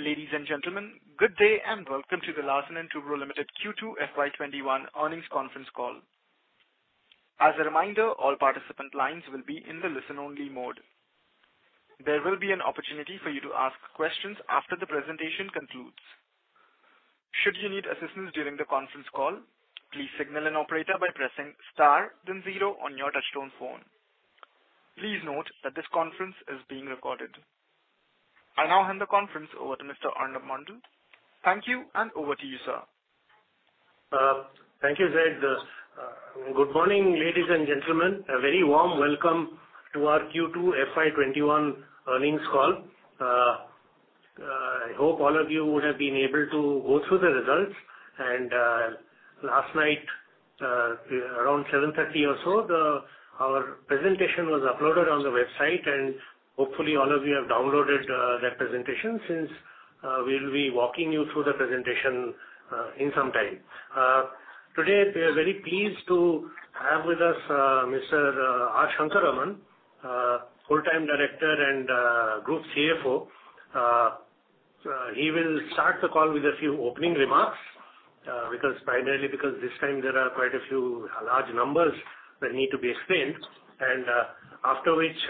Ladies and gentlemen, good day and welcome to the Larsen & Toubro Limited Q2 FY 2021 earnings conference call. I now hand the conference over to Mr. Arnob Mondal. Thank you, and over to you, sir. Thank you, Zed. Good morning, ladies and gentlemen. A very warm welcome to our Q2 FY 2021 earnings call. I hope all of you would have been able to go through the results. Last night, around 7:30 P.M. or so, our presentation was uploaded on the website, and hopefully all of you have downloaded that presentation since we'll be walking you through the presentation in some time. Today, we are very pleased to have with us Mr. R. Shankar Raman, Whole-Time Director and Group CFO. He will start the call with a few opening remarks, primarily because this time there are quite a few large numbers that need to be explained. After which,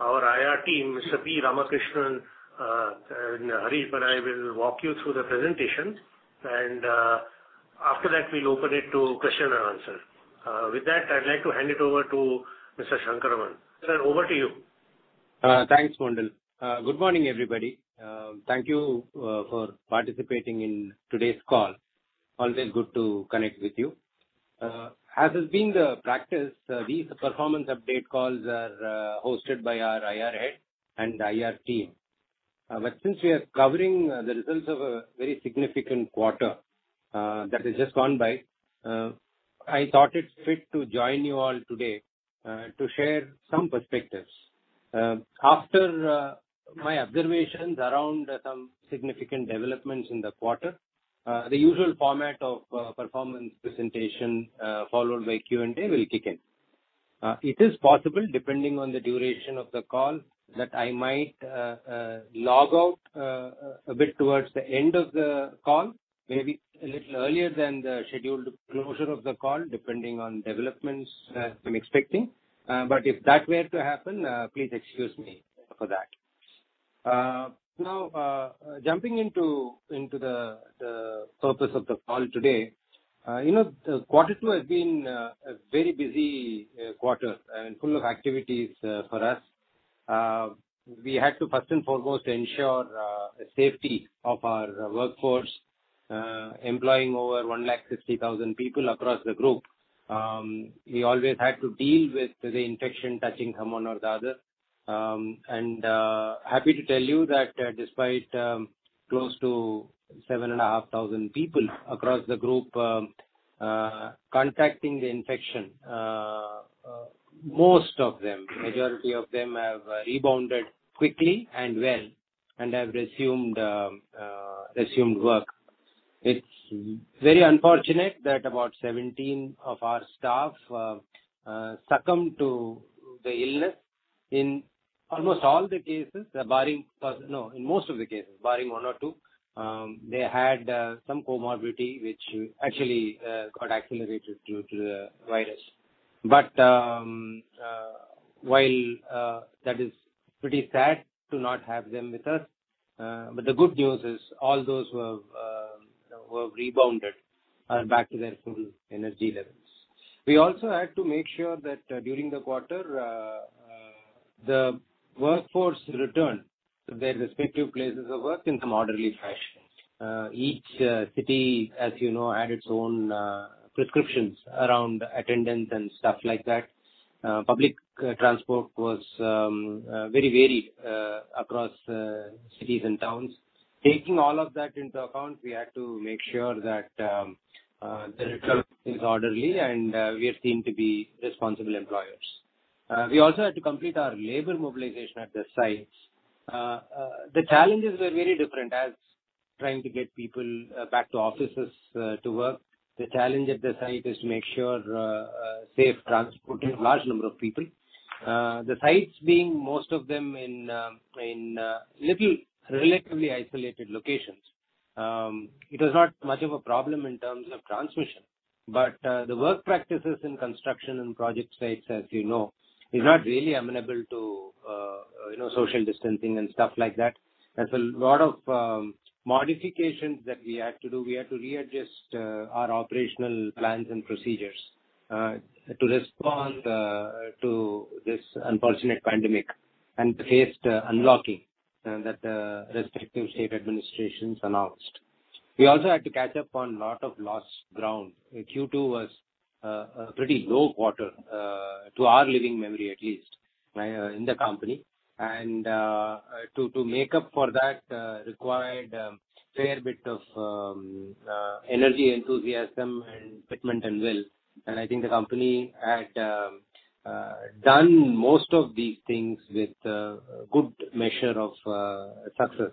our IR team, Mr. P. Ramakrishnan and Harish, and I will walk you through the presentation. After that, we'll open it to question and answer. With that, I'd like to hand it over to Mr. Shankar Raman. Sir, over to you. Thanks, Mondal. Good morning, everybody. Thank you for participating in today's call. Always good to connect with you. As has been the practice, these performance update calls are hosted by our IR head and IR team. Since we are covering the results of a very significant quarter that has just gone by, I thought it fit to join you all today to share some perspectives. After my observations around some significant developments in the quarter, the usual format of performance presentation followed by Q&A will kick in. It is possible, depending on the duration of the call, that I might log out a bit towards the end of the call, maybe a little earlier than the scheduled closure of the call, depending on developments I'm expecting. If that were to happen, please excuse me for that. Now jumping into the purpose of the call today. Quarter two has been a very busy quarter and full of activities for us. We had to first and foremost ensure the safety of our workforce, employing over 160,000 people across the group. We always had to deal with the infection touching someone or the other. Happy to tell you that despite close to 7,500 people across the group contracting the infection, most of them, majority of them have rebounded quickly and well and have resumed work. It's very unfortunate that about 17 of our staff succumbed to the illness. In most of the cases, barring one or two, they had some comorbidity which actually got accelerated due to the virus. While that is pretty sad to not have them with us, but the good news is all those who have rebounded are back to their full energy levels. We also had to make sure that during the quarter, the workforce return to their respective places of work in some orderly fashion. Each city, as you know, had its own prescriptions around attendance and stuff like that. Public transport was very varied across cities and towns. Taking all of that into account, we had to make sure that the return is orderly and we are seen to be responsible employers. We also had to complete our labor mobilization at the sites. The challenges were very different as trying to get people back to offices to work. The challenge at the site is to make sure safe transporting large number of people. The sites being most of them in little relatively isolated locations. It was not much of a problem in terms of transmission, the work practices in construction and project sites, as you know, is not really amenable to social distancing and stuff like that. There's a lot of modifications that we had to do. We had to readjust our operational plans and procedures to respond to this unfortunate pandemic and phased unlocking that the respective state administrations announced. We also had to catch up on lot of lost ground. Q2 was a pretty low quarter to our living memory, at least in the company. To make up for that required a fair bit of energy, enthusiasm, and commitment and will. I think the company had done most of these things with good measure of success.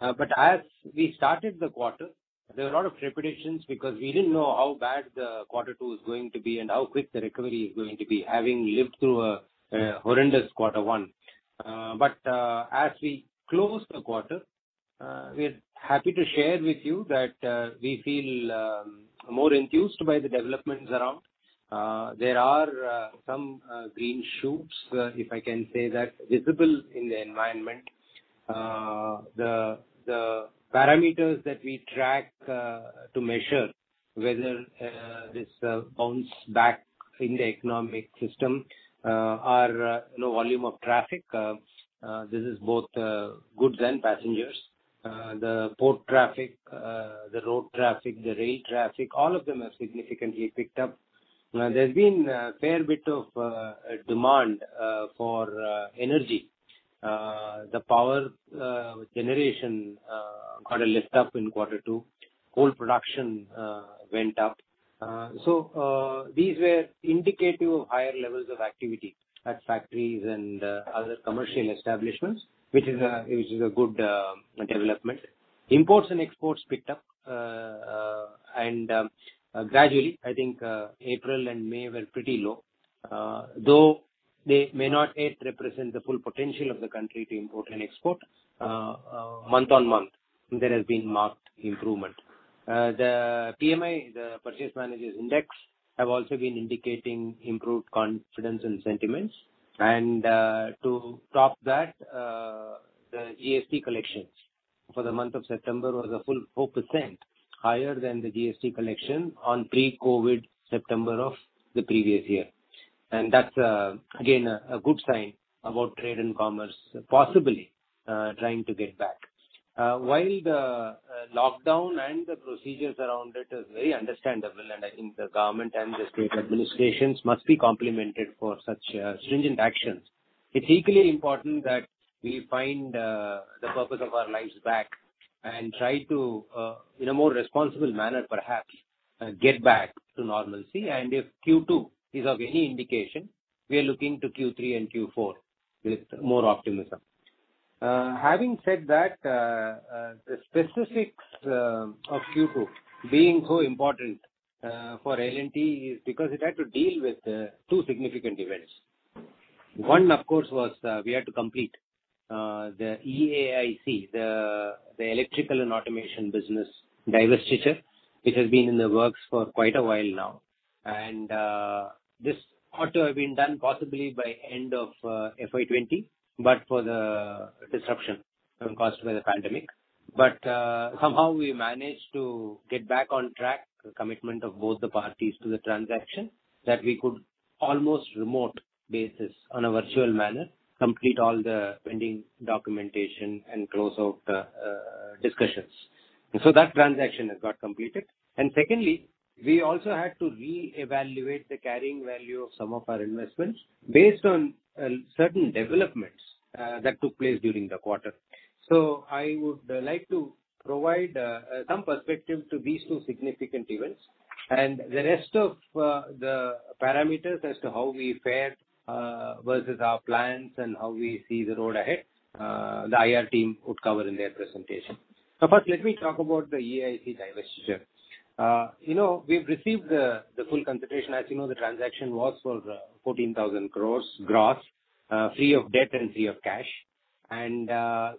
As we started the quarter. There were a lot of trepidations because we didn't know how bad the quarter two was going to be and how quick the recovery is going to be, having lived through a horrendous quarter one. As we close the quarter, we're happy to share with you that we feel more enthused by the developments around. There are some green shoots, if I can say that, visible in the environment. The parameters that we track to measure whether this bounce back in the economic system are low volume of traffic. This is both goods and passengers. The port traffic, the road traffic, the rail traffic, all of them have significantly picked up. There's been a fair bit of demand for energy. The power generation got a lift up in quarter two. Coal production went up. These were indicative of higher levels of activity at factories and other commercial establishments, which is a good development. Imports and exports picked up gradually. I think April and May were pretty low. Though they may not yet represent the full potential of the country to import and export, month on month, there has been marked improvement. The PMI, the Purchase Managers Index, have also been indicating improved confidence and sentiments. To top that, the GST collections for the month of September was a full 4% higher than the GST collection on pre-COVID September of the previous year. That's, again, a good sign about trade and commerce possibly trying to get back. While the lockdown and the procedures around it is very understandable, and I think the government and the state administrations must be complimented for such stringent actions, it is equally important that we find the purpose of our lives back and try to, in a more responsible manner perhaps, get back to normalcy. If Q2 is of any indication, we are looking to Q3 and Q4 with more optimism. Having said that, the specifics of Q2 being so important for L&T is because it had to deal with two significant events. One, of course, was we had to complete the EAIC, the Electrical & Automation business divestiture. It has been in the works for quite a while now. This ought to have been done possibly by end of FY 2020, but for the disruption caused by the pandemic. Somehow we managed to get back on track, the commitment of both the parties to the transaction, that we could almost remote basis on a virtual manner, complete all the pending documentation and close out discussions. That transaction has got completed. Secondly, we also had to reevaluate the carrying value of some of our investments based on certain developments that took place during the quarter. I would like to provide some perspective to these two significant events, and the rest of the parameters as to how we fared versus our plans and how we see the road ahead, the IR team would cover in their presentation. First, let me talk about the E&A IC divestiture. We've received the full consideration. As you know, the transaction was for 14,000 crore gross, free of debt and free of cash.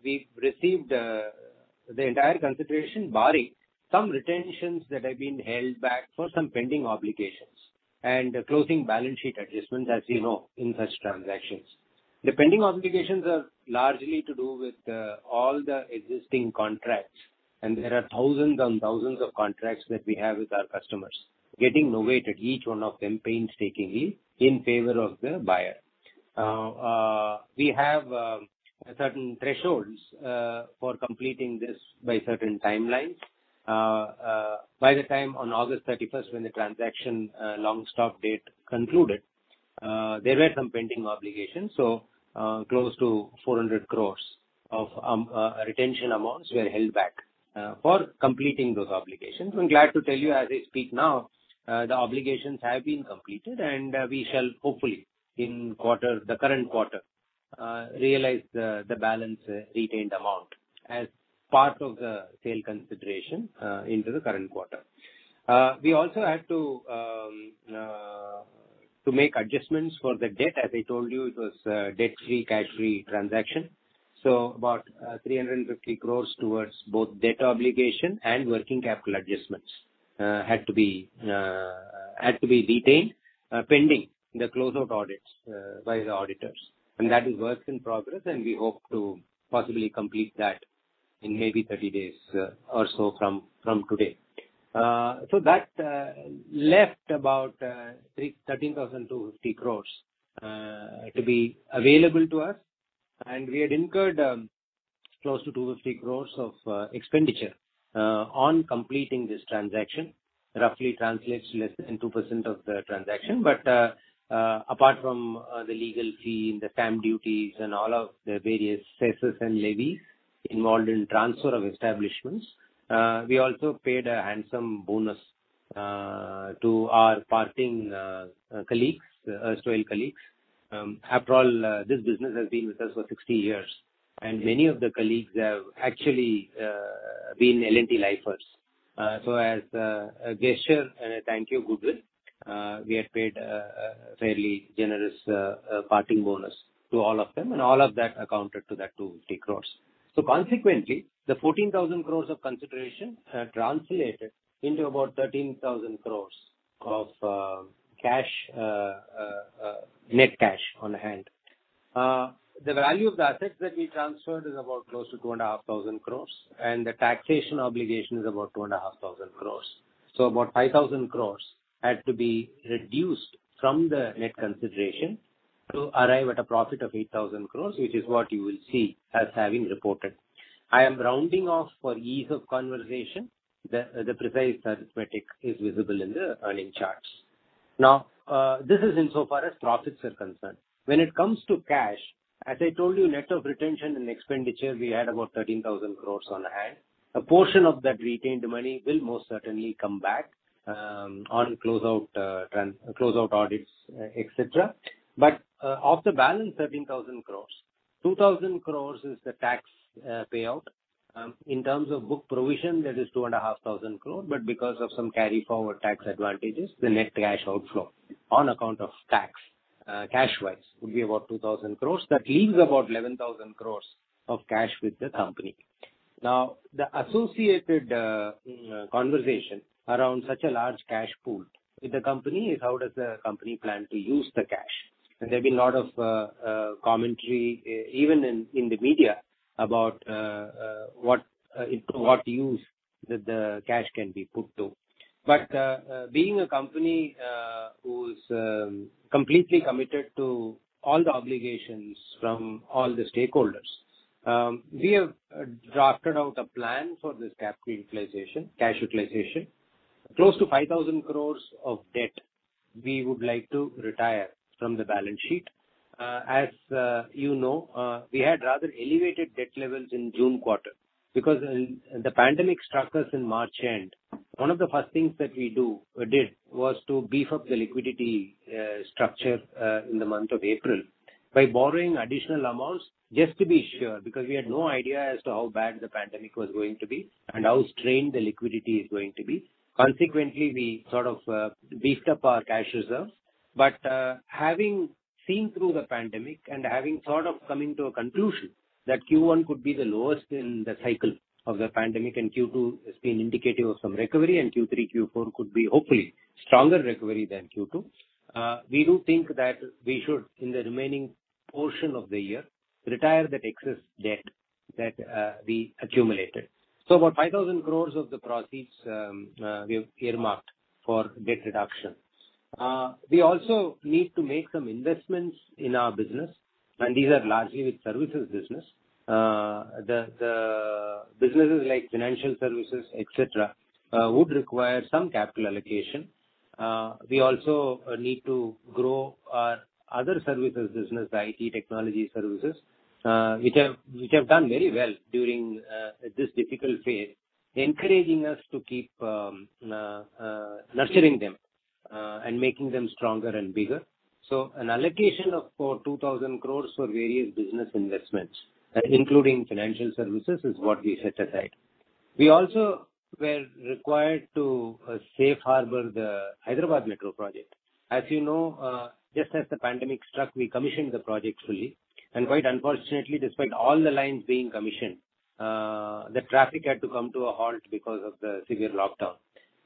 We received the entire consideration, barring some retentions that have been held back for some pending obligations and closing balance sheet adjustments, as you know, in such transactions. The pending obligations are largely to do with all the existing contracts, and there are thousands and thousands of contracts that we have with our customers. Getting novated each one of them painstakingly in favor of the buyer. We have certain thresholds for completing this by certain timelines. By the time on August 31st when the transaction long stop date concluded, there were some pending obligations. Close to 400 crore of retention amounts were held back for completing those obligations. I'm glad to tell you, as I speak now, the obligations have been completed, and we shall hopefully, in the current quarter, realize the balance retained amount as part of the sale consideration into the current quarter. We also had to make adjustments for the debt. As I told you, it was a debt-free, cash-free transaction. About 350 crores towards both debt obligation and working capital adjustments had to be retained pending the closeout audits by the auditors. That is works in progress, and we hope to possibly complete that in maybe 30 days or so from today. That left about 13,250 crores to be available to us, and we had incurred close to 250 crores of expenditure on completing this transaction. Roughly translates to less than 2% of the transaction. Apart from the legal fee and the stamp duties and all of the various cess and levies involved in transfer of establishments, we also paid a handsome bonus to our parting erstwhile colleagues. After all, this business has been with us for 60 years, and many of the colleagues have actually been L&T lifers. As a gesture and a thank you goodwill, we had paid a fairly generous parting bonus to all of them, and all of that accounted to that 250 crore. Consequently, the 14,000 crore of consideration translated into about 13,000 crore of net cash on hand. The value of the assets that we transferred is about close to 2,500 crore, and the taxation obligation is about 2,500 crore. About 5,000 crore had to be reduced from the net consideration to arrive at a profit of 8,000 crore, which is what you will see as having reported. I am rounding off for ease of conversation. The precise arithmetic is visible in the earning charts. Now, this is insofar as profits are concerned. When it comes to cash, as I told you, net of retention and expenditure, we had about 13,000 crore on hand. A portion of that retained money will most certainly come back on closeout audits, et cetera. Of the balance 13,000 crore, 2,000 crore is the tax payout. In terms of book provision, that is 2,500 crore. Because of some carry forward tax advantages, the net cash outflow on account of tax cash-wise would be about 2,000 crore. That leaves about 11,000 crore of cash with the company. Now, the associated conversation around such a large cash pool with the company is how does the company plan to use the cash? There's been a lot of commentary, even in the media, about what use the cash can be put to. Being a company who's completely committed to all the obligations from all the stakeholders, we have drafted out a plan for this cash utilization. Close to 5,000 crore of debt we would like to retire from the balance sheet. As you know, we had rather elevated debt levels in June quarter. The pandemic struck us in March end, one of the first things that we did was to beef up the liquidity structure in the month of April by borrowing additional amounts, just to be sure, because we had no idea as to how bad the pandemic was going to be and how strained the liquidity is going to be. We sort of beefed up our cash reserves. Having seen through the pandemic and having sort of coming to a conclusion that Q1 could be the lowest in the cycle of the pandemic, Q2 has been indicative of some recovery, and Q3, Q4 could be, hopefully, stronger recovery than Q2. We do think that we should, in the remaining portion of the year, retire that excess debt that we accumulated. About 5,000 crores of the proceeds we have earmarked for debt reduction. We also need to make some investments in our business, and these are largely with services business. The businesses like financial services, et cetera, would require some capital allocation. We also need to grow our other services business, the IT Technology Services, which have done very well during this difficult phase, encouraging us to keep nurturing them and making them stronger and bigger. An allocation of 2,000 crore for various business investments, including financial services, is what we set aside. We also were required to safe harbor the Hyderabad Metro project. As you know, just as the pandemic struck, we commissioned the project fully. Quite unfortunately, despite all the lines being commissioned, the traffic had to come to a halt because of the severe lockdown.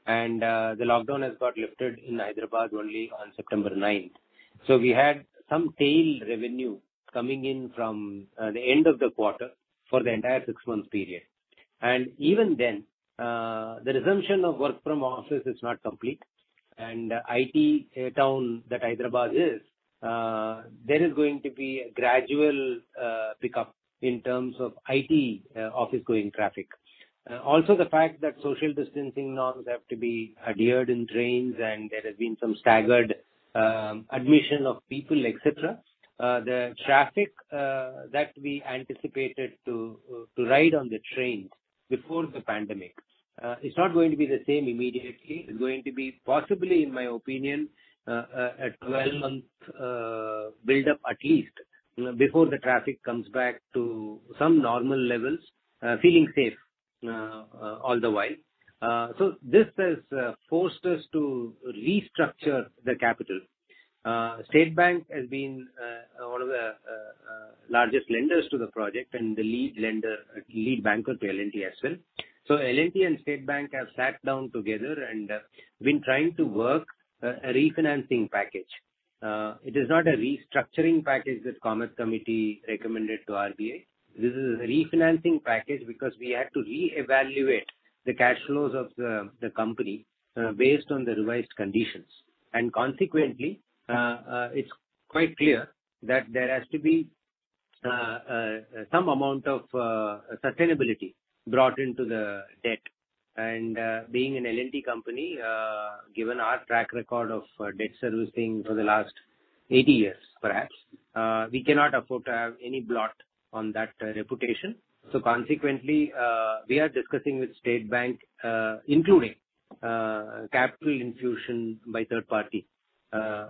The lockdown has got lifted in Hyderabad only on September 9th. We had some tail revenue coming in from the end of the quarter for the entire six-month period. Even then, the resumption of work from office is not complete. IT town that Hyderabad is, there is going to be a gradual pickup in terms of IT office going traffic. The fact that social distancing norms have to be adhered in trains and there has been some staggered admission of people, et cetera, the traffic that we anticipated to ride on the trains before the pandemic is not going to be the same immediately. It's going to be possibly, in my opinion, a 12-month build-up at least before the traffic comes back to some normal levels, feeling safe all the while. This has forced us to restructure the capital. State Bank has been one of the largest lenders to the project and the lead banker to L&T as well. L&T and State Bank have sat down together and been trying to work a refinancing package. It is not a restructuring package that committee recommended to RBI. This is a refinancing package because we had to reevaluate the cash flows of the company based on the revised conditions. Consequently, it's quite clear that there has to be some amount of sustainability brought into the debt. Being an L&T company, given our track record of debt servicing for the last 80 years, perhaps. We cannot afford to have any blot on that reputation. Consequently, we are discussing with State Bank, including capital infusion by third party,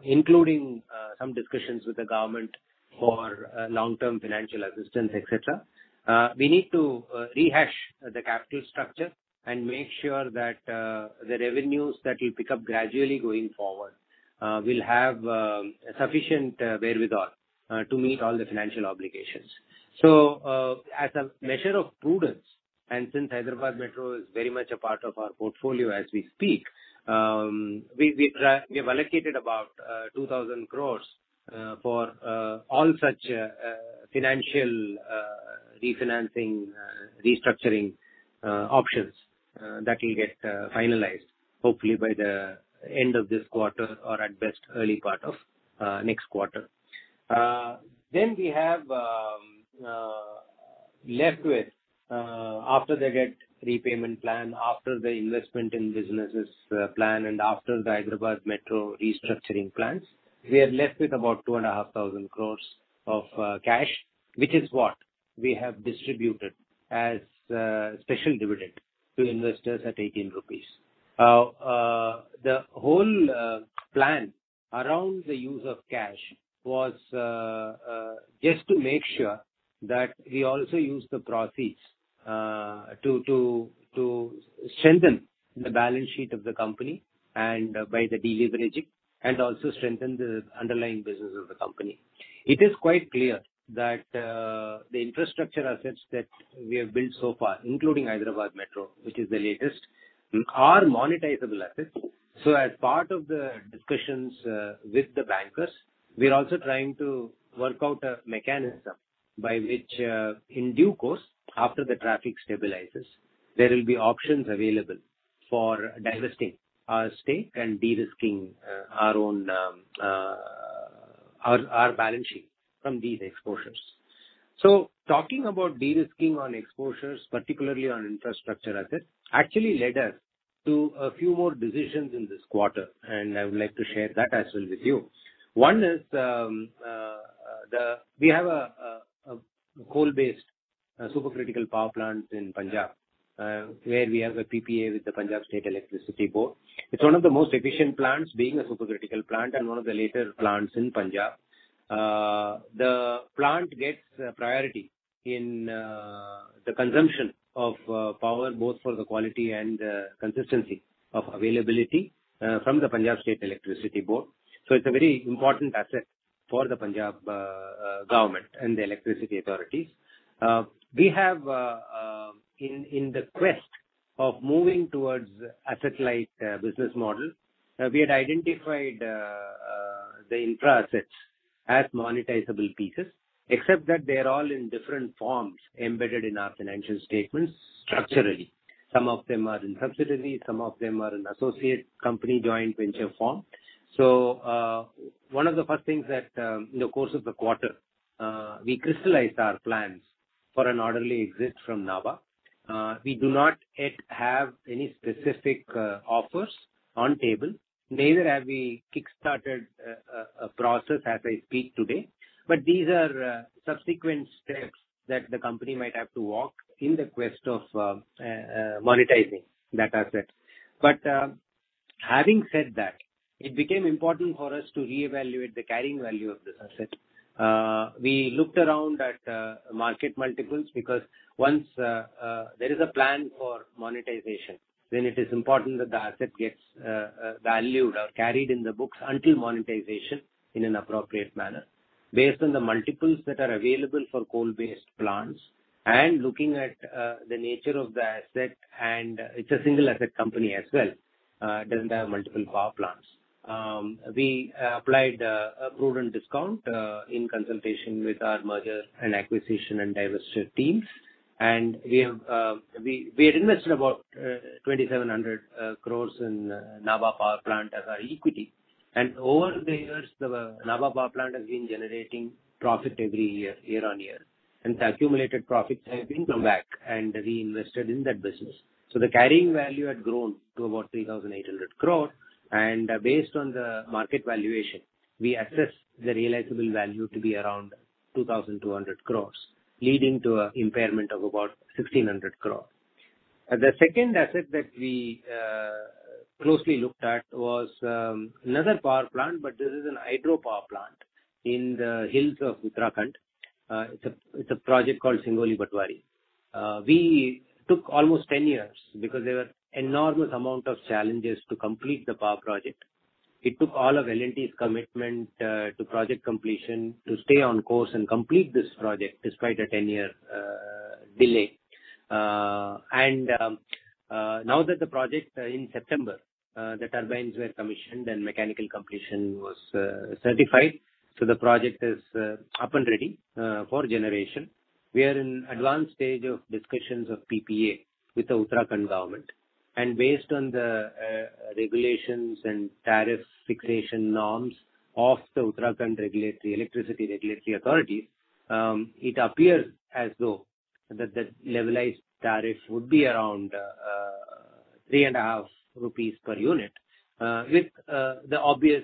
including some discussions with the Government for long-term financial assistance, et cetera. We need to rehash the capital structure and make sure that the revenues that will pick up gradually going forward will have sufficient wherewithal to meet all the financial obligations. As a measure of prudence, and since Hyderabad Metro is very much a part of our portfolio as we speak, we have allocated about 2,000 crore for all such financial refinancing, restructuring options that will get finalized, hopefully by the end of this quarter or at best early part of next quarter. We have left with, after the debt repayment plan, after the investment in businesses plan, and after the Hyderabad Metro restructuring plans, we are left with about 2,500 crore of cash, which is what we have distributed as special dividend to investors at 18 rupees. The whole plan around the use of cash was just to make sure that we also use the proceeds to strengthen the balance sheet of the company and by the deleveraging and also strengthen the underlying business of the company. It is quite clear that the infrastructure assets that we have built so far, including Hyderabad Metro, which is the latest, are monetizable assets. As part of the discussions with the bankers, we are also trying to work out a mechanism by which, in due course, after the traffic stabilizes, there will be options available for divesting our stake and de-risking our balance sheet from these exposures. Talking about de-risking on exposures, particularly on infrastructure assets, actually led us to a few more decisions in this quarter, and I would like to share that as well with you. One is we have a coal-based supercritical power plant in Punjab, where we have a PPA with the Punjab State Electricity Board. It's one of the most efficient plants, being a supercritical plant and one of the later plants in Punjab. The plant gets priority in the consumption of power, both for the quality and consistency of availability from the Punjab State Electricity Board. It's a very important asset for the Punjab government and the electricity authorities. In the quest of moving towards asset-light business model, we had identified the infra assets as monetizable pieces, except that they are all in different forms embedded in our financial statements structurally. Some of them are in subsidiaries, some of them are in associate company joint venture form. One of the first things that in the course of the quarter, we crystallized our plans for an orderly exit from Nabha. We do not yet have any specific offers on table. Neither have we kickstarted a process as I speak today. These are subsequent steps that the company might have to walk in the quest of monetizing that asset. Having said that, it became important for us to reevaluate the carrying value of this asset. We looked around at market multiples because once there is a plan for monetization, then it is important that the asset gets valued or carried in the books until monetization in an appropriate manner. Based on the multiples that are available for coal-based plants and looking at the nature of the asset, and it's a single asset company as well, doesn't have multiple power plants. We applied a prudent discount in consultation with our merger and acquisition and divestment teams. We had invested about 2,700 crores in Nabha Power Plant as our equity. Over the years, the Nabha Power Plant has been generating profit every year on year, and the accumulated profits have been come back, and we invested in that business. The carrying value had grown to about 3,800 crore, and based on the market valuation, we assessed the realizable value to be around 2,200 crore, leading to an impairment of about 1,600 crore. The second asset that we closely looked at was another power plant, but this is a hydropower plant in the hills of Uttarakhand. It's a project called Singoli Bhatwari. We took almost 10 years because there were enormous amount of challenges to complete the power project. It took all of L&T's commitment to project completion to stay on course and complete this project despite a 10-year delay. Now that the project in September, the turbines were commissioned, and mechanical completion was certified. The project is up and ready for generation. We are in advanced stage of discussions of PPA with the Uttarakhand government. Based on the regulations and tariff fixation norms of the Uttarakhand Electricity Regulatory Commission, it appears as though that the levelized tariff would be around Three and a half rupees per unit, with the obvious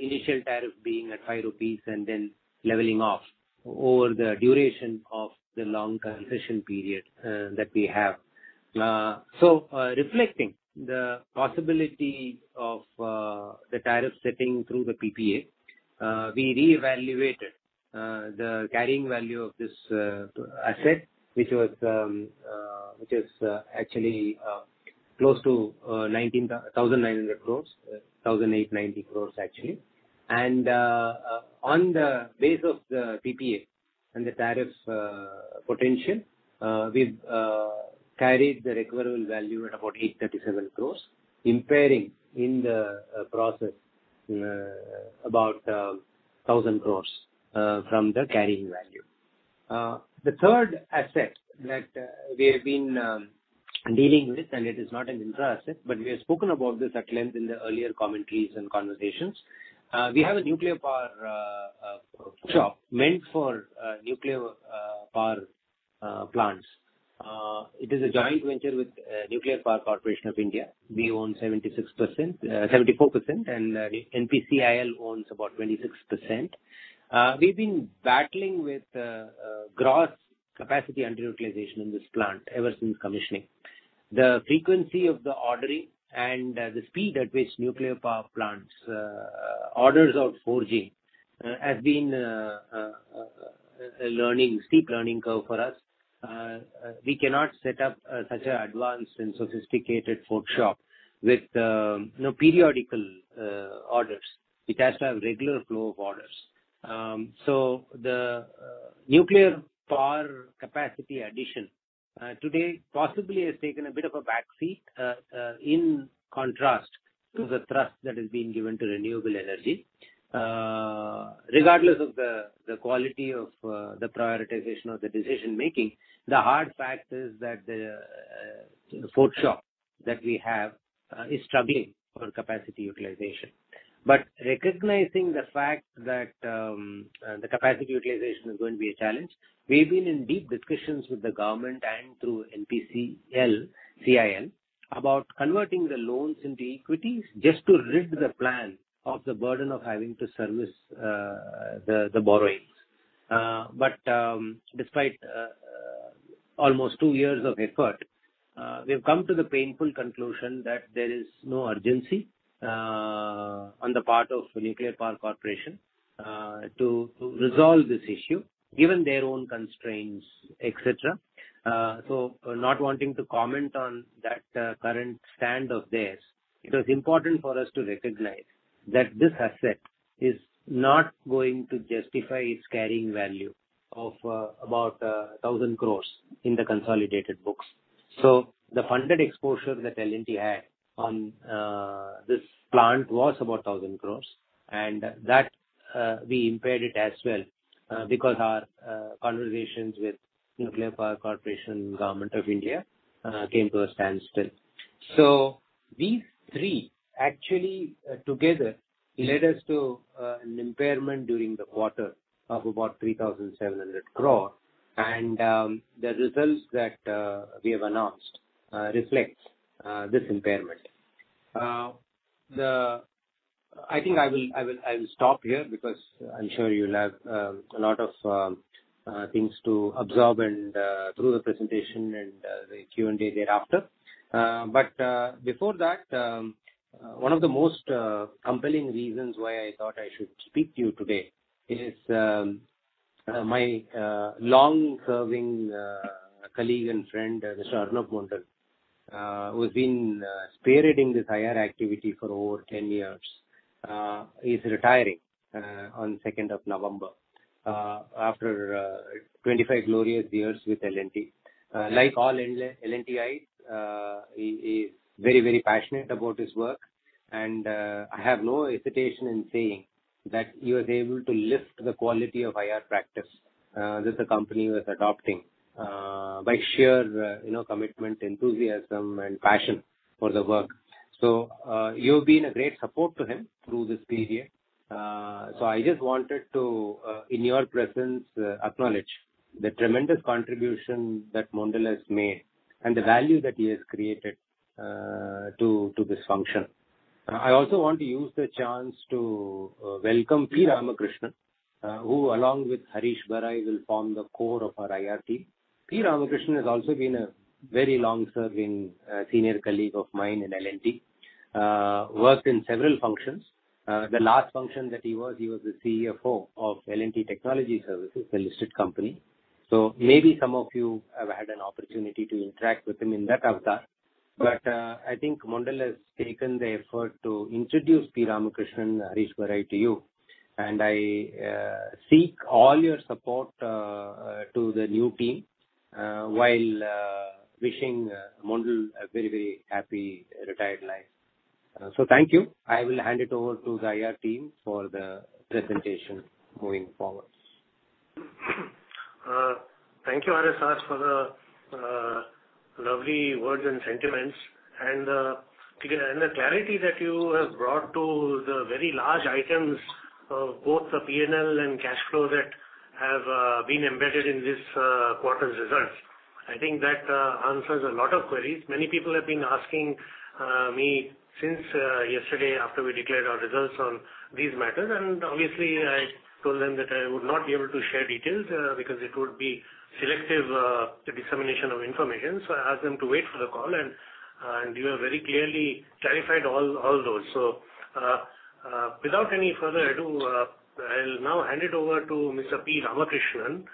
initial tariff being at 5 rupees and then leveling off over the duration of the long concession period that we have. So reflecting the possibility of the tariff setting through the PPA, we reevaluated the carrying value of this asset, which is actually close to 1,900 crore, 1,890 crore actually. On the base of the PPA and the tariff's potential, we've carried the recoverable value at about 837 crore, impairing in the process about 1,000 crore from the carrying value. The third asset that we have been dealing with, and it is not an infra asset, but we have spoken about this at length in the earlier commentaries and conversations. We have a nuclear power shop meant for nuclear power plants. It is a joint venture with Nuclear Power Corporation of India. We own 74%, and NPCIL owns about 26%. We've been battling with gross capacity underutilization in this plant ever since commissioning. The frequency of the ordering and the speed at which nuclear power plants orders out forging has been a steep learning curve for us. We cannot set up such an advanced and sophisticated forge shop with periodical orders. It has to have regular flow of orders. The nuclear power capacity addition today possibly has taken a bit of a back seat in contrast to the thrust that is being given to renewable energy. Regardless of the quality of the prioritization of the decision making, the hard fact is that the forge shop that we have is struggling for capacity utilization. Recognizing the fact that the capacity utilization is going to be a challenge, we've been in deep discussions with the government and through NPCIL about converting the loans into equities just to rid the plant of the burden of having to service the borrowings. Despite almost two years of effort, we've come to the painful conclusion that there is no urgency on the part of Nuclear Power Corporation to resolve this issue, given their own constraints, et cetera. Not wanting to comment on that current stand of theirs, it was important for us to recognize that this asset is not going to justify its carrying value of about 1,000 crores in the consolidated books. The funded exposure that L&T had on this plant was about 1,000 crores, and that we impaired it as well, because our conversations with Nuclear Power Corporation and Government of India came to a standstill. These three actually together led us to an impairment during the quarter of about 3,700 crores, and the results that we have announced reflects this impairment. I think I will stop here because I am sure you will have a lot of things to absorb and through the presentation and the Q&A thereafter. Before that, one of the most compelling reasons why I thought I should speak to you today is my long-serving colleague and friend, Mr. Arnob Mondal, who has been spearheading this IR activity for over 10 years, is retiring on the 2nd of November after 25 glorious years with L&T. Like all L&Tites, he is very, very passionate about his work, and I have no hesitation in saying that he was able to lift the quality of IR practice that the company was adopting by sheer commitment, enthusiasm, and passion for the work. You've been a great support to him through this period. I just wanted to, in your presence, acknowledge the tremendous contribution that Mondal has made and the value that he has created to this function. I also want to use the chance to welcome P. Ramakrishnan, who along with Harish Barai will form the core of our IR team. P. Ramakrishnan has also been a very long-serving senior colleague of mine in L&T. Worked in several functions. The last function that he was, he was the CFO of L&T Technology Services, the listed company. Maybe some of you have had an opportunity to interact with him in that avatar. I think Mondal has taken the effort to introduce P. Ramakrishnan and Harish Barai to you, and I seek all your support to the new team while wishing Mondal a very, very happy retired life. Thank you. I will hand it over to the IR team for the presentation moving forward. Thank you, RSR, for the lovely words and sentiments and the clarity that you have brought to the very large items of both the P&L and cash flow that have been embedded in this quarter's results. I think that answers a lot of queries. Many people have been asking me since yesterday after we declared our results on these matters. Obviously, I told them that I would not be able to share details because it would be selective dissemination of information. I asked them to wait for the call, and we have very clearly clarified all those. Without any further ado, I will now hand it over to Mr. P. Ramakrishnan,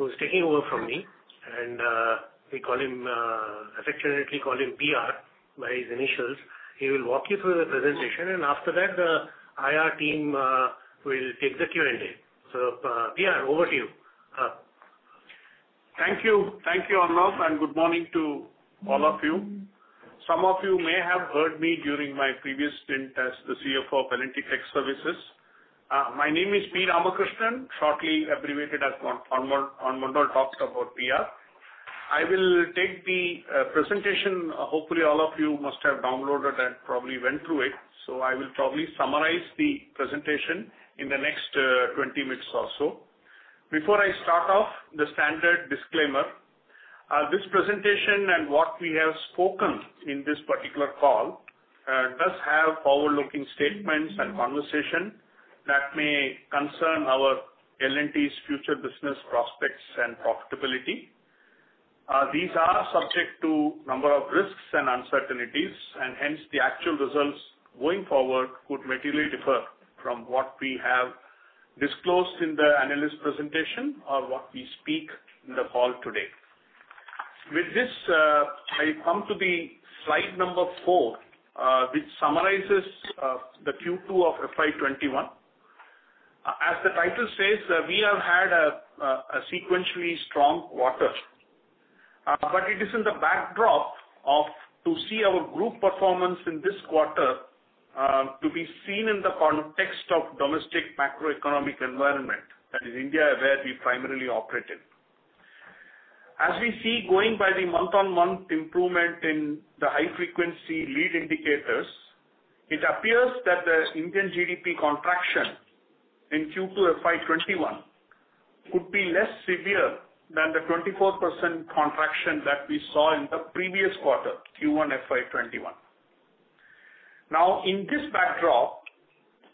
who is taking over from me, and we affectionately call him P.R., by his initials. He will walk you through the presentation, and after that, the IR team will take the Q&A. P.R., over to you. Thank you, Arnob, good morning to all of you. Some of you may have heard me during my previous stint as the CFO of L&T Tech Services. My name is P. Ramakrishnan, shortly abbreviated as Arnob talked about, P.R. I will take the presentation. Hopefully, all of you must have downloaded and probably went through it. I will probably summarize the presentation in the next 20 minutes or so. Before I start off, the standard disclaimer. This presentation and what we have spoken in this particular call does have forward-looking statements and conversation that may concern our L&T's future business prospects and profitability. These are subject to a number of risks and uncertainties, hence, the actual results going forward could materially differ from what we have disclosed in the analyst presentation or what we speak in the call today. I come to the slide number four which summarizes the Q2 of FY 2021. As the title says, we have had a sequentially strong quarter. It is in the backdrop of to see our group performance in this quarter to be seen in the context of domestic macroeconomic environment that is India, where we primarily operate in. As we see, going by the month-on-month improvement in the high-frequency lead indicators, it appears that the Indian GDP contraction in Q2 FY 2021 could be less severe than the 24% contraction that we saw in the previous quarter, Q1 FY 2021. In this backdrop,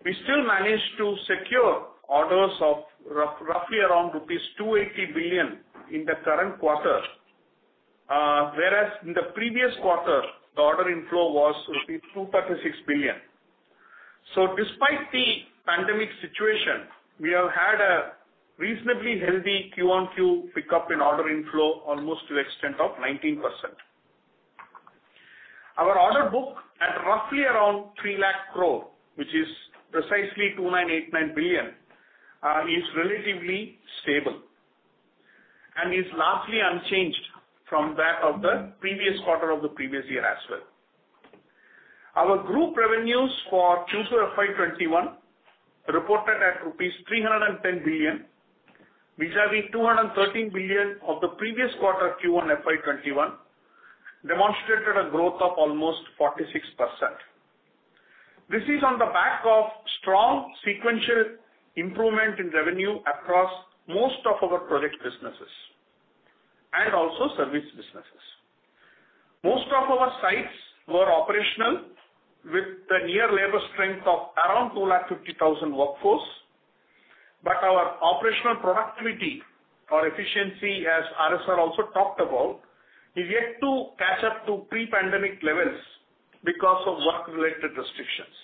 we still managed to secure orders of roughly around rupees 280 billion in the current quarter. Whereas in the previous quarter, the order inflow was rupees 236 billion. Despite the pandemic situation, we have had a reasonably healthy Q1 pickup in order inflow almost to the extent of 19%. Our order book at roughly around 300K crore, which is precisely 2,989 billion is relatively stable and is largely unchanged from that of the previous quarter of the previous year as well. Our group revenues for Q2 FY 2021 reported at rupees 310 billion vis-à-vis 213 billion of the previous quarter Q1 FY 2021 demonstrated a growth of almost 46%. This is on the back of strong sequential improvement in revenue across most of our project businesses and also service businesses. Most of our sites were operational with the near labor strength of around 250,000 workforce. Our operational productivity or efficiency, as RSR also talked about, is yet to catch up to pre-pandemic levels because of work-related restrictions.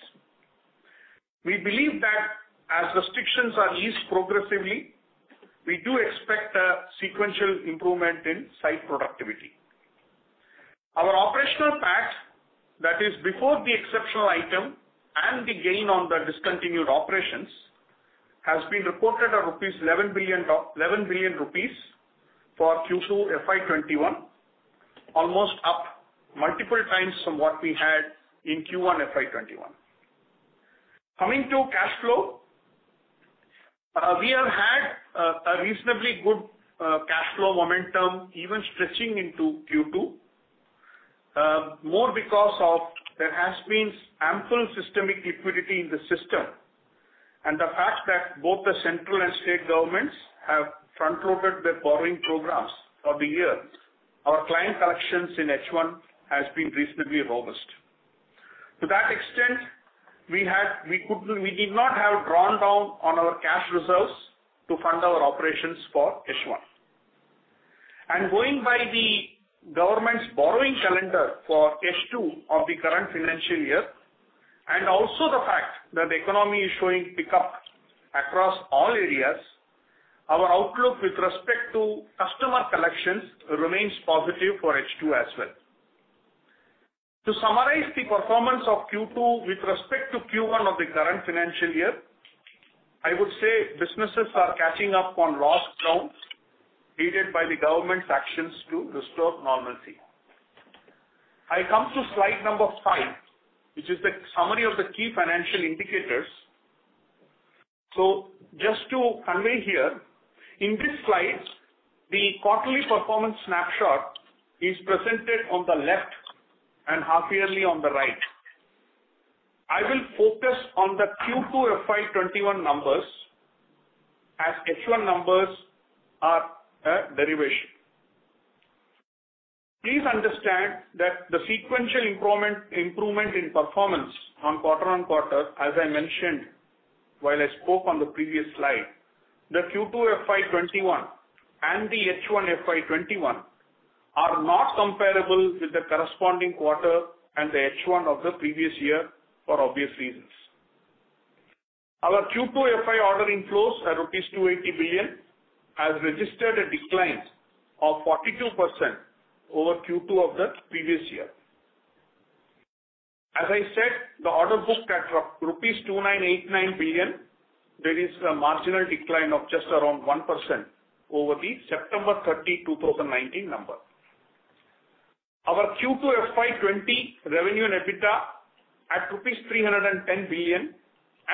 We believe that as restrictions are eased progressively, we do expect a sequential improvement in site productivity. Our operational PAT, that is before the exceptional item and the gain on the discontinued operations, has been reported at rupees 11 billion for Q2 FY 2021, almost up multiple times from what we had in Q1 FY 2021. Coming to cash flow. We have had a reasonably good cash flow momentum, even stretching into Q2. More because of there has been ample systemic liquidity in the system and the fact that both the central and state governments have front-loaded their borrowing programs of the year. Our client collections in H1 has been reasonably robust. To that extent, we did not have drawn down on our cash reserves to fund our operations for H1. Going by the government's borrowing calendar for H2 of the current financial year and also the fact that the economy is showing pickup across all areas, our outlook with respect to customer collections remains positive for H2 as well. To summarize the performance of Q2 with respect to Q1 of the current financial year, I would say businesses are catching up on lost ground aided by the government's actions to restore normalcy. I come to slide number five, which is the summary of the key financial indicators. Just to convey here, in this slide, the quarterly performance snapshot is presented on the left and half-yearly on the right. I will focus on the Q2 FY 2021 numbers, as H1 numbers are a derivation. Please understand that the sequential improvement in performance on quarter-on-quarter, as I mentioned while I spoke on the previous slide, the Q2 FY 2021 and the H1 FY 2021 are not comparable with the corresponding quarter and the H1 of the previous year for obvious reasons. Our Q2 FY ordering flows are 280 billion rupees, has registered a decline of 42% over Q2 of the previous year. As I said, the order book at rupees 2,989 billion, there is a marginal decline of just around 1% over the 30th September 2019 number. Our Q2 FY 2020 revenue and EBITDA at rupees 310 billion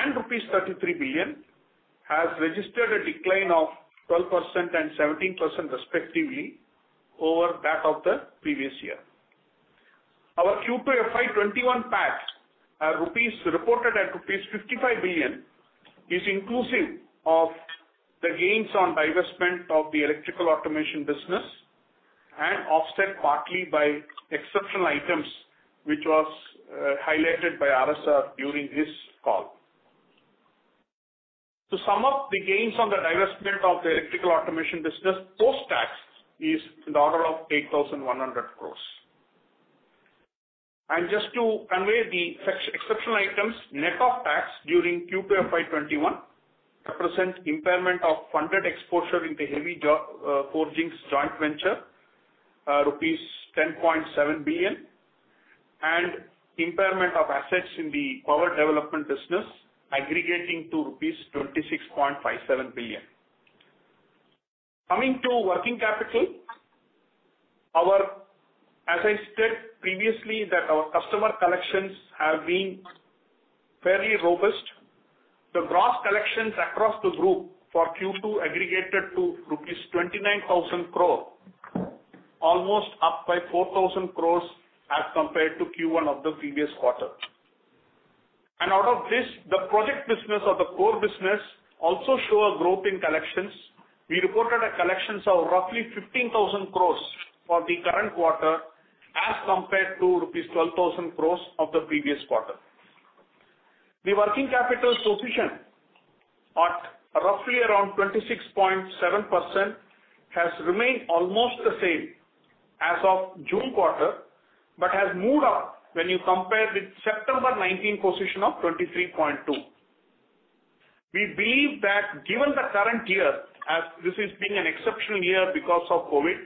and rupees 33 billion has registered a decline of 12% and 17% respectively over that of the previous year. Our Q2 FY21 PAT, reported at rupees 55 billion, is inclusive of the gains on divestment of the Electrical & Automation business and offset partly by exceptional items, which was highlighted by RSR during his call. To sum up the gains on the divestment of the Electrical & Automation business, post-tax is in the order of 8,100 crore. Just to convey the exceptional items, net of tax during Q2 FY2021 represent impairment of funded exposure in the heavy forgings joint venture, rupees 10.7 billion. Impairment of assets in the power development business aggregating to rupees 26.57 billion. Coming to working capital, as I said previously that our customer collections have been fairly robust. The gross collections across the group for Q2 aggregated to rupees 29,000 crore, almost up by 4,000 crore as compared to Q1 of the previous quarter. Out of this, the project business or the core business also show a growth in collections. We reported a collections of roughly 15,000 crore for the current quarter as compared to rupees 12,000 crore of the previous quarter. The working capital position at roughly around 26.7% has remained almost the same as of June quarter, but has moved up when you compare with September 2019 position of 23.2%. We believe that given the current year, as this is being an exceptional year because of COVID,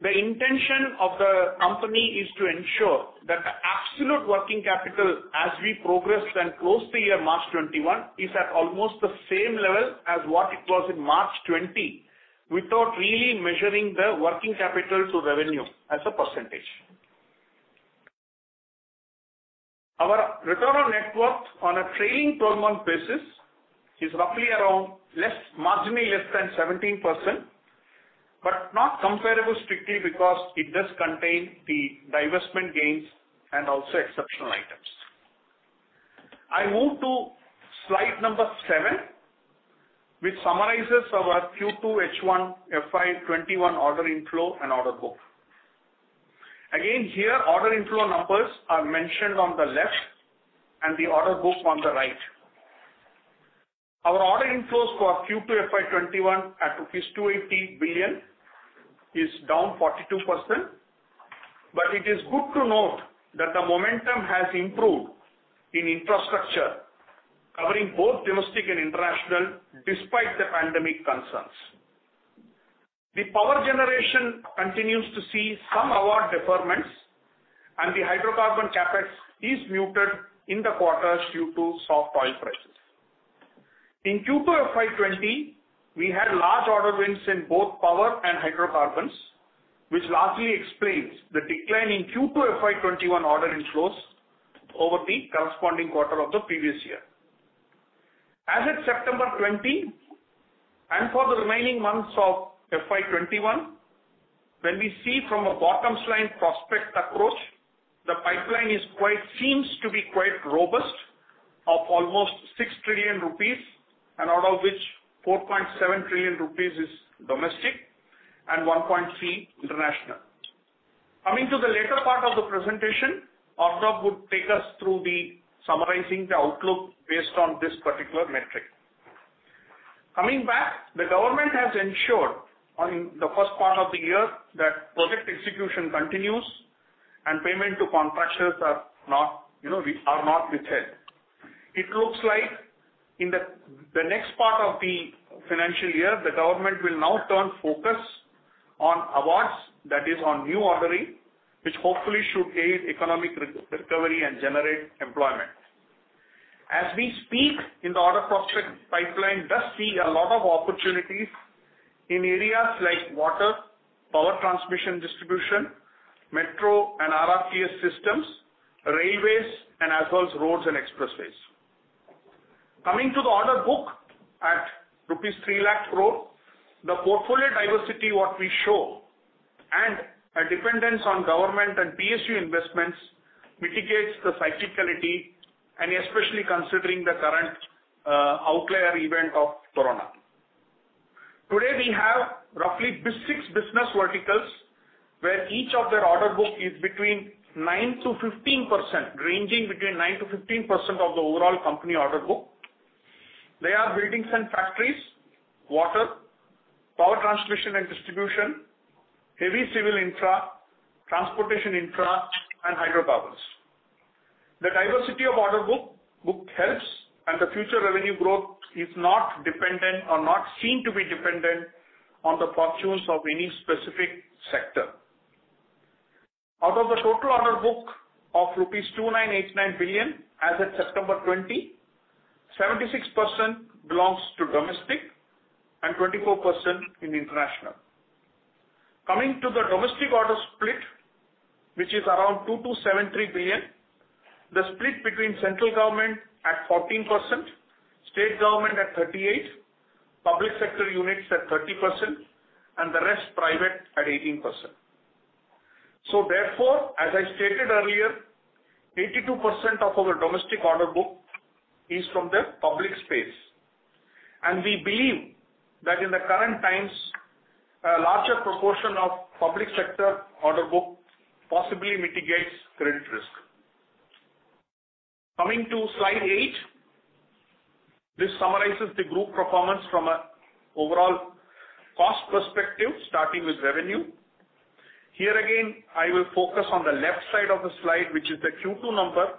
the intention of the company is to ensure that the absolute working capital as we progress and close the year March 2021 is at almost the same level as what it was in March 2020, without really measuring the working capital to revenue as a percentage. Our return on net worth on a trailing 12-month basis is roughly around marginally less than 17%, but not comparable strictly because it does contain the divestment gains and also exceptional items. I move to slide number seven, which summarizes our Q2 H1 FY 2021 order inflow and order book. Here order inflow numbers are mentioned on the left and the order book on the right. Our order inflows for Q2 FY 2021 at 280 billion is down 42%. It is good to note that the momentum has improved in infrastructure covering both domestic and international, despite the pandemic concerns. The power generation continues to see some award deferments and the hydrocarbon CapEx is muted in the quarters due to soft oil prices. In Q2 of FY 2020, we had large order wins in both power and hydrocarbons, which largely explains the decline in Q2 FY 2021 order inflows over the corresponding quarter of the previous year. As at September 2020, and for the remaining months of FY 2021, when we see from a bottom line prospect approach, the pipeline seems to be quite robust of almost 6 trillion rupees, and out of which 4.7 trillion rupees is domestic and 1.3 international. Coming to the later part of the presentation, Arnob would take us through the summarizing the outlook based on this particular metric. Coming back, the government has ensured in the first part of the year that project execution continues and payment to contractors are not withheld. It looks like in the next part of the financial year, the government will now turn focus on awards, that is on new ordering, which hopefully should aid economic recovery and generate employment. As we speak in the order prospect pipeline does see a lot of opportunities in areas like water, power transmission distribution, metro and RRTS systems, railways, and as well as roads and expressways. Coming to the order book at rupees 3 lakh crore. The portfolio diversity, what we show, and our dependence on government and PSU investments mitigates the cyclicality, and especially considering the current outlier event of corona. Today we have roughly six business verticals where each of their order book is ranging between 9%-15% of the overall company order book. They are buildings and factories, water, power transmission and distribution, heavy civil infra, transportation infra, and hydropower. The diversity of order book helps and the future revenue growth is not dependent or not seen to be dependent on the fortunes of any specific sector. Out of the total order book of rupees 2,989 billion as at September 20, 76% belongs to domestic and 24% in the international. Coming to the domestic order split, which is around 2,273 billion. The split between central government at 14%, state government at 38%, public sector units at 30%, and the rest private at 18%. As I stated earlier, 82% of our domestic order book is from the public space. We believe that in the current times, a larger proportion of public sector order book possibly mitigates credit risk. Coming to slide eight. This summarizes the group performance from an overall cost perspective, starting with revenue. Here again, I will focus on the left side of the slide, which is the Q2 number.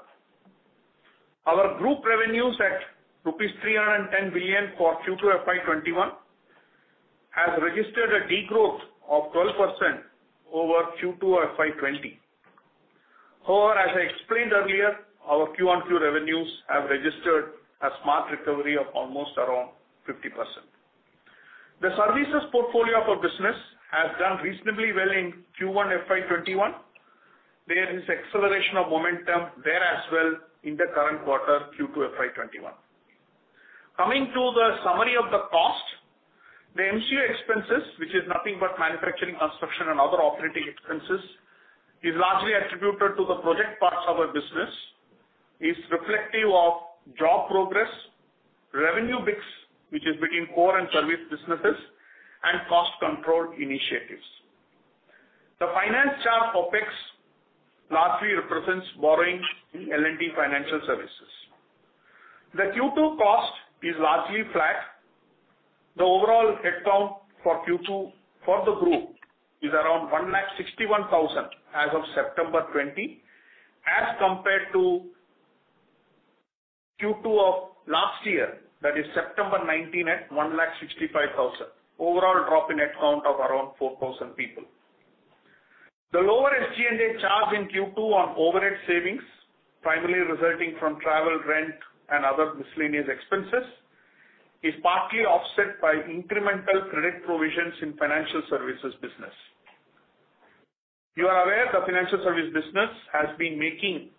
Our group revenues at rupees 310 billion for Q2 FY 2021 has registered a decline of 12% over Q2 FY 2020. However, as I explained earlier, our Q1/Q2 revenues have registered a smart recovery of almost around 50%. The services portfolio of our business has done reasonably well in Q1 FY 2021. There is acceleration of momentum there as well in the current quarter due to FY 2021. Coming to the summary of the cost. The MCO expenses, which is nothing but manufacturing, construction, and other operating expenses, is largely attributed to the project parts of our business, is reflective of job progress, revenue mix, which is between core and service businesses, and cost control initiatives. The finance charge OpEx largely represents borrowings in L&T Financial Services. The Q2 cost is largely flat. The overall headcount for Q2 for the group is around 161,000 as of September 20, as compared to Q2 of last year, that is September 19 at 165,000. Overall drop in headcount of around 4,000 people. The lower SG&A charge in Q2 on overhead savings, primarily resulting from travel, rent, and other miscellaneous expenses, is partly offset by incremental credit provisions in financial services business. You are aware the financial service business has been making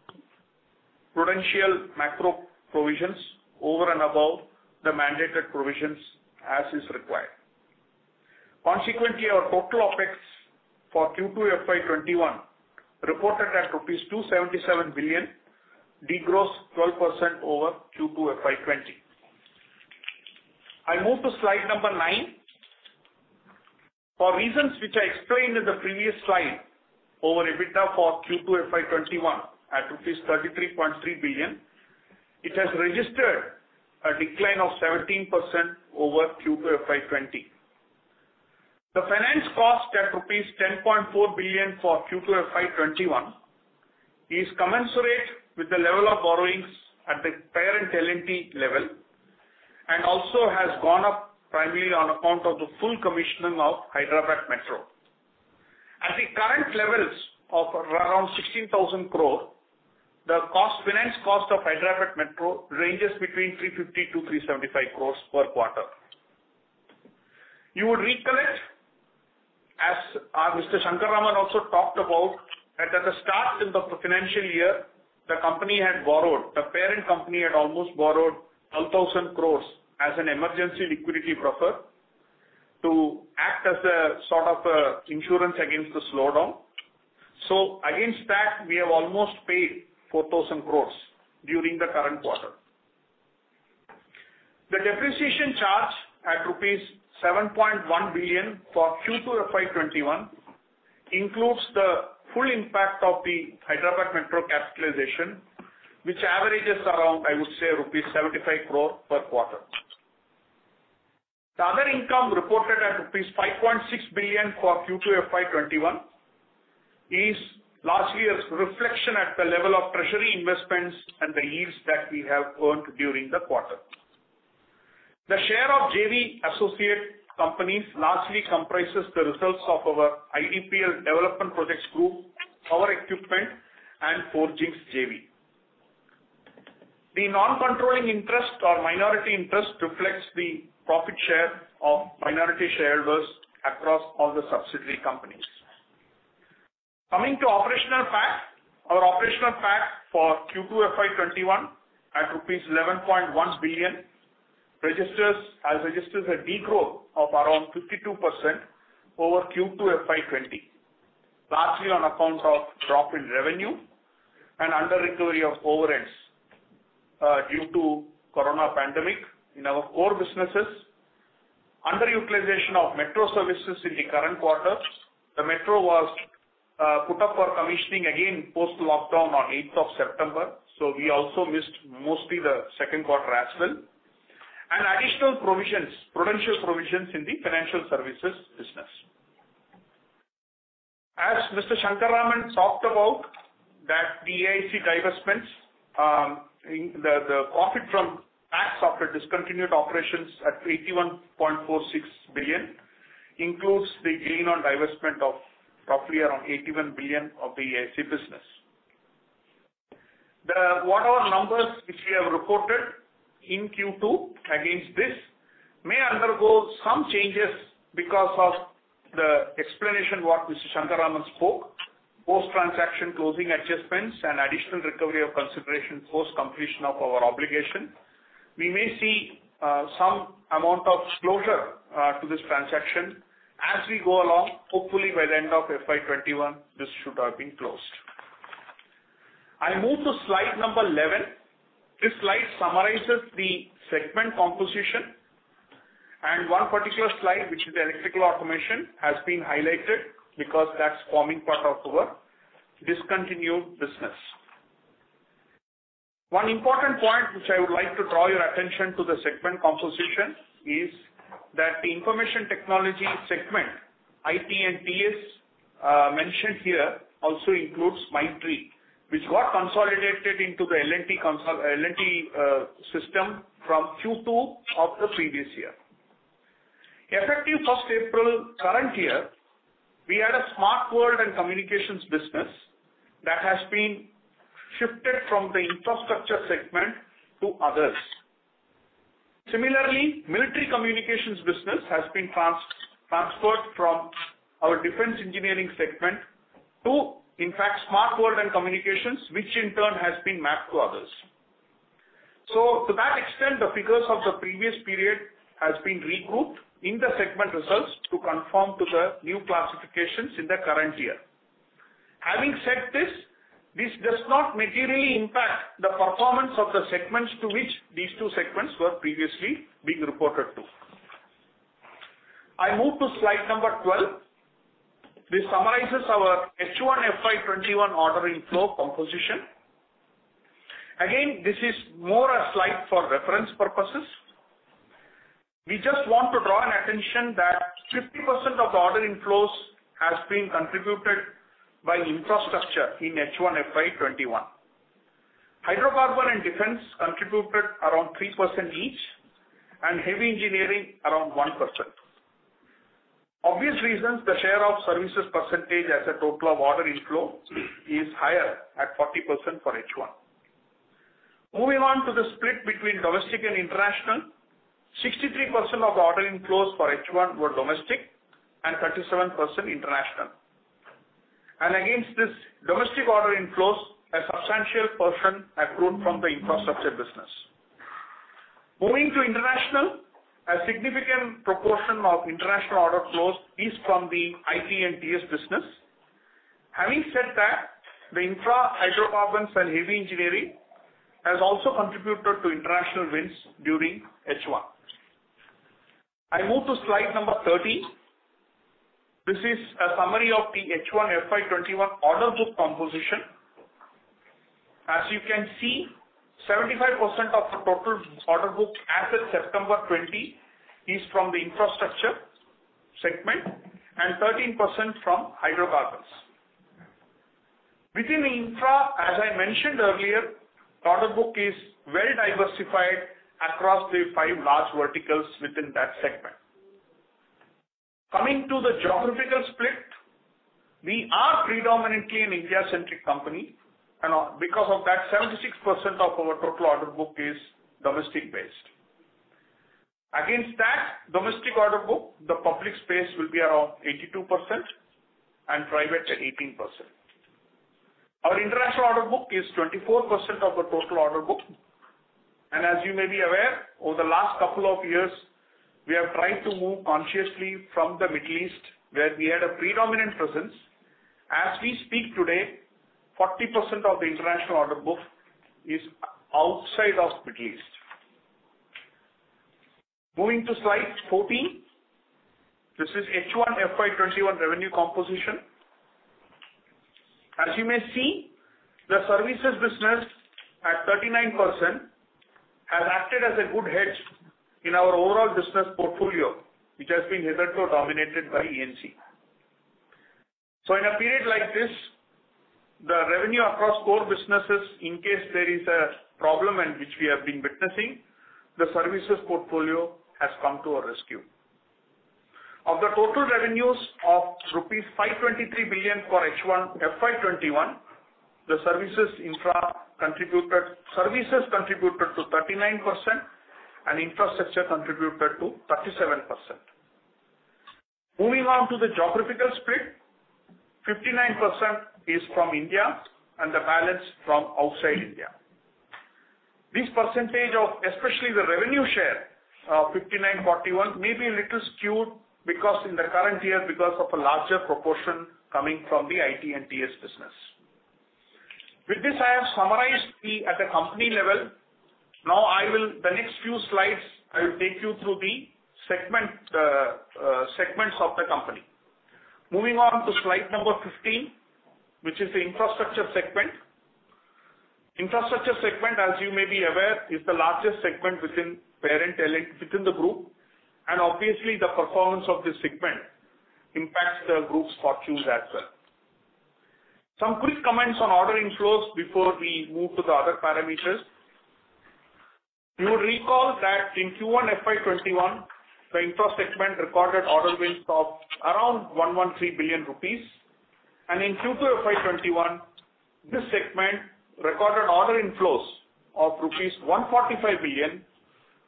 prudential macro provisions over and above the mandated provisions as is required. Consequently, our total OPEX for Q2 FY2021, reported at rupees 277 billion, declines 12% over Q2 FY2020. I move to slide number nine. For reasons which I explained in the previous slide, our EBITDA for Q2 FY2021 at INR 33.3 billion, it has registered a decline of 17% over Q2 FY2020. The finance cost at rupees 10.4 billion for Q2 FY 2021 is commensurate with the level of borrowings at the parent L&T level, also has gone up primarily on account of the full commissioning of Hyderabad Metro. At the current levels of around 16,000 crore, the finance cost of Hyderabad Metro ranges between 350 crore to 375 crore per quarter. You would recollect, as Mr. Shankar Raman also talked about, that at the start of the financial year, the parent company had almost borrowed 12,000 crore as an emergency liquidity buffer to act as a sort of insurance against the slowdown. Against that, we have almost paid 4,000 crore during the current quarter. The depreciation charge at rupees 7.1 billion for Q2 FY 2021 includes the full impact of the Hyderabad Metro capitalization, which averages around, I would say, rupees 75 crore per quarter. The other income reported at rupees 5.6 billion for Q2 FY 2021 is largely a reflection at the level of treasury investments and the yields that we have earned during the quarter. The share of JV associate companies largely comprises the results of our L&T IDPL, Power Equipment, and forgings JV. The non-controlling interest or minority interest reflects the profit share of minority shareholders across all the subsidiary companies. Coming to operational PAT. Our operational PAT for Q2 FY 2021 at rupees 11.1 billion has registered a de-growth of around 52% over Q2 FY 2020, largely on account of drop in revenue and under-recovery of overheads due to corona pandemic in our core businesses. Under-utilization of Hyderabad Metro services in the current quarter. The Hyderabad Metro was put up for commissioning again, post-lockdown on 8th of September. We also missed mostly the second quarter as well. Additional provisions, prudential provisions in the financial services business. As Mr. Shankar Raman talked about, that the E&A IC divestments, the profit from tax of the discontinued operations at 81.46 billion includes the gain on divestment of roughly around 81 billion of the E&A IC business. Whatever numbers which we have reported in Q2 against this may undergo some changes because of the explanation what Mr. Shankar Raman spoke, post-transaction closing adjustments and additional recovery of consideration post-completion of our obligation. We may see some amount of closure to this transaction as we go along. Hopefully by the end of FY 2021, this should have been closed. I move to slide 11. This slide summarizes the segment composition and one particular slide, which is the Electrical & Automation, has been highlighted because that's forming part of our discontinued business. One important point which I would like to draw your attention to the segment composition is that the information technology segment, IT&TS mentioned here also includes Mindtree, which got consolidated into the L&T system from Q2 of the previous year. Effective 1st April current year, we had a Smart World & Communications business that has been shifted from the infrastructure segment to others. Similarly, military communications business has been transferred from our Defense Engineering segment to, in fact, Smart World & Communications, which in turn has been mapped to others. To that extent, the figures of the previous period has been regrouped in the segment results to conform to the new classifications in the current year. Having said this does not materially impact the performance of the segments to which these two segments were previously being reported to. I move to slide number 12. This summarizes our H1 FY 2021 order inflow composition. This is more a slide for reference purposes. We just want to draw attention that 50% of the order inflows has been contributed by infrastructure in H1 FY 2021. Hydrocarbon and Defence contributed around 3% each and heavy engineering around 1%. For obvious reasons, the share of services percentage as a total of order inflow is higher at 40% for H1. Moving on to the split between domestic and international. 63% of order inflows for H1 were domestic and 37% international. Against this domestic order inflows, a substantial portion accrued from the infrastructure business. Moving to international, a significant proportion of international order flows is from the IT&TS business. Having said that, the infra hydrocarbons and heavy engineering has also contributed to international wins during H1. I move to slide number 13. This is a summary of the H1 FY 2021 order book composition. As you can see, 75% of the total order book as of September 20 is from the infrastructure segment and 13% from hydrocarbons. Within infra, as I mentioned earlier, order book is well diversified across the 5 large verticals within that segment. Coming to the geographical split, we are predominantly an India-centric company and because of that, 76% of our total order book is domestic-based. Against that domestic order book, the public space will be around 82% and private at 18%. Our international order book is 24% of the total order book. As you may be aware, over the last couple of years, we have tried to move consciously from the Middle East where we had a predominant presence. As we speak today, 40% of the international order book is outside of Middle East. Moving to slide 14. This is H1 FY2021 revenue composition. As you may see, the services business at 39% has acted as a good hedge in our overall business portfolio, which has been hitherto dominated by E&C. In a period like this, the revenue across core businesses in case there is a problem and which we have been witnessing, the services portfolio has come to our rescue. Of the total revenues of rupees 523 billion for H1 FY2021. The services infra contributed, services contributed to 39%, and infrastructure contributed to 37%. Moving on to the geographical split, 59% is from India and the balance from outside India. This percentage of especially the revenue share of 59/41 may be a little skewed because in the current year, because of a larger proportion coming from the IT&TS business. With this, I have summarized at the company level. The next few slides, I will take you through the segments of the company. Moving on to slide number 15, which is the Infrastructure segment. Infrastructure segment, as you may be aware, is the largest segment within parent L&T, within the group. Obviously the performance of this segment impacts the group's fortunes as well. Some brief comments on order inflows before we move to the other parameters. You would recall that in Q1 FY 2021, the Infrastructure segment recorded order wins of around 113 billion rupees. In Q2 FY 2021, this segment recorded order inflows of rupees 145 billion,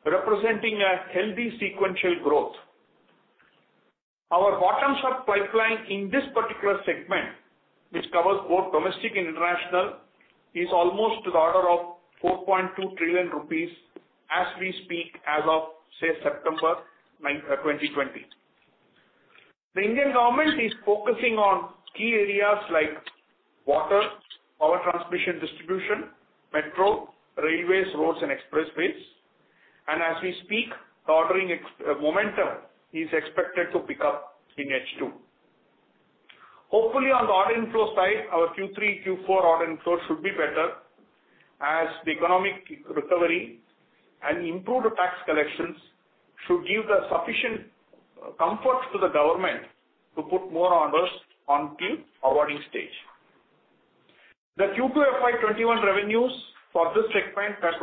representing a healthy sequential growth. Our bottom of pipeline in this particular segment, which covers both domestic and international, is almost to the order of 4.2 trillion rupees as we speak as of, say, September 2020. The Indian government is focusing on key areas like water, power transmission distribution, metro, railways, roads, and expressways. As we speak, the ordering momentum is expected to pick up in H2. Hopefully on the order inflow side, our Q3, Q4 order inflow should be better as the economic recovery and improved tax collections should give the sufficient comfort to the government to put more orders on to awarding stage. The Q2 FY 2021 revenues for this segment at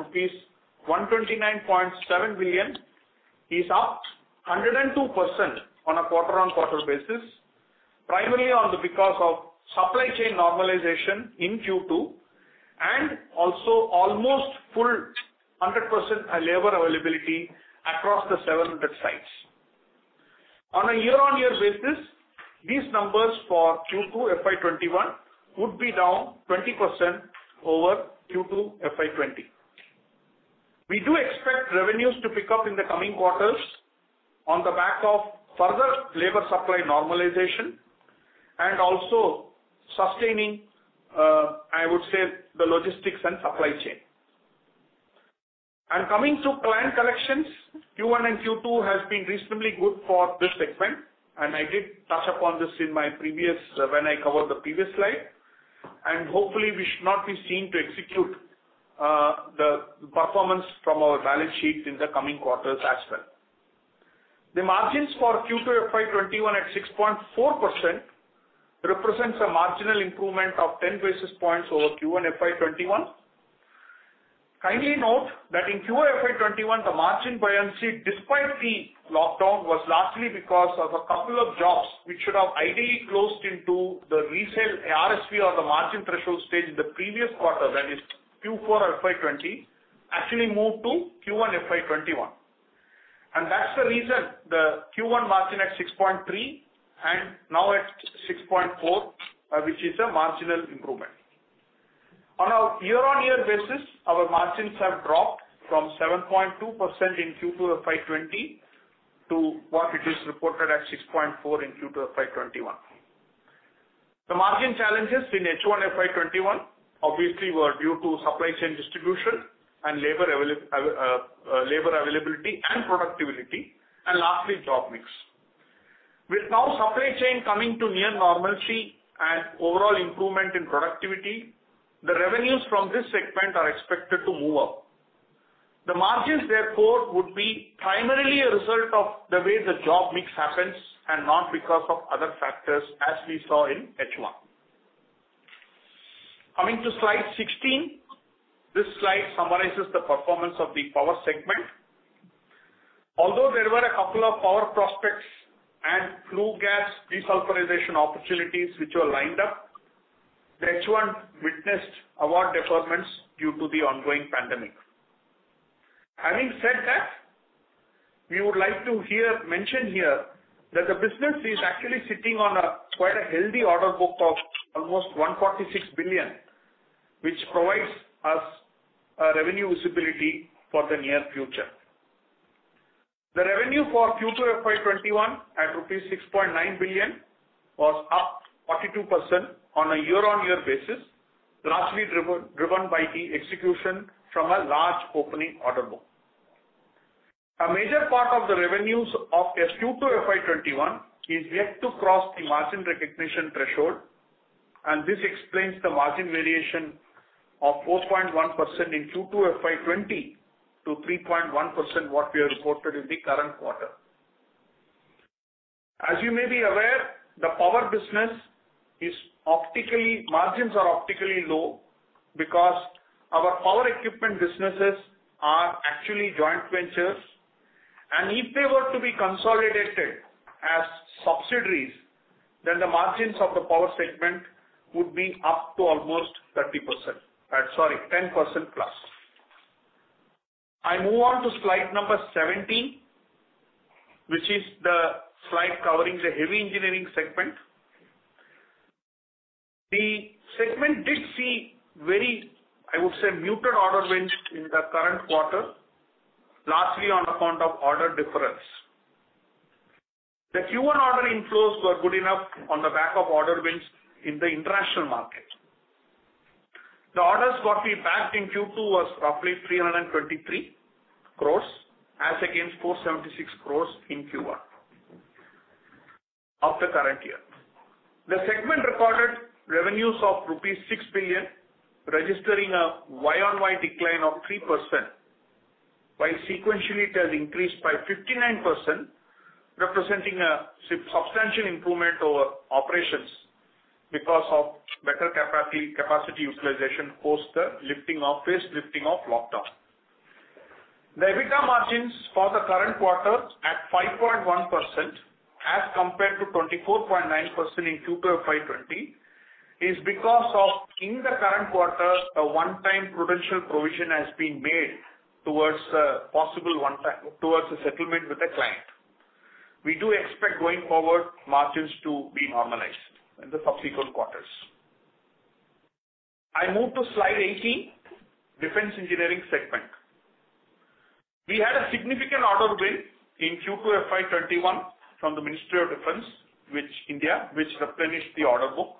rupees 129.7 billion is up 102% on a quarter-on-quarter basis, primarily because of supply chain normalization in Q2 and also almost full 100% labor availability across the 700 sites. On a year-on-year basis, these numbers for Q2 FY 2021 would be down 20% over Q2 FY 2020. We do expect revenues to pick up in the coming quarters on the back of further labor supply normalization and also sustaining, I would say, the logistics and supply chain. Coming to client collections, Q1 and Q2 has been reasonably good for this segment, and I did touch upon this when I covered the previous slide. Hopefully we should not be seen to execute the performance from our balance sheet in the coming quarters as well. The margins for Q2 FY 2021 at 6.4% represents a marginal improvement of 10 basis points over Q1 FY 2021. Kindly note that in Q1 FY 2021, the margin buoyancy, despite the lockdown, was largely because of a couple of jobs which should have ideally closed into the RSV or the margin threshold stage in the previous quarter, that is Q4 FY 2020, actually moved to Q1 FY 2021. That's the reason the Q1 margin at 6.3% and now at 6.4%, which is a marginal improvement. On a year-on-year basis, our margins have dropped from 7.2% in Q2 FY 2020 to what it is reported at 6.4% in Q2 FY 2021. The margin challenges in H1 FY 2021 obviously were due to supply chain distribution and labor availability and productivity, and lastly, job mix. With now supply chain coming to near normalcy and overall improvement in productivity, the revenues from this segment are expected to move up. The margins, therefore, would be primarily a result of the way the job mix happens and not because of other factors, as we saw in H1. Coming to slide 16. This slide summarizes the performance of the power segment. Although there were a couple of power prospects and flue gas desulfurization opportunities which were lined up, the H1 witnessed award deferments due to the ongoing pandemic. Having said that, we would like to mention here that the business is actually sitting on quite a healthy order book of almost 146 billion, which provides us a revenue visibility for the near future. The revenue for Q2 FY 2021 at INR 6.9 billion was up 42% on a year-on-year basis, largely driven by the execution from a large opening order book. A major part of the revenues of Q2 FY 2021 is yet to cross the margin recognition threshold, and this explains the margin variation of 4.1% in Q2 FY 2020 to 3.1% what we have reported in the current quarter. As you may be aware, the power business margins are optically low because our power equipment businesses are actually joint ventures. If they were to be consolidated as subsidiaries, then the margins of the power segment would be up to almost 30%. Sorry, 10%+. I move on to slide number 17, which is the slide covering the Heavy Engineering segment. The segment did see very, I would say, muted order wins in the current quarter, largely on account of order difference. The Q1 order inflows were good enough on the back of order wins in the international market. The orders got feedback in Q2 was roughly 323 crores as against 476 crores in Q1 of the current year. The segment recorded revenues of 6 billion rupees, registering a year-on-year decline of 3%, while sequentially it has increased by 59%, representing a substantial improvement over operations because of better capacity utilization post the lifting of lockdown. The EBITDA margins for the current quarter at 5.1% as compared to 24.9% in Q2 2020 is because of in the current quarter, a one-time prudential provision has been made towards the settlement with the client. We do expect going forward margins to be normalized in the subsequent quarters. I move to slide 18, defence engineering segment. We had a significant order win in Q2 FY 2021 from the Ministry of Defence, which replenished the order book.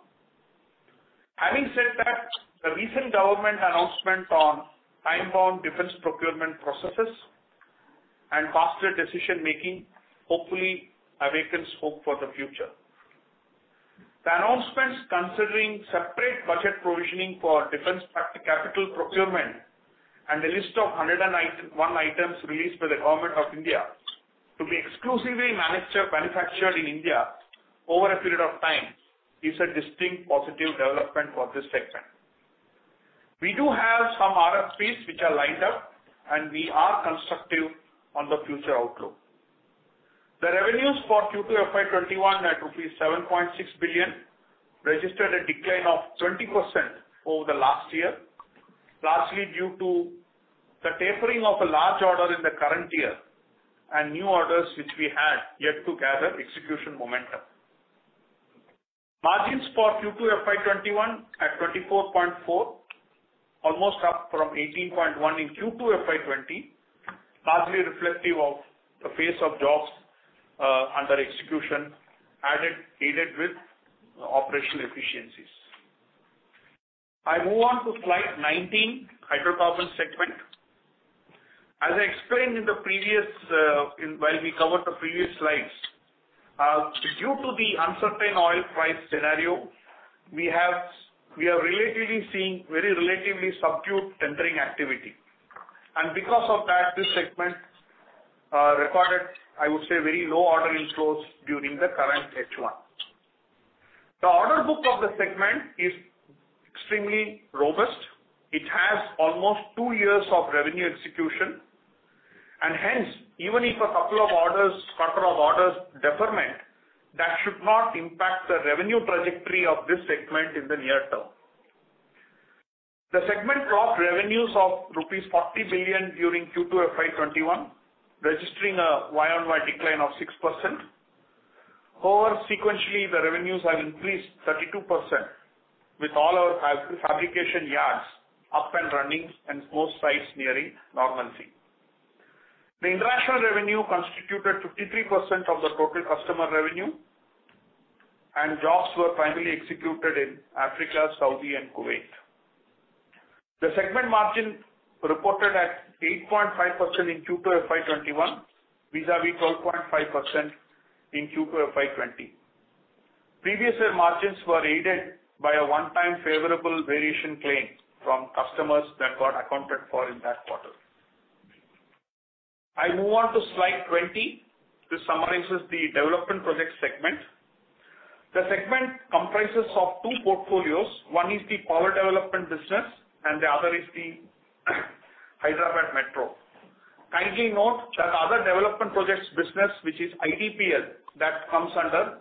The recent government announcement on time-bound defence procurement processes and faster decision making hopefully awakens hope for the future. The announcements considering separate budget provisioning for defense capital procurement and the list of 101 items released by the Government of India to be exclusively manufactured in India over a period of time is a distinct positive development for this segment. We do have some RFPs which are lined up, and we are constructive on the future outlook. The revenues for Q2 FY2021 at INR 7.6 billion registered a decline of 20% over the last year, largely due to the tapering of a large order in the current year and new orders which we had yet to gather execution momentum. Margins for Q2 FY2021 at 24.4% almost up from 18.1% in Q2 FY2020, largely reflective of the pace of jobs under execution aided with operational efficiencies. I move on to slide 19, hydrocarbon segment. As I explained while we covered the previous slides, due to the uncertain oil price scenario, we are relatively seeing very relatively subdued tendering activity, and because of that, this segment recorded, I would say, very low order inflows during the current H1. The order book of the segment is extremely robust. It has almost two years of revenue execution, and hence, even if a couple of orders deferment, that should not impact the revenue trajectory of this segment in the near term. The segment clocked revenues of INR 40 billion during Q2 FY 2021, registering a Y-on-Y decline of 6%. However, sequentially, the revenues have increased 32% with all our fabrication yards up and running and most sites nearing normalcy. The international revenue constituted 53% of the total customer revenue, and jobs were primarily executed in Africa, Saudi, and Kuwait. The segment margin reported at 8.5% in Q2 FY 2021 vis-à-vis 12.5% in Q2 FY 2020. Previously, margins were aided by a one-time favorable variation claim from customers that got accounted for in that quarter. I move on to slide 20. This summarizes the development project segment. The segment comprises of two portfolios. One is the power development business and the other is the Hyderabad Metro. Kindly note that other development projects business, which is IDPL, that comes under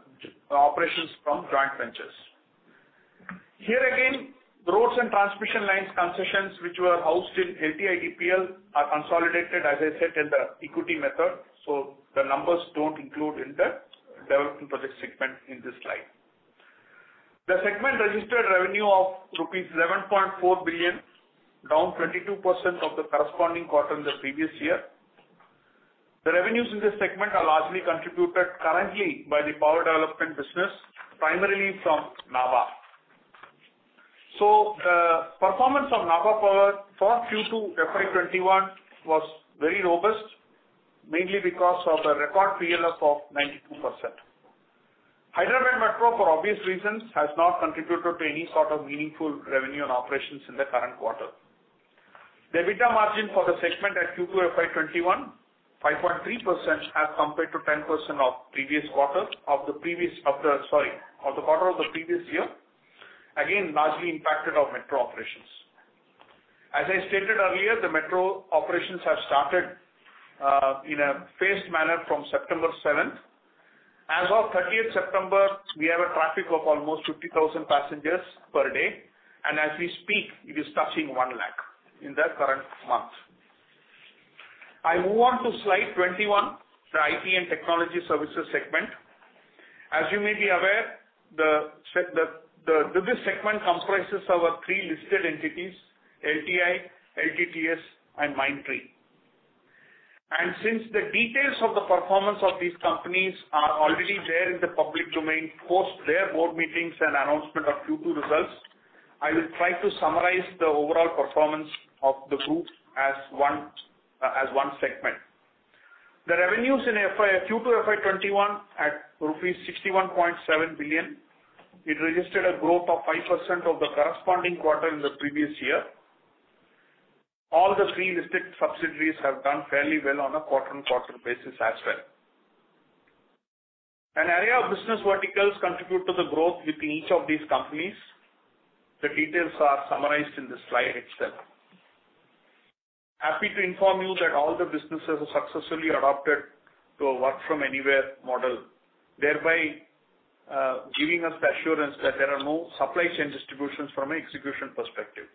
operations from joint ventures. Here again, roads and transmission lines concessions which were housed in L&T IDPL are consolidated, as I said, in the equity method, so the numbers don't include in the development project segment in this slide. The segment registered revenue of rupees 11.4 billion, down 22% of the corresponding quarter in the previous year. The revenues in this segment are largely contributed currently by the power development business, primarily from Nabha. The performance of Nabha Power for Q2 FY2021 was very robust, mainly because of the record PLF of 92%. Hyderabad Metro, for obvious reasons, has not contributed to any sort of meaningful revenue and operations in the current quarter. The EBITDA margin for the segment at Q2 FY2021, 5.3% as compared to 10% of the quarter of the previous year. Largely impacted our Metro operations. As I stated earlier, the Metro operations have started in a phased manner from 7th September. As of September 30, we have a traffic of almost 50,000 passengers per day, and as we speak, it is touching one lakh in the current month. I move on to slide 21, the IT and Technology Services segment. As you may be aware, this segment comprises our three listed entities, LTI, LTTS, and Mindtree. Since the details of the performance of these companies are already there in the public domain, post their board meetings and announcement of Q2 results, I will try to summarize the overall performance of the group as one segment. The revenues in Q2 FY 2021 at rupees 61.7 billion. It registered a growth of 5% over the corresponding quarter in the previous year. All the three listed subsidiaries have done fairly well on a quarter-on-quarter basis as well. An array of business verticals contribute to the growth within each of these companies. The details are summarized in the slide itself. Happy to inform you that all the businesses have successfully adopted a work from anywhere model, thereby giving us the assurance that there are no supply chain disruptions from an execution perspective.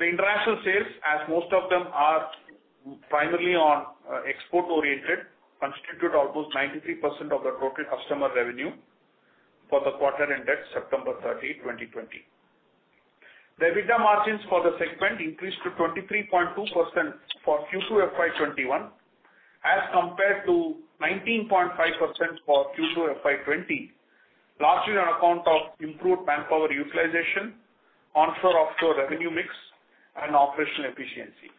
The international sales, as most of them are primarily export oriented, constitute almost 93% of the total customer revenue for the quarter ended 30th September 2020. The EBITDA margins for the segment increased to 23.2% for Q2 FY2021 as compared to 19.5% for Q2 FY2020, largely on account of improved manpower utilization, onshore-offshore revenue mix, and operational efficiency.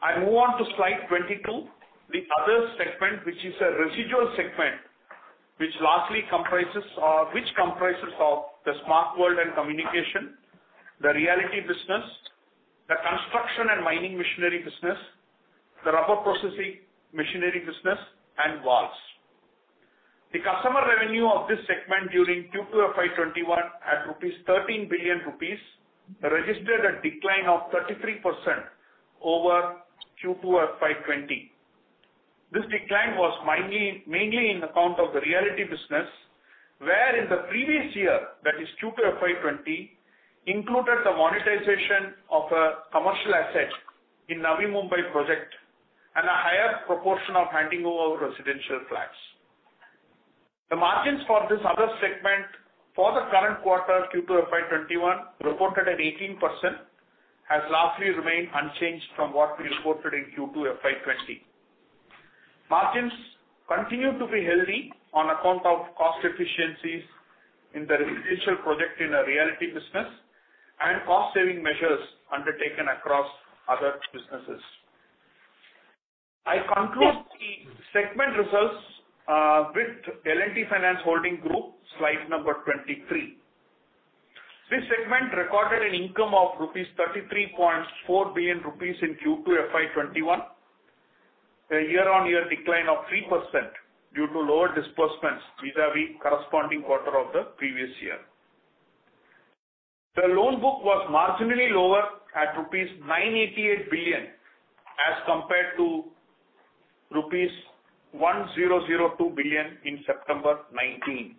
I move on to slide 22, the other segment which is a residual segment, which comprises of the Smart World & Communication, the Realty business, the Construction & Mining Machinery business, the Rubber Processing Machinery business, and valves. The customer revenue of this segment during Q2 FY2021 at 13 billion rupees registered a decline of 33% over Q2 FY2020. This decline was mainly in account of the realty business, where in the previous year, that is Q2 FY 2020, included the monetization of a commercial asset in Navi Mumbai project and a higher proportion of handing over residential flats. The margins for this other segment for the current quarter, Q2 FY 2021, reported at 18%, has largely remained unchanged from what we reported in Q2 FY 2020. Margins continue to be healthy on account of cost efficiencies in the residential project in the realty business and cost saving measures undertaken across other businesses. I conclude the segment results with L&T Finance Holdings, slide number 23. This segment recorded an income of 33.4 billion rupees in Q2 FY 2021, a year-on-year decline of 3% due to lower disbursements vis-à-vis corresponding quarter of the previous year. The loan book was marginally lower at rupees 988 billion as compared to rupees 1,002 billion in September 2019.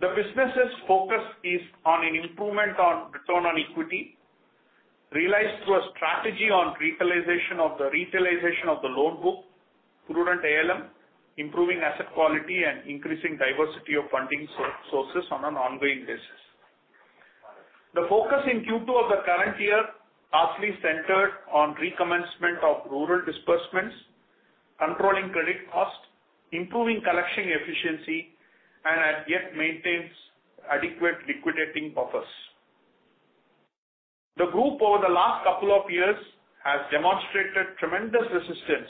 The business's focus is on an improvement on return on equity, realized through a strategy on retailization of the loan book, prudent ALM, improving asset quality, and increasing diversity of funding sources on an ongoing basis. The focus in Q2 of the current year largely centered on recommencement of rural disbursements, controlling credit cost, improving collection efficiency, and at yet maintains adequate liquidating buffers. The group over the last couple of years has demonstrated tremendous resistance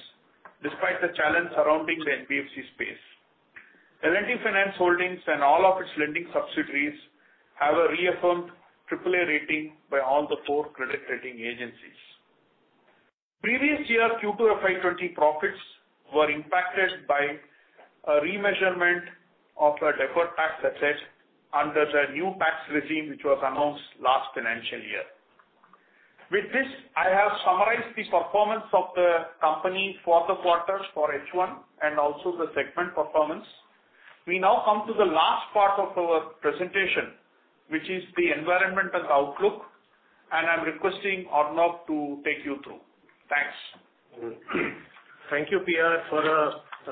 despite the challenge surrounding the NBFC space. L&T Finance Holdings and all of its lending subsidiaries have a reaffirmed AAA rating by all the four credit rating agencies. Previous year Q2 FY 2020 profits were impacted by a remeasurement of a deferred tax asset under the new tax regime which was announced last financial year. With this, I have summarized the performance of the company for the quarters for H1 and also the segment performance. We now come to the last part of our presentation, which is the environmental outlook, and I'm requesting Arnob to take you through. Thanks. Thank you, PR, for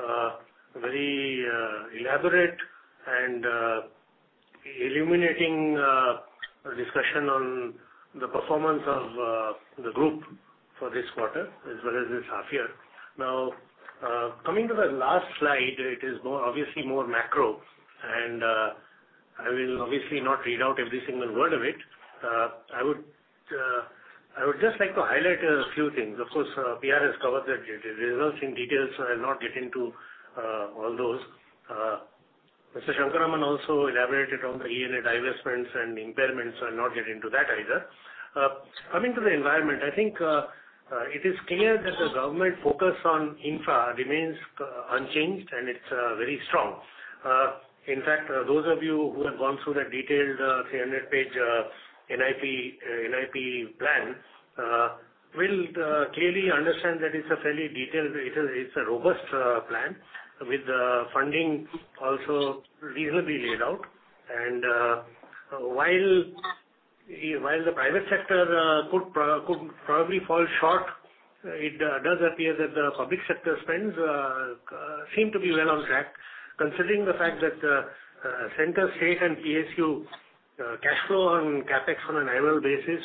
a very elaborate and illuminating discussion on the performance of the group for this quarter as well as this half year. Coming to the last slide, it is obviously more macro, and I will obviously not read out every single word of it. I would just like to highlight a few things. Of course, PR has covered the results in detail, so I'll not get into all those. Mr. Shankar Raman also elaborated on the E&A divestments and impairments, so I'll not get into that either. Coming to the environment, I think it is clear that the government focus on infra remains unchanged, and it's very strong. In fact, those of you who have gone through that detailed 300-page NIP plan will clearly understand that it's a fairly detailed, it's a robust plan with funding also reasonably laid out. While the private sector could probably fall short, it does appear that the public sector spends seem to be well on track, considering the fact that Center, State, and PSU cash flow on CapEx on an annual basis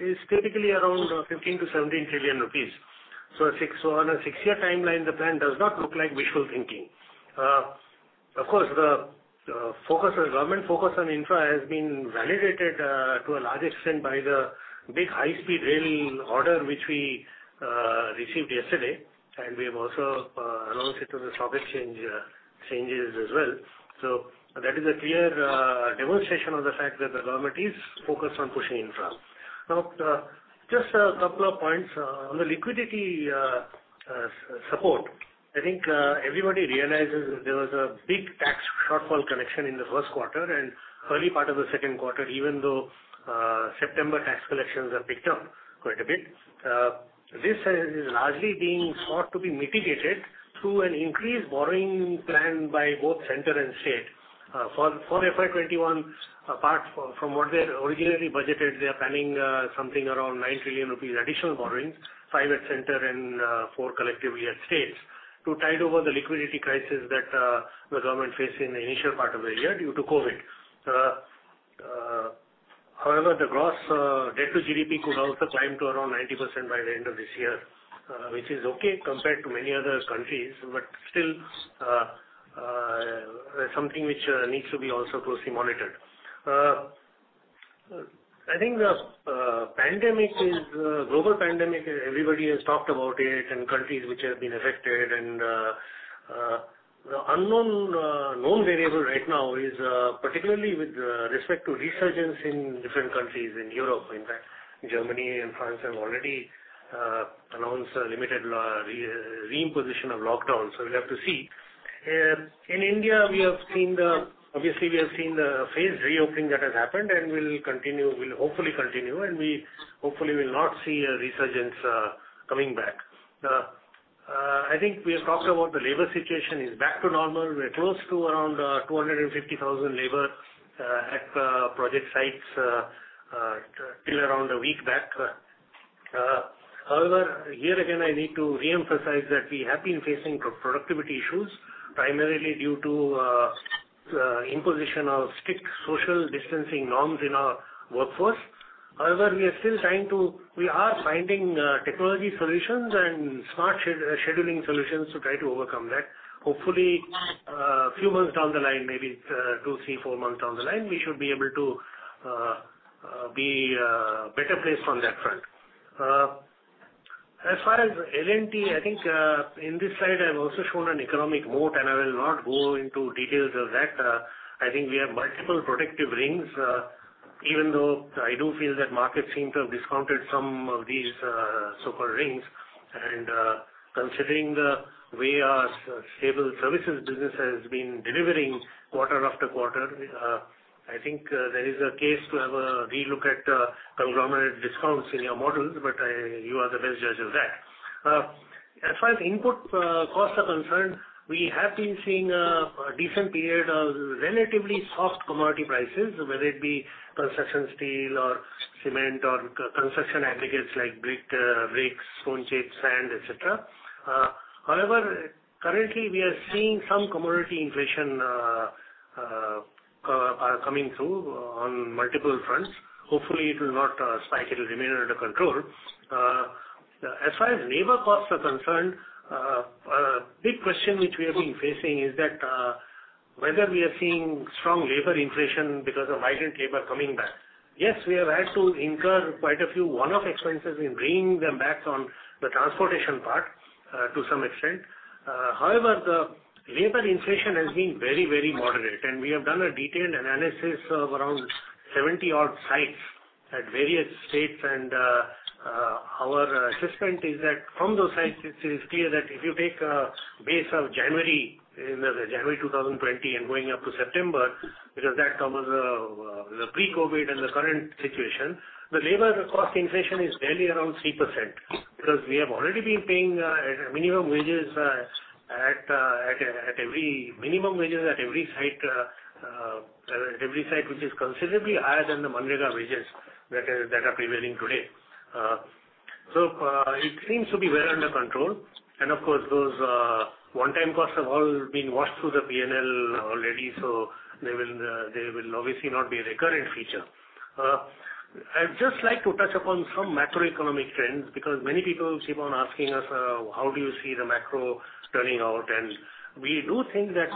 is typically around 15 trillion-17 trillion rupees. On a six-year timeline, the plan does not look like wishful thinking. Of course, the government focus on infra has been validated to a large extent by the big high-speed rail order which we received yesterday, and we have also announced it to the stock exchange changes as well. That is a clear demonstration of the fact that the government is focused on pushing infra. Now, just a couple of points on the liquidity support. I think everybody realizes that there was a big tax shortfall collection in the first quarter and early part of the second quarter, even though September tax collections have picked up quite a bit. This has largely been sought to be mitigated through an increased borrowing plan by both Center and State. For FY 2021, apart from what they had originally budgeted, they are planning something around 9 trillion rupees additional borrowings, five at Center and four collectively at States, to tide over the liquidity crisis that the government faced in the initial part of the year due to COVID. However, the gross debt to GDP could also climb to around 90% by the end of this year, which is okay compared to many other countries, but still something which needs to be also closely monitored. I think the global pandemic, everybody has talked about it and countries which have been affected and the unknown variable right now is particularly with respect to resurgence in different countries in Europe. In fact, Germany and France have already announced a limited reimposition of lockdown, so we'll have to see. In India, obviously, we have seen the phased reopening that has happened and will hopefully continue, and we hopefully will not see a resurgence coming back. I think we have talked about the labor situation is back to normal. We're close to around 250,000 labor at project sites till around a week back. However, here again, I need to reemphasize that we have been facing productivity issues, primarily due to imposition of strict social distancing norms in our workforce. However, we are finding technology solutions and smart scheduling solutions to try to overcome that. Hopefully, a few months down the line, maybe two, three, four months down the line, we should be able to be better placed on that front. As far as L&T, I think in this slide I've also shown an economic moat, and I will not go into details of that. I think we have multiple protective rings, even though I do feel that markets seem to have discounted some of these so-called rings. Considering the way our stable services business has been delivering quarter after quarter, I think there is a case to have a relook at conglomerate discounts in your models, but you are the best judge of that. As far as input costs are concerned, we have been seeing a decent period of relatively soft commodity prices, whether it be construction steel or cement or construction aggregates like brick, rakes, stone chips, sand, et cetera. However, currently we are seeing some commodity inflation are coming through on multiple fronts. Hopefully, it will not spike, it will remain under control. As far as labor costs are concerned, a big question which we have been facing is that whether we are seeing strong labor inflation because of migrant labor coming back. Yes, we have had to incur quite a few one-off expenses in bringing them back on the transportation part to some extent. However, the labor inflation has been very moderate, and we have done a detailed analysis of around 70 odd sites at various states and our assessment is that from those sites, it is clear that if you take a base of January 2020 and going up to September, because that covers the pre-COVID and the current situation, the labor cost inflation is barely around 3%. We have already been paying minimum wages at every site which is considerably higher than the MGNREGA wages that are prevailing today. It seems to be well under control, and of course, those one-time costs have all been washed through the P&L already, so they will obviously not be a recurrent feature. I'd just like to touch upon some macroeconomic trends because many people keep on asking us, how do you see the macro turning out? We do think that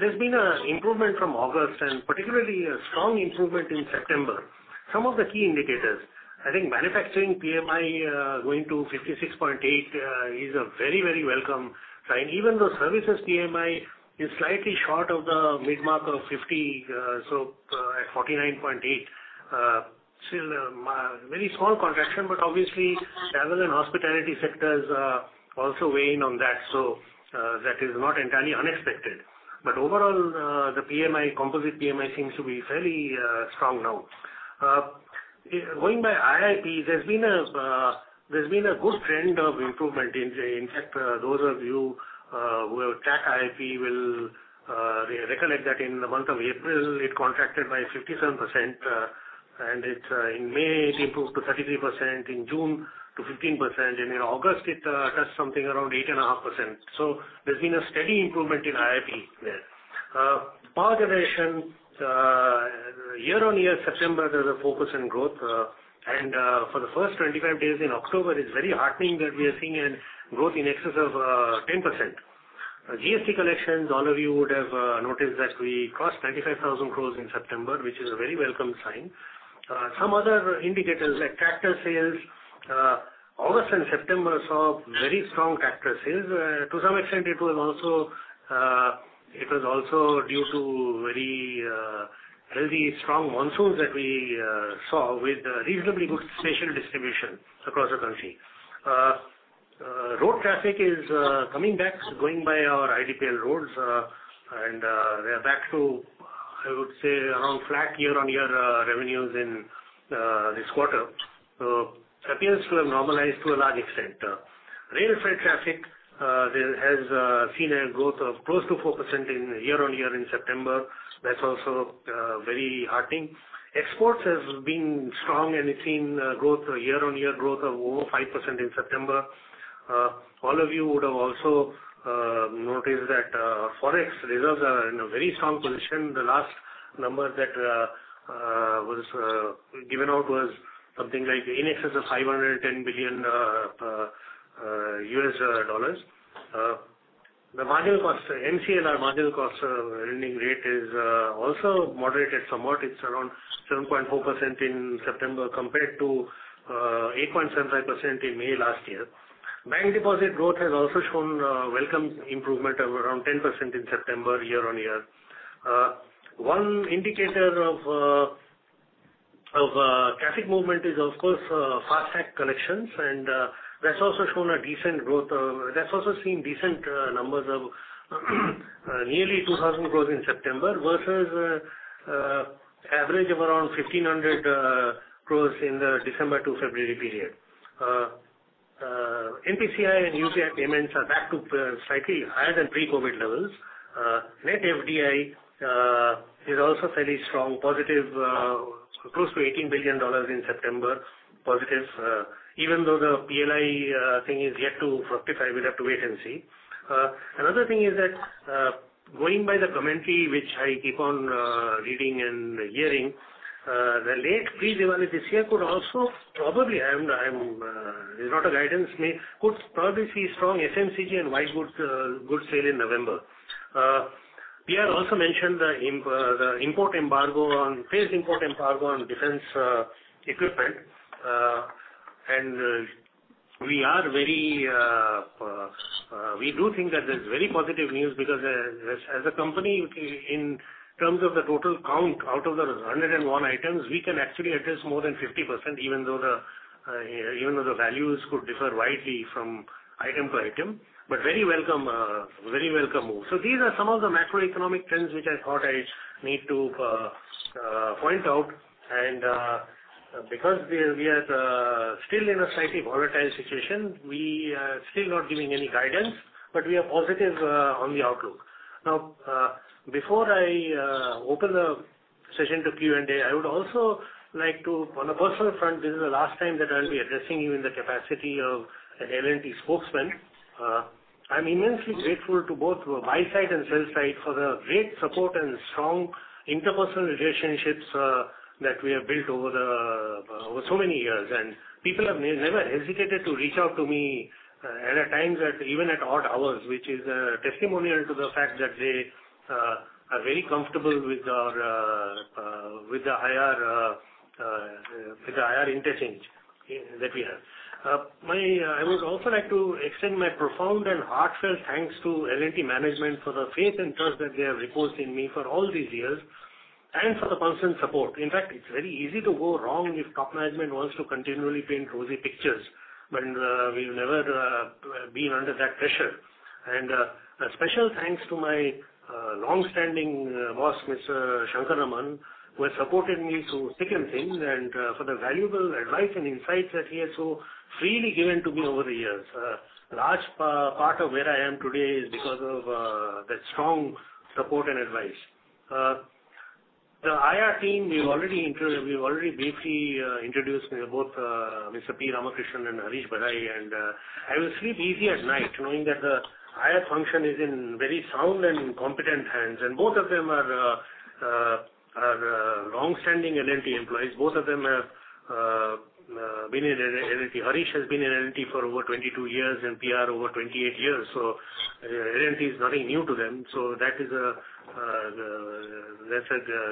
there's been an improvement from August and particularly a strong improvement in September. Some of the key indicators, I think manufacturing PMI going to 56.8 is a very welcome sign. Even though services PMI is slightly short of the mid-mark of 50, so at 49.8. Still a very small contraction, but obviously travel and hospitality sectors are also weighing on that, so that is not entirely unexpected. Overall, the composite PMI seems to be fairly strong now. Going by IIP, there's been a good trend of improvement. In fact, those of you who track IIP will recollect that in the month of April, it contracted by 57%, and in May, it improved to 33%, in June to 15%, and in August it touched something around 8.5%. Power generation year-on-year, September, there's a 4% growth. For the first 25 days in October, it's very heartening that we are seeing a growth in excess of 10%. GST collections, all of you would have noticed that we crossed 95,000 crore in September, which is a very welcome sign. Some other indicators like tractor sales. August and September saw very strong tractor sales. To some extent it was also due to very healthy, strong monsoons that we saw with reasonably good spatial distribution across the country. Road traffic is coming back, going by our IDPL roads, and we are back to, I would say, around flat year-on-year revenues in this quarter. Appears to have normalized to a large extent. Railway freight traffic has seen a growth of close to 4% in year-on-year in September. That's also very heartening. Exports has been strong, and it's seen year-on-year growth of over 5% in September. All of you would have also noticed that Forex reserves are in a very strong position. The last number that was given out was something like in excess of $510 billion. The MCLR marginal cost of lending rate is also moderated somewhat. It's around 7.4% in September compared to 8.75% in May last year. Bank deposit growth has also shown a welcome improvement of around 10% in September year-on-year. One indicator of traffic movement is, of course, FASTag collections. That's also shown a decent growth. That's also seen decent numbers of nearly 2,000 crore in September versus average of around 1,500 crore in the December to February period. NPCI and UPI payments are back to slightly higher than pre-COVID levels. Net FDI is also fairly strong, close to $18 billion in September, positive. Even though the PLI thing is yet to fructify, we'll have to wait and see. Another thing is that going by the commentary which I keep on reading and hearing, the late pre-Diwali this year could also probably, it's not a guidance to me, could probably see strong FMCG and white good sale in November. We have also mentioned the phased import embargo on defense equipment, and we do think that there's very positive news because as a company, in terms of the total count out of the 101 items, we can actually address more than 50%, even though the values could differ widely from item to item, but very welcome move. These are some of the macroeconomic trends which I thought I need to point out, and because we are still in a slightly volatile situation, we are still not giving any guidance, but we are positive on the outlook. Now, before I open the session to Q&A, I would also like to, on a personal front, this is the last time that I'll be addressing you in the capacity of an L&T spokesman. I'm immensely grateful to both my side and sell side for the great support and strong interpersonal relationships that we have built over so many years. People have never hesitated to reach out to me at times, even at odd hours, which is a testimonial to the fact that they are very comfortable with the IR interchange that we have. I would also like to extend my profound and heartfelt thanks to L&T management for the faith and trust that they have reposed in me for all these years and for the constant support. In fact, it's very easy to go wrong if top management wants to continually paint rosy pictures, but we've never been under that pressure. A special thanks to my long-standing boss, Mr. Shankar Raman, who has supported me through thick and thin, and for the valuable advice and insights that he has so freely given to me over the years. A large part of where I am today is because of that strong support and advice. The IR team, we've already briefly introduced both Mr. P. Ramakrishnan and Harish Barai, and I will sleep easy at night knowing that the IR function is in very sound and competent hands, and both of them are long-standing L&T employees. Both of them have been in L&T. Harish has been in L&T for over 22 years, and PR over 28 years. L&T is nothing new to them, that's a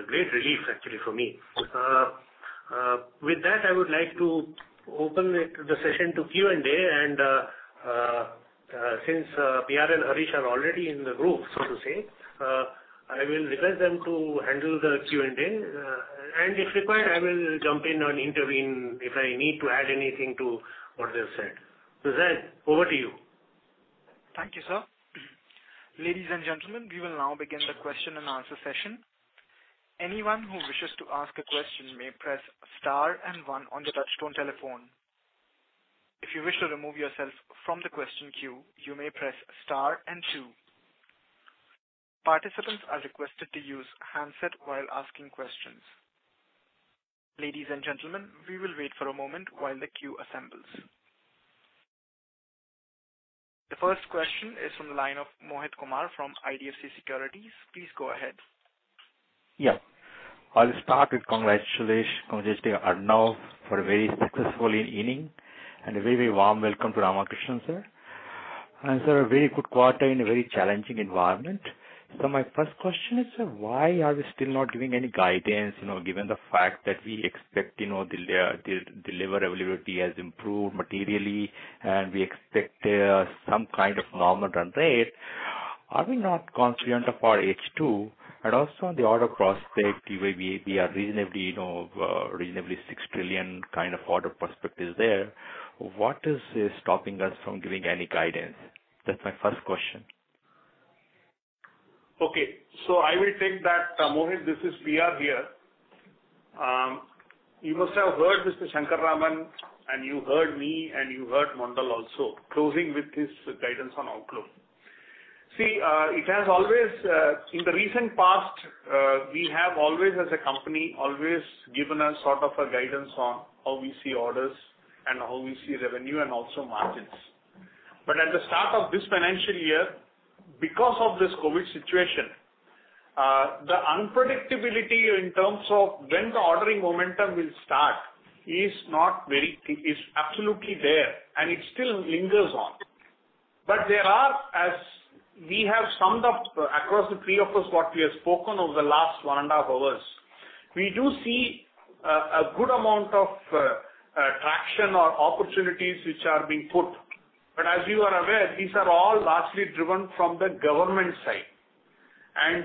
great relief, actually, for me. With that, I would like to open the session to Q&A, and since PR and Harish are already in the room, so to say, I will request them to handle the Q&A. If required, I will jump in or intervene if I need to add anything to what they've said. Zaid, over to you. Thank you, sir. Ladies and gentlemen, we will now begin the question and answer session. The first question is from the line of Mohit Kumar from IDFC Securities. Please go ahead. Yeah. I'll start with congratulations, Arnob, for a very successful inning, and a very warm welcome to Ramakrishnan, sir. Sir, a very good quarter in a very challenging environment. My first question is, sir, why are we still not giving any guidance? Given the fact that we expect the deliverability has improved materially, and we expect some kind of normal run rate. Are we not confident of our H2? Also on the order prospects, we are reasonably 6 trillion kind of order prospect is there. What is stopping us from giving any guidance? That's my first question. Okay. I will take that, Mohit. This is PR here. You must have heard Mr. Shankar Raman and you heard me, and you heard Mondal also closing with his guidance on outlook. See, in the recent past, we have always as a company, given a sort of a guidance on how we see orders and how we see revenue and also margins. At the start of this financial year, because of this COVID situation, the unpredictability in terms of when the ordering momentum will start is absolutely there, and it still lingers on. There are, as we have summed up across the three of us, what we have spoken over the last one and a half hours, we do see a good amount of traction or opportunities which are being put. As you are aware, these are all largely driven from the government side. I'm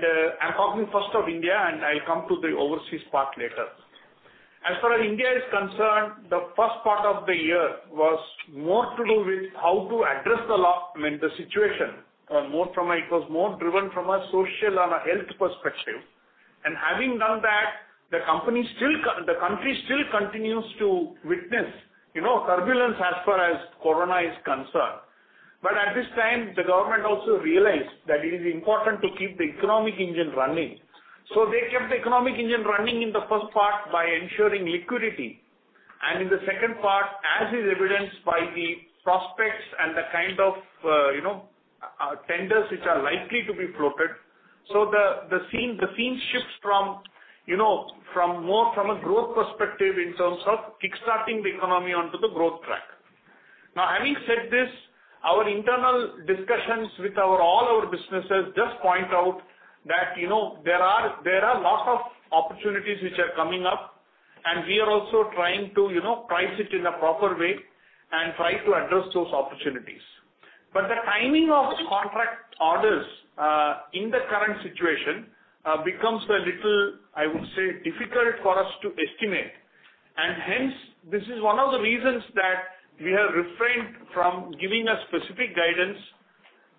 talking first of India, and I'll come to the overseas part later. As far as India is concerned, the first part of the year was more to do with how to address the situation. It was more driven from a social and a health perspective. Having done that, the country still continues to witness turbulence as far as corona is concerned. At this time, the government also realized that it is important to keep the economic engine running. They kept the economic engine running in the first part by ensuring liquidity, and in the second part, as is evidenced by the prospects and the kind of tenders which are likely to be floated. The scene shifts more from a growth perspective in terms of kickstarting the economy onto the growth track. Now, having said this, our internal discussions with all our businesses just point out that there are lots of opportunities which are coming up, and we are also trying to price it in a proper way and try to address those opportunities. The timing of contract orders, in the current situation, becomes a little, I would say, difficult for us to estimate. Hence, this is one of the reasons that we have refrained from giving a specific guidance.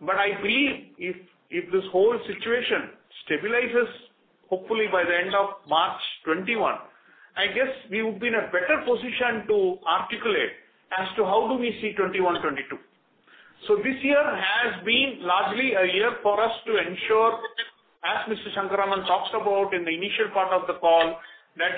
I believe if this whole situation stabilizes, hopefully by the end of March 2021, I guess we would be in a better position to articulate as to how do we see 2021/2022. This year has been largely a year for us to ensure, as Mr. Shankara talks about in the initial part of the call, that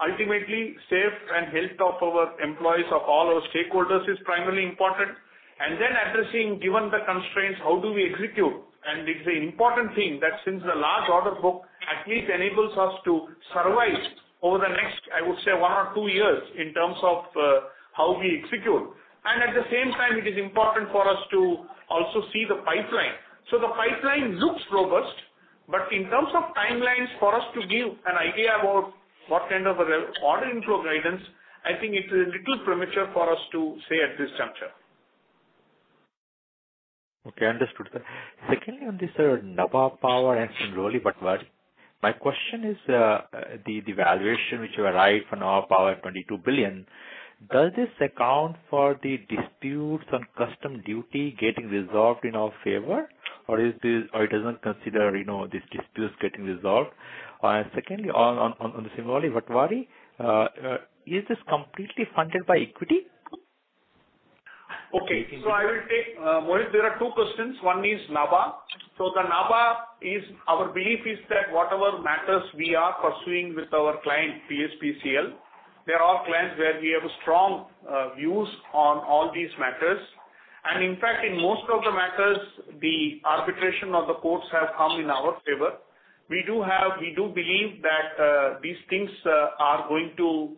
ultimately safe and health of our employees, of all our stakeholders is primarily important. Then addressing, given the constraints, how do we execute? It's an important thing that since the large order book at least enables us to survive over the next, I would say one or two years in terms of how we execute. At the same time, it is important for us to also see the pipeline. The pipeline looks robust, but in terms of timelines for us to give an idea about what kind of order inflow guidance, I think it's a little premature for us to say at this juncture. Okay, understood. Secondly, on this Nabha Power and Singoli Bhatwari. My question is, the valuation which you arrived for Nabha Power, $22 billion, does this account for the disputes on custom duty getting resolved in our favor? It doesn't consider these disputes getting resolved? Secondly, on the Singoli Bhatwari, is this completely funded by equity? Okay. I will take, Mohit, there are two questions. One is Nabha. The Nabha, our belief is that whatever matters we are pursuing with our client, PSPCL, they're all clients where we have strong views on all these matters. In fact, in most of the matters, the arbitration of the courts have come in our favor. We do believe that these things are going to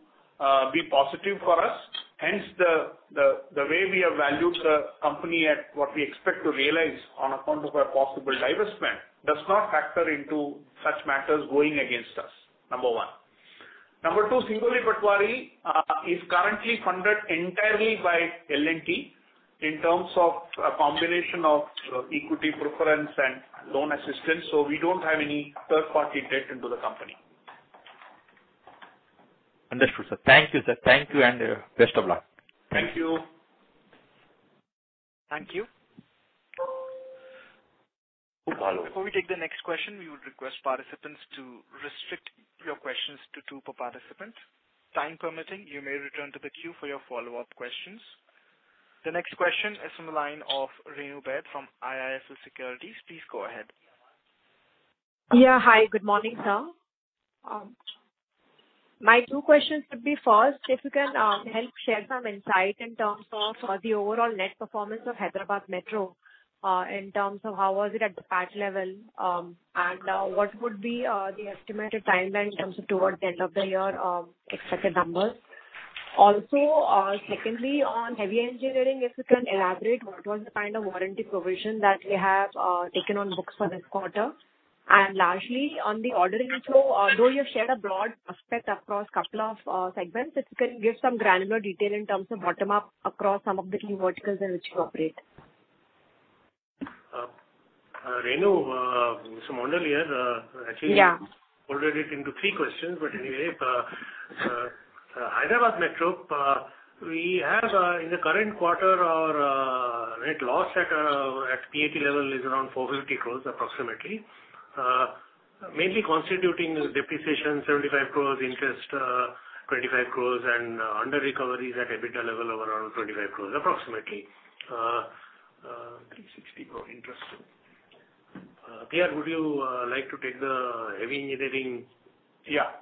be positive for us. Hence, the way we have valued the company at what we expect to realize on account of a possible divestment does not factor into such matters going against us, number one. Number two, Singoli Bhatwari is currently funded entirely by L&T in terms of a combination of equity preference and loan assistance. We don't have any third-party debt into the company. Understood, sir. Thank you, sir. Thank you, and best of luck. Thank you. Thank you. Before we take the next question, we would request participants to restrict your questions to two per participant. Time permitting, you may return to the queue for your follow-up questions. The next question is from the line of Renu Baid from IIFL Securities. Please go ahead. Yeah, hi. Good morning, sir. My two questions would be, first, if you can help share some insight in terms of the overall net performance of Hyderabad Metro, in terms of how was it at the PAT level, and what would be the estimated timeline in terms of towards the end of the year expected numbers. Also, secondly, on heavy engineering, if you can elaborate what was the kind of warranty provision that you have taken on books for this quarter. Largely on the order inflow, although you have shared a broad aspect across couple of segments, if you can give some granular detail in terms of bottom-up across some of the key verticals in which you operate. Renu, some earlier. Yeah Actually folded it into three questions. Anyway, Hyderabad Metro, we have in the current quarter our net loss at PAT level is around 450 crore approximately. Mainly constituting depreciation 75 crore, interest 25 crore, and underrecoveries at EBITDA level of around 25 crore approximately. 36 people interested. Pierre, would you like to take the heavy engineering? Yeah.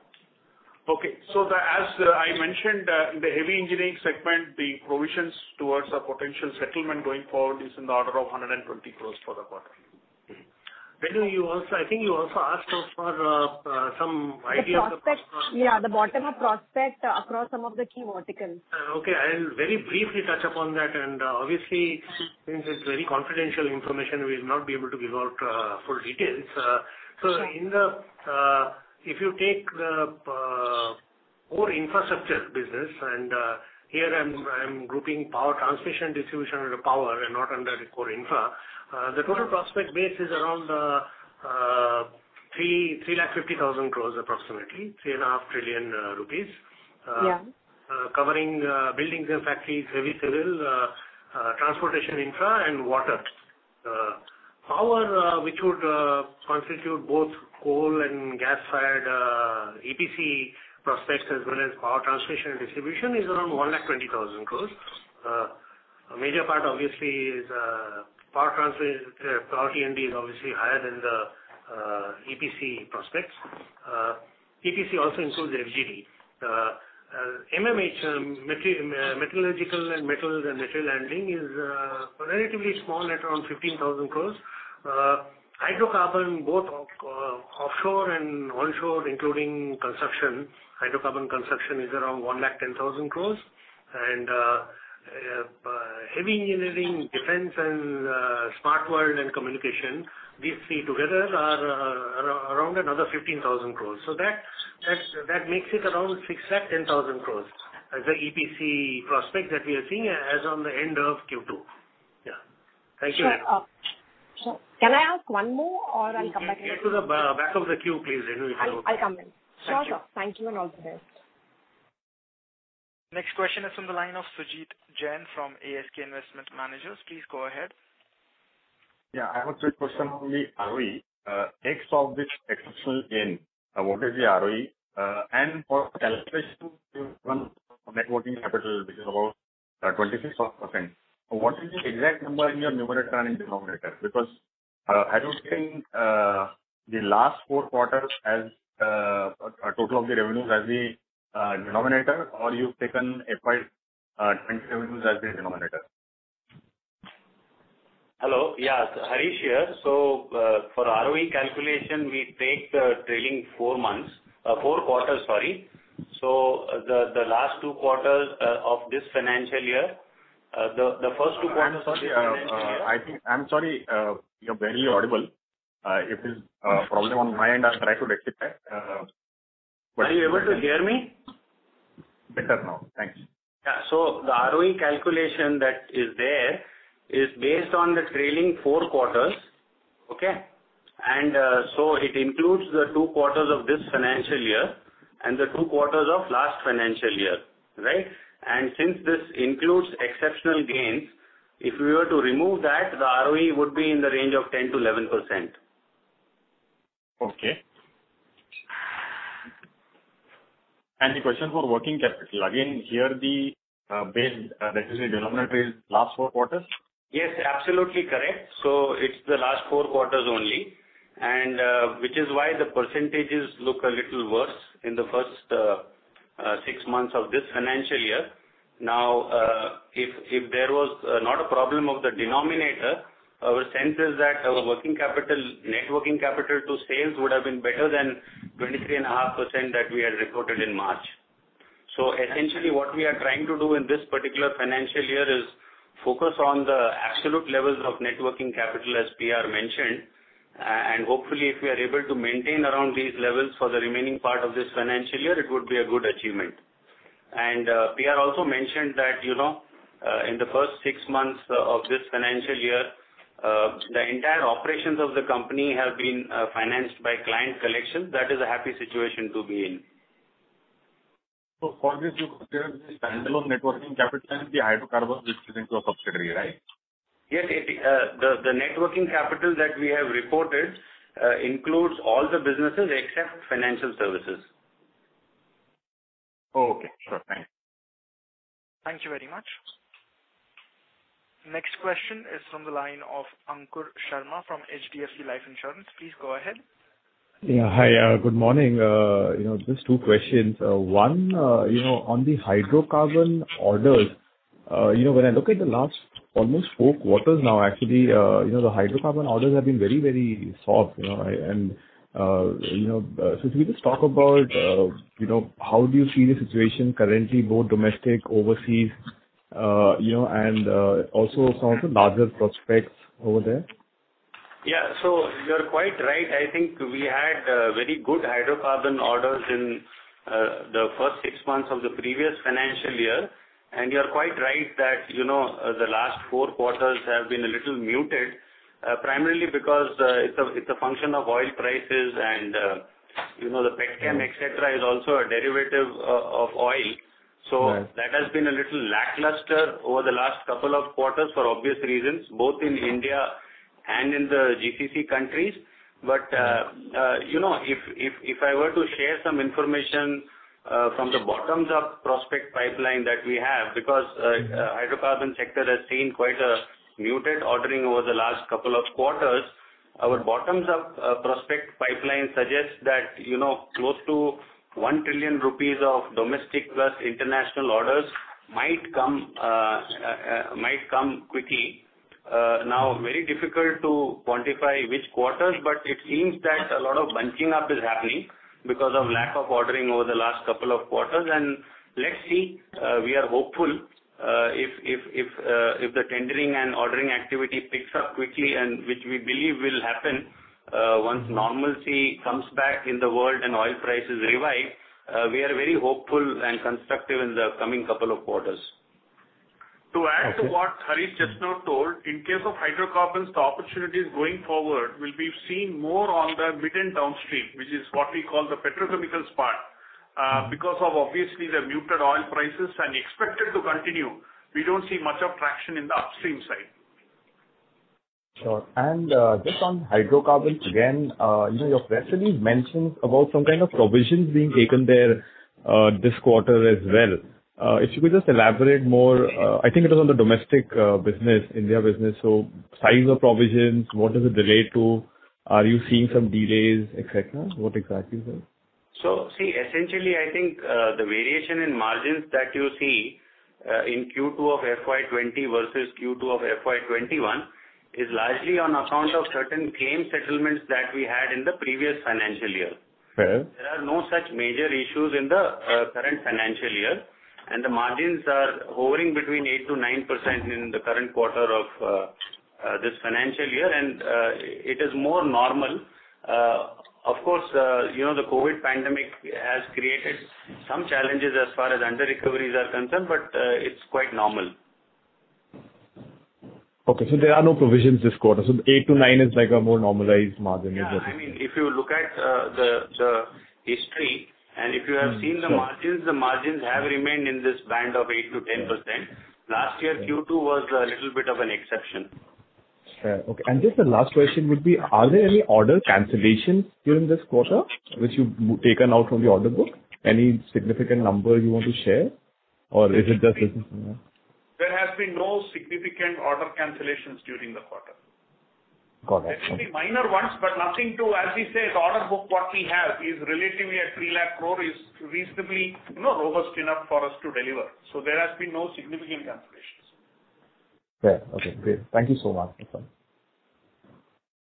Okay. As I mentioned, in the heavy engineering segment, the provisions towards a potential settlement going forward is in the order of 120 crores for the quarter. Renu, I think you also asked for some idea. The prospect. Yeah, the bottom-up prospect across some of the key verticals. Okay. I'll very briefly touch upon that, and obviously since it's very confidential information, we'll not be able to give out full details. Sure. If you take the core infrastructure business, and here I'm grouping power transmission, distribution under power and not under the core infra. The total prospect base is around 3,50,000 crore approximately, 3.5 trillion rupees. Yeah. Covering Buildings and Factories, Heavy Civil, Transportation Infra, and Water. Power, which would constitute both coal and gas-fired EPC prospects as well as power transmission and distribution, is around 120,000 crore. A major part obviously is Power T&D is obviously higher than the EPC prospects. EPC also includes FGD. MMH, Metallurgical and Metals and Material Handling is relatively small at around 15,000 crore. Hydrocarbon, both offshore and onshore, including construction, hydrocarbon construction is around 110,000 crore. Heavy Engineering, Defense, and Smart World and Communication. These three together are around another 15,000 crore. That makes it around 610,000 crore as the EPC prospect that we are seeing as on the end of Q2. Yeah. Thank you. Sure. Can I ask one more? I'll come back again. Get to the back of the queue, please, Renu, if you don't mind. I'll come in. Thank you. Sure. Thank you, and all the best. Next question is from the line of Sumit Jain from ASK Investment Managers. Please go ahead. Yeah. I have a quick question on the ROE. Takes off this exceptional gain, what is the ROE? For calculation net working capital, which is about 26%. What is the exact number in your numerator and denominator? Have you taken the last four quarters as a total of the revenues as the denominator, or you've taken FY 2020 revenues as the denominator? Hello. Yeah, Harish here. For ROE calculation, we take the trailing four months, four quarters, sorry. The first two quarters of this financial year. I'm sorry. You're barely audible. It is a problem on my end. I'll try to rectify. Are you able to hear me? Better now. Thanks. The ROE calculation that is there is based on the trailing four quarters. Okay. It includes the two quarters of this financial year and the two quarters of last financial year. Right. Since this includes exceptional gains, if we were to remove that, the ROE would be in the range of 10%-11%. Okay. The question for working capital. Again, here the base that is the denominator is last four quarters? Yes, absolutely correct. It's the last four quarters only, and which is why the percentages look a little worse in the first six months of this financial year. Now, if there was not a problem of the denominator, our sense is that our working capital, net working capital to sales would have been better than 23.5% that we had reported in March. Essentially what we are trying to do in this particular financial year is focus on the absolute levels of net working capital as PR mentioned. Hopefully if we are able to maintain around these levels for the remaining part of this financial year, it would be a good achievement. PR also mentioned that in the first six months of this financial year, the entire operations of the company have been financed by client collections. That is a happy situation to be in. For this you consider the standalone net working capital and the Hydrocarbons which is into a subsidiary, right? Yes. The net working capital that we have reported includes all the businesses except financial services. Okay, sure. Thanks. Thank you very much. Next question is from the line of Ankur Sharma from HDFC Life Insurance. Please go ahead. Hi, good morning. Just two questions. One, on the hydrocarbon orders. When I look at the last almost four quarters now, actually the hydrocarbon orders have been very soft. If you could just talk about how do you see the situation currently, both domestic, overseas, and also some of the larger prospects over there? Yeah. You're quite right. I think we had very good hydrocarbon orders in the first six months of the previous financial year. You're quite right that the last four quarters have been a little muted, primarily because it is a function of oil prices and the petchem et cetera is also a derivative of oil. Right. That has been a little lackluster over the last couple of quarters for obvious reasons, both in India and in the GCC countries. If I were to share some information from the bottoms-up prospect pipeline that we have, because hydrocarbon sector has seen quite a muted ordering over the last couple of quarters. Our bottoms-up prospect pipeline suggests that close to ₹1 trillion of domestic plus international orders might come quickly. Very difficult to quantify which quarters, but it seems that a lot of bunching up is happening because of lack of ordering over the last couple of quarters, and let's see. We are hopeful if the tendering and ordering activity picks up quickly, and which we believe will happen once normalcy comes back in the world and oil prices revise. We are very hopeful and constructive in the coming couple of quarters. Okay. To add to what Harish just now told, in case of hydrocarbons, the opportunities going forward will be seen more on the mid and downstream, which is what we call the petrochemicals part. Because of obviously the muted oil prices and expected to continue, we don't see much of traction in the upstream side. Sure. Just on hydrocarbons again, you have recently mentioned about some kind of provisions being taken there this quarter as well. If you could just elaborate more, I think it was on the domestic business, India business, so size of provisions, what does it relate to? Are you seeing some delays, et cetera? What exactly is it? Essentially, I think the variation in margins that you see in Q2 of FY 2020 versus Q2 of FY 2021 is largely on account of certain claim settlements that we had in the previous financial year. Okay. There are no such major issues in the current financial year, and the margins are hovering between 8%-9% in the current quarter of this financial year, and it is more normal. Of course, the COVID pandemic has created some challenges as far as underrecoveries are concerned, but it's quite normal. There are no provisions this quarter. 8%-9% is like a more normalized margin. Yeah. If you look at the history and if you have seen the margins, the margins have remained in this band of 8%-10%. Last year, Q2 was a little bit of an exception. Fair. Okay. Just the last question would be, are there any order cancellations during this quarter which you've taken out from the order book? Any significant number you want to share, or is it just business as usual? There has been no significant order cancellations during the quarter. Got it. Actually, minor ones, but nothing to, as he says, order book what we have is relatively at 3 lakh crore is reasonably robust enough for us to deliver. There has been no significant cancellations. Fair. Okay, great. Thank you so much.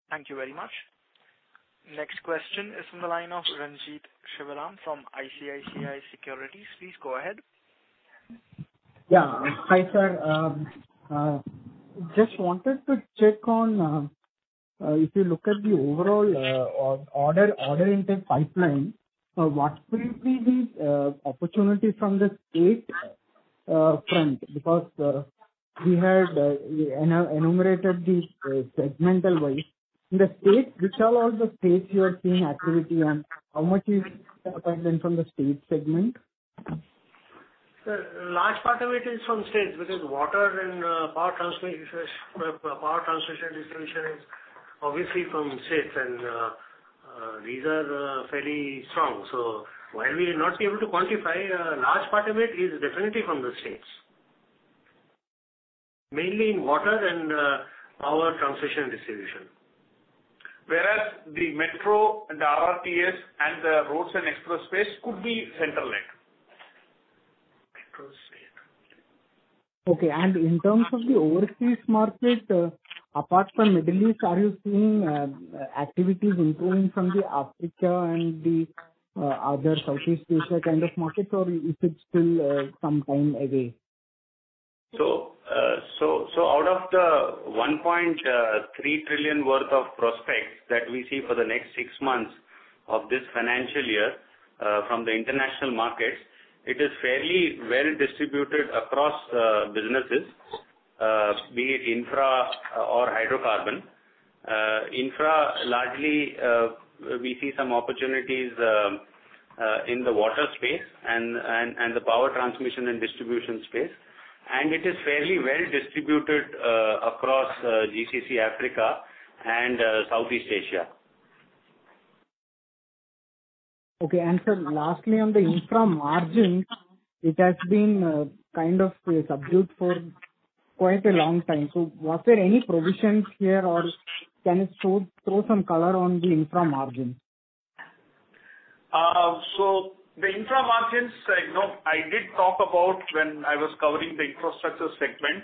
Thank you very much. Next question is from the line of Ranjit Shivarama from ICICI Securities. Please go ahead. Yeah. Hi, sir. Just wanted to check on if you look at the overall order intake pipeline, what will be the opportunity from the state front? We had enumerated this segmentally. In the states, which all are the states you are seeing activity and how much is the opportunity from the state segment? Sir, large part of it is from states because water and power transmission distribution is obviously from states. These are fairly strong. While we're not able to quantify, a large part of it is definitely from the states. Mainly in water and power transmission distribution. Whereas the Metro and the RRTS and the roads and expressways could be Center-led. Metro, state. Okay. In terms of the overseas market, apart from Middle East, are you seeing activities improving from the Africa and the other Southeast Asia kind of markets, or is it still some time away? Out of the $1.3 trillion worth of prospects that we see for the next six months of this financial year from the international markets, it is fairly well distributed across businesses, be it infra or hydrocarbon. Infra, largely, we see some opportunities in the water space and the power transmission and distribution space. It is fairly well distributed across GCC, Africa, and Southeast Asia. Okay. Sir, lastly, on the infra margin, it has been kind of subdued for quite a long time. Was there any provisions here, or can you throw some color on the infra margin? The infra margins, I did talk about when I was covering the infrastructure segment.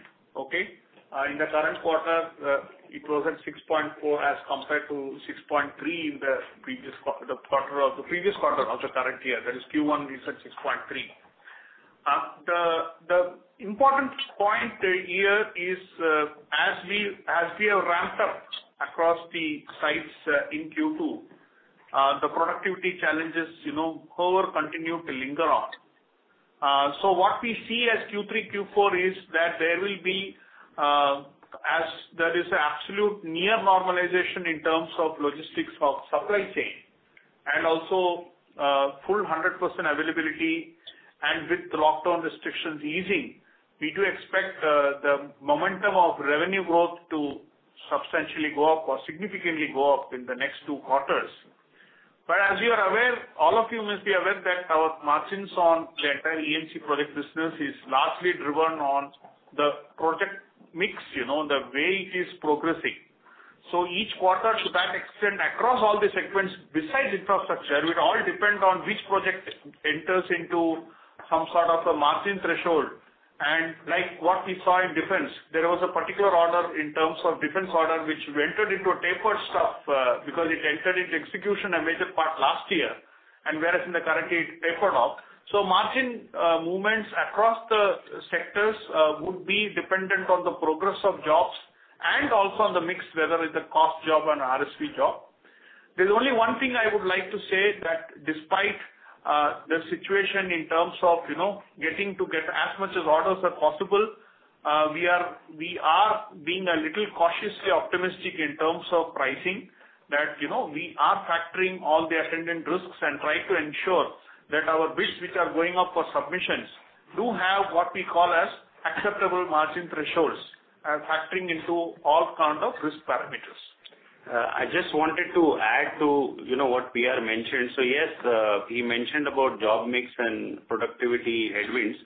In the current quarter, it was at 6.4 as compared to 6.3 in the previous quarter of the current year. That is Q1, it was at 6.3. The important point here is as we have ramped up across the sites in Q2, the productivity challenges however continue to linger on. What we see as Q3, Q4 is that there will be, as there is absolute near normalization in terms of logistics of supply chain and also full 100% availability and with the lockdown restrictions easing, we do expect the momentum of revenue growth to substantially go up or significantly go up in the next two quarters. As you are aware, all of you must be aware that our margins on the entire E&C project business is largely driven on the project mix, the way it is progressing. Each quarter to that extent, across all the segments besides infrastructure, it all depends on which project enters into some sort of a margin threshold. Like what we saw in defense, there was a particular order in terms of defense order, which we entered into a tapered stuff, because it entered into execution a major part last year, and whereas in the current year it tapered off. Margin movements across the sectors would be dependent on the progress of jobs and also on the mix, whether it's a cost job or an RSV job. There's only one thing I would like to say, that despite the situation in terms of getting to get as much as orders are possible, we are being a little cautiously optimistic in terms of pricing. We are factoring all the attendant risks and trying to ensure that our bids which are going up for submissions do have what we call as acceptable margin thresholds, factoring into all kind of risk parameters. I just wanted to add to what P.R. mentioned. Yes, he mentioned about job mix and productivity headwinds.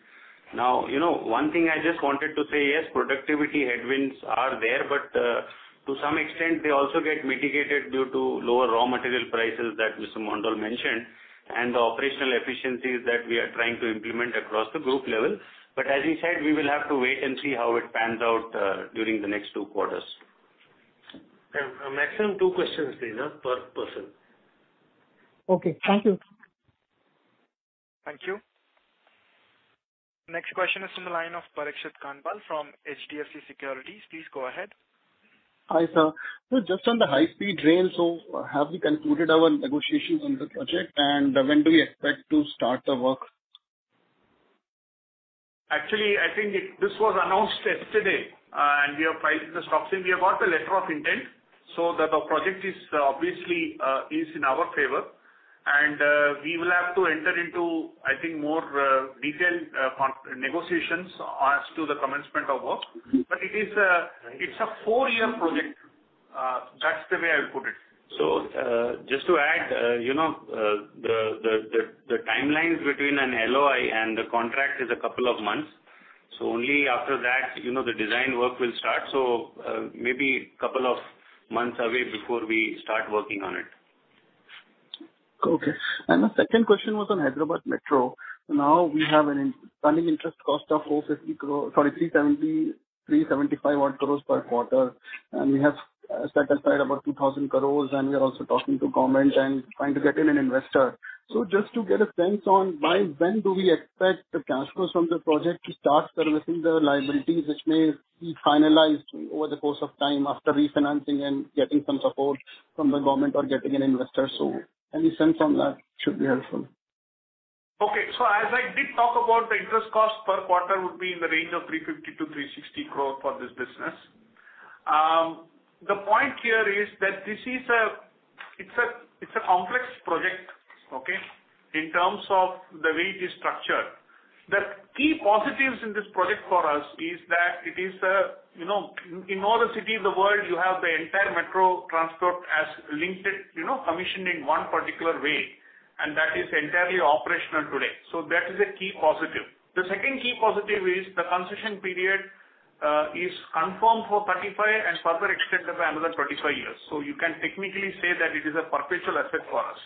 One thing I just wanted to say, yes, productivity headwinds are there, but to some extent, they also get mitigated due to lower raw material prices that Mr. Mondal mentioned and the operational efficiencies that we are trying to implement across the group level. As he said, we will have to wait and see how it pans out during the next two quarters. A maximum two questions, Renu, per person. Okay. Thank you. Thank you. Next question is from the line of Parikshit Kandpal from HDFC Securities. Please go ahead. Hi, sir. Sir, just on the high-speed rail, have we concluded our negotiations on the project, and when do we expect to start the work? Actually, I think this was announced yesterday. We have filed the stock saying we have got the letter of intent, so the project obviously is in our favor. We will have to enter into, I think, more detailed negotiations as to the commencement of work. It's a four-year project. That's the way I would put it. Just to add, the timelines between an LOI and the contract is a couple of months. Only after that the design work will start. Maybe couple of months away before we start working on it. Okay. The second question was on Hyderabad Metro. We have an funding interest cost of 375 crores per quarter, and we have set aside about 2,000 crores, and we are also talking to government and trying to get in an investor. Just to get a sense on by when do we expect the cash flows from the project to start servicing the liabilities, which may be finalized over the course of time after refinancing and getting some support from the government or getting an investor. Any sense on that should be helpful. Okay. As I did talk about, the interest cost per quarter would be in the range of 350 crore-360 crore for this business. The point here is that it's a complex project, okay, in terms of the way it is structured. The key positives in this project for us is that it is a, in all the cities of the world, you have the entire metro transport as linked, commissioning one particular way, and that is entirely operational today. That is a key positive. The second key positive is the concession period is confirmed for 35 and further extended by another 25 years. You can technically say that it is a perpetual asset for us.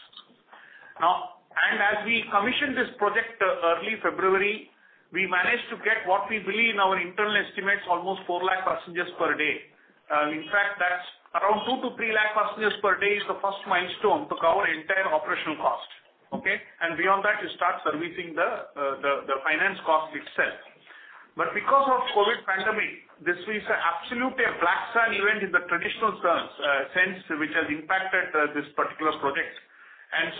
Now, and as we commissioned this project early February, we managed to get what we believe in our internal estimates, almost four lakh passengers per day. In fact, that's around two to three lakh passengers per day is the first milestone to cover entire operational cost. Okay? Beyond that, you start servicing the finance cost itself. Because of COVID pandemic, this is absolutely a black swan event in the traditional sense, which has impacted this particular project.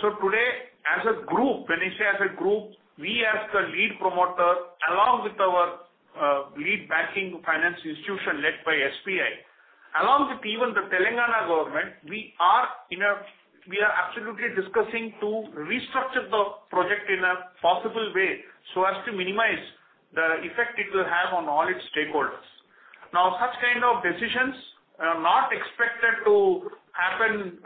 Today, as a group, when you say as a group, we as the lead promoter, along with our lead banking finance institution led by SBI, along with even the Telangana government, we are absolutely discussing to restructure the project in a possible way so as to minimize the effect it will have on all its stakeholders. Now, such kind of decisions are not expected to happen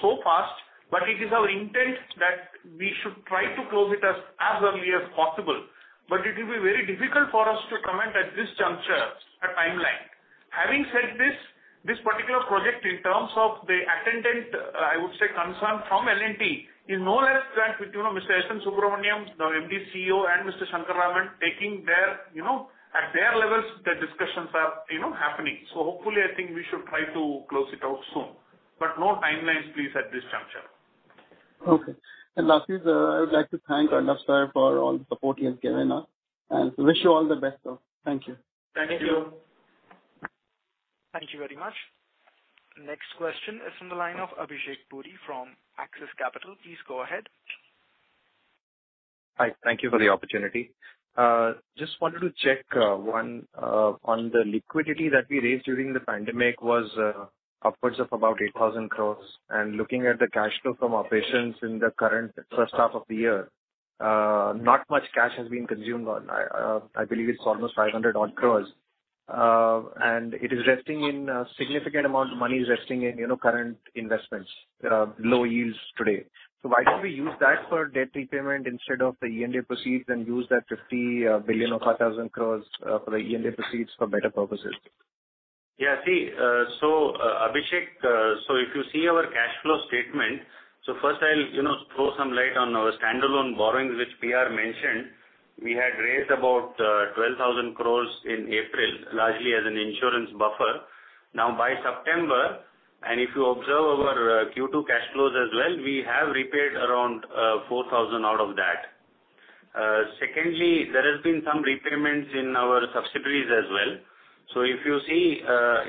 so fast, but it is our intent that we should try to close it as early as possible. It will be very difficult for us to comment at this juncture, a timeline. Having said this particular project in terms of the attendant, I would say, concern from L&T is no less than with Mr. S. N. Subrahmanyan, the MD CEO, and Mr. Shankar Raman taking their, at their levels, the discussions are happening. Hopefully, I think we should try to close it out soon. No timelines, please, at this juncture. Okay. Lastly, I would like to thank Arnob sir for all the support he has given us and wish you all the best. Thank you. Thank you. Thank you very much. Next question is from the line of Abhishek Puri from Axis Capital. Please go ahead. Hi. Thank you for the opportunity. Just wanted to check, one, on the liquidity that we raised during the pandemic was upwards of about 8,000 crore. Looking at the cash flow from operations in the current first half of the year, not much cash has been consumed on. I believe it's almost 500 odd crore. A significant amount of money is resting in current investments, low yields today. Why don't we use that for debt repayment instead of the E&A proceeds and use that 50 billion or 4,000 crore for the E&A proceeds for better purposes? Abhishek, if you see our cash flow statement, first I'll throw some light on our standalone borrowings, which PR mentioned. We had raised about 12,000 crore in April, largely as an insurance buffer. By September, and if you observe our Q2 cash flows as well, we have repaid around 4,000 out of that. Secondly, there has been some repayments in our subsidiaries as well. If you see,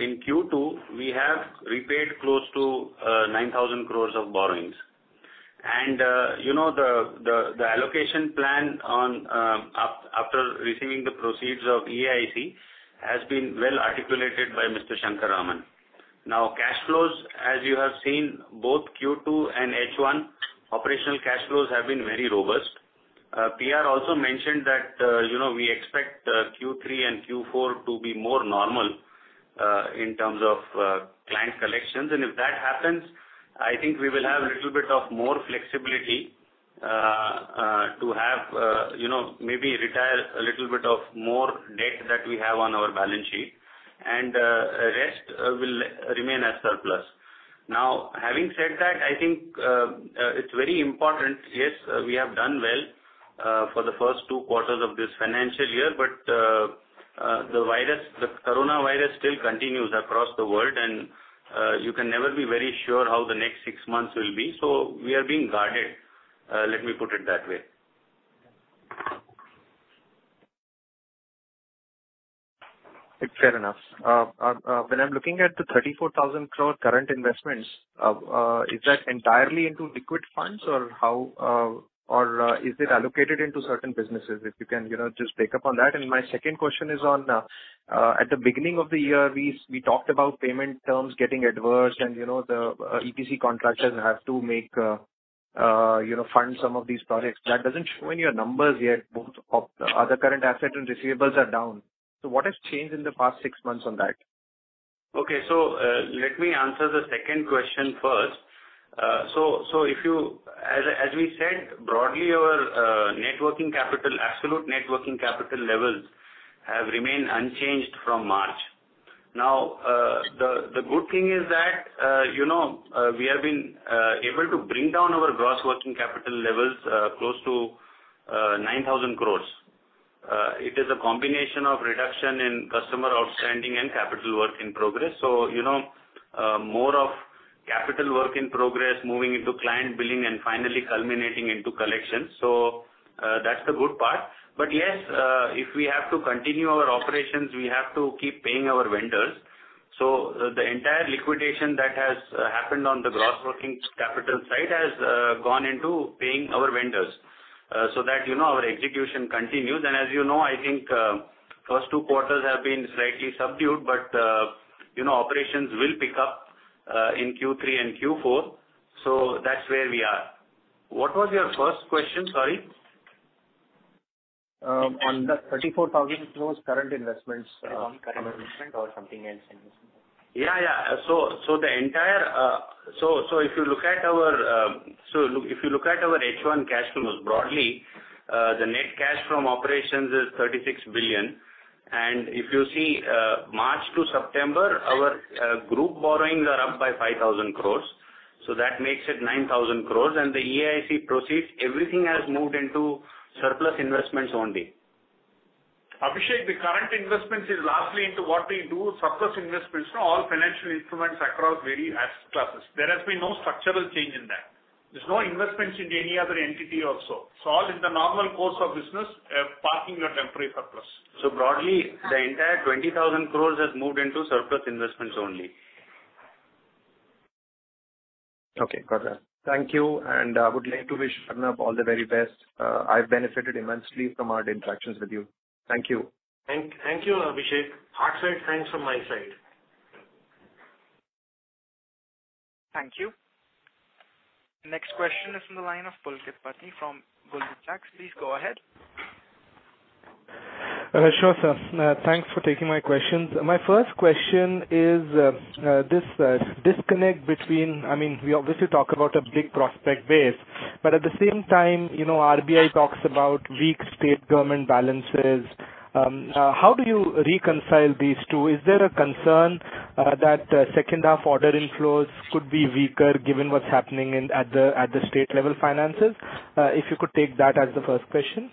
in Q2, we have repaid close to 9,000 crore of borrowings. The allocation plan after receiving the proceeds of E&A IC has been well articulated by Mr. Shankar Raman. Cash flows, as you have seen, both Q2 and H1, operational cash flows have been very robust. PR also mentioned that we expect Q3 and Q4 to be more normal in terms of client collections. If that happens, I think we will have a little bit of more flexibility to have maybe retire a little bit of more debt that we have on our balance sheet, and rest will remain as surplus. Having said that, I think it's very important, yes, we have done well for the first two quarters of this financial year, but the coronavirus still continues across the world, and you can never be very sure how the next six months will be. We are being guarded. Let me put it that way. It's fair enough. When I'm looking at the 34,000 crore current investments, is that entirely into liquid funds or is it allocated into certain businesses? If you can just pick up on that. My second question is on, at the beginning of the year, we talked about payment terms getting adverse and the EPC contractors have to fund some of these projects. That doesn't show in your numbers yet, both of the other current assets and receivables are down. What has changed in the past six months on that? Let me answer the second question first. As we said, broadly, our absolute net working capital levels have remained unchanged from March. The good thing is that we have been able to bring down our gross working capital levels close to 9,000 crores. It is a combination of reduction in customer outstanding and capital work in progress. More of capital work in progress moving into client billing and finally culminating into collections. That's the good part. Yes, if we have to continue our operations, we have to keep paying our vendors. The entire liquidation that has happened on the gross working capital side has gone into paying our vendors so that our execution continues. As you know, I think first two quarters have been slightly subdued, but operations will pick up in Q3 and Q4, so that's where we are. What was your first question? Sorry. On the 34,000 crore current investments. On current investment or something else? Yeah. If you look at our H1 cash flows, broadly, the net cash from operations is 36 billion. If you see March to September, our group borrowings are up by 5,000 crores. That makes it 9,000 crores, and the E&A IC proceeds, everything has moved into surplus investments only. Abhishek, the current investments is largely into what we do surplus investments. All financial instruments across various classes. There has been no structural change in that. There's no investments into any other entity also. All is the normal course of business, parking your temporary surplus. Broadly, the entire 20,000 crore has moved into surplus investments only. Okay, got that. Thank you. I would like to wish Sharna all the very best. I have benefited immensely from our interactions with you. Thank you. Thank you, Abhishek. Heartfelt thanks from my side. Thank you. Next question is from the line of Pulkit Patni from Goldman Sachs. Please go ahead. Sure, sir. Thanks for taking my questions. My first question is this disconnect between, we obviously talk about a big prospect base, but at the same time, RBI talks about weak state government balances. How do you reconcile these two? Is there a concern that second half order inflows could be weaker given what's happening at the state level finances? If you could take that as the first question.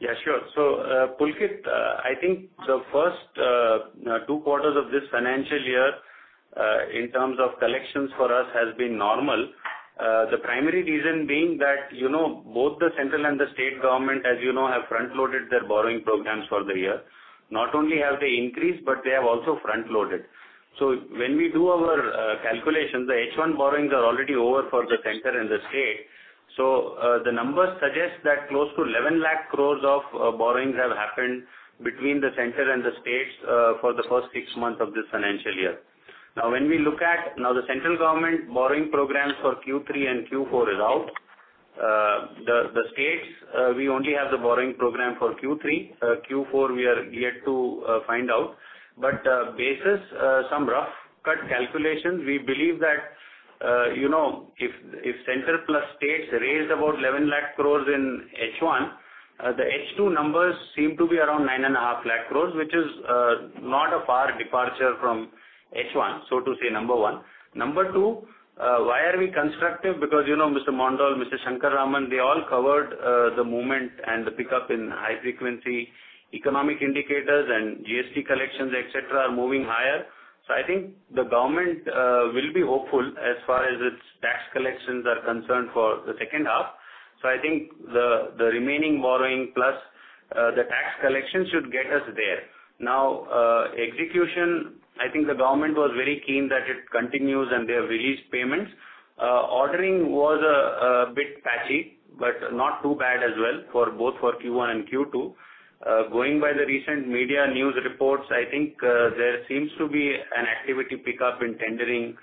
Pulkit, I think the first two quarters of this financial year, in terms of collections for us has been normal. The primary reason being that both the Central and the State Government, as you know, have front-loaded their borrowing programs for the year. Not only have they increased, but they have also front-loaded. When we do our calculations, the H1 borrowings are already over for the Center and the State. The numbers suggest that close to 11 lakh crores of borrowings have happened between the Center and the States for the first six months of this financial year. Now the Central Government borrowing programs for Q3 and Q4 is out. The States, we only have the borrowing program for Q3. Q4, we are yet to find out. Basis some rough cut calculations, we believe that if central plus states raised about 11 lakh crores in H1, the H2 numbers seem to be around 9.5 lakh crores, which is not a far departure from H1, so to say, number one. Number two, why are we constructive? Because Mr. Mondal, Mr. Shankar Raman, they all covered the movement and the pickup in high frequency economic indicators and GST collections, et cetera, are moving higher. I think the government will be hopeful as far as its tax collections are concerned for the second half. I think the remaining borrowing plus the tax collection should get us there. Execution, I think the government was very keen that it continues and they have released payments. Ordering was a bit patchy, but not too bad as well, both for Q1 and Q2. Going by the recent media news reports, I think there seems to be an activity pickup in tendering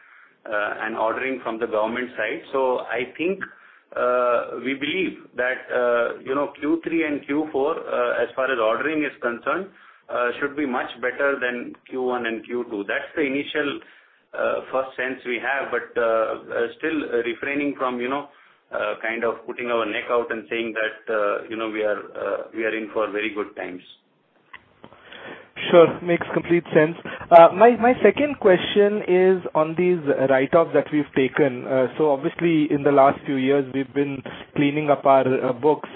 and ordering from the government side. I think we believe that Q3 and Q4, as far as ordering is concerned should be much better than Q1 and Q2. That's the initial first sense we have, but still refraining from kind of putting our neck out and saying that we are in for very good times. Sure. Makes complete sense. My second question is on these write-offs that we've taken. Obviously in the last few years, we've been cleaning up our books.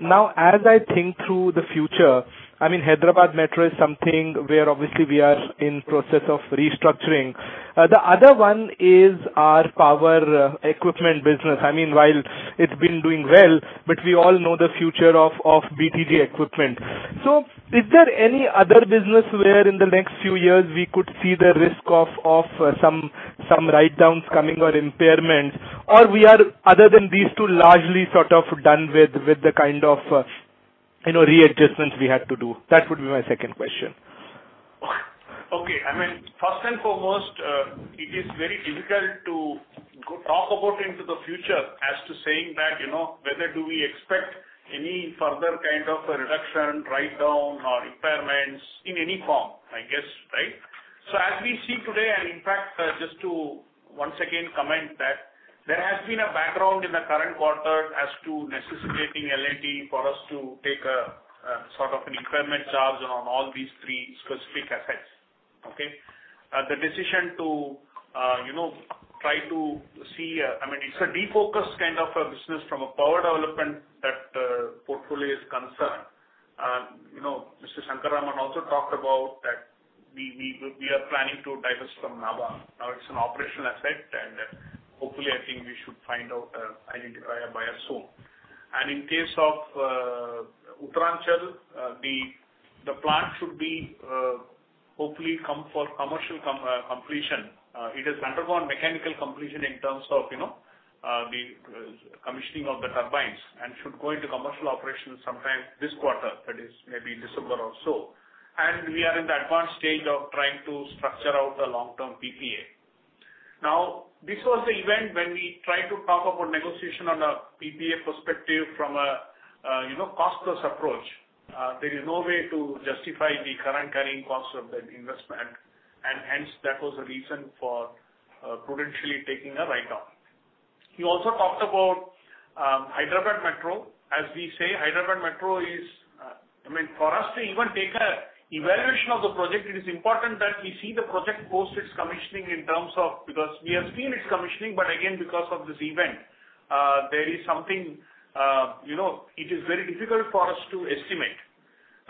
Now, as I think through the future, Hyderabad Metro is something where obviously we are in process of restructuring. The other one is our power equipment business. While it's been doing well, but we all know the future of BTG equipment. Is there any other business where in the next few years we could see the risk of some write-downs coming or impairments, or we are other than these two largely sort of done with the kind of readjustments we had to do? That would be my second question. First and foremost, it is very difficult to talk about into the future as to saying that whether do we expect any further kind of a reduction, write-down or impairments in any form, I guess, right? As we see today, and in fact, just to once again comment that there has been a background in the current quarter as to necessitating L&T for us to take a sort of an impairment charge on all these three specific assets. The decision to try to see, it's a defocus kind of a business from a power development that portfolio is concerned. Mr. Shankar Raman also talked about that we are planning to divest from Nabha. It's an operational asset, and hopefully, I think we should find out a buyer soon. In case of Uttaranchal, the plant should hopefully come for commercial completion. It has undergone mechanical completion in terms of the commissioning of the turbines and should go into commercial operations sometime this quarter, that is maybe December or so. We are in the advanced stage of trying to structure out the long-term PPA. Now, this was the event when we tried to talk about negotiation on a PPA perspective from a cost-plus approach. There is no way to justify the current carrying cost of that investment, and hence that was the reason for prudentially taking a write-off. He also talked about Hyderabad Metro. For us to even take an evaluation of the project, it is important that we see the project post its commissioning in terms of, because we have seen its commissioning, but again, because of this event, there is something, it is very difficult for us to estimate.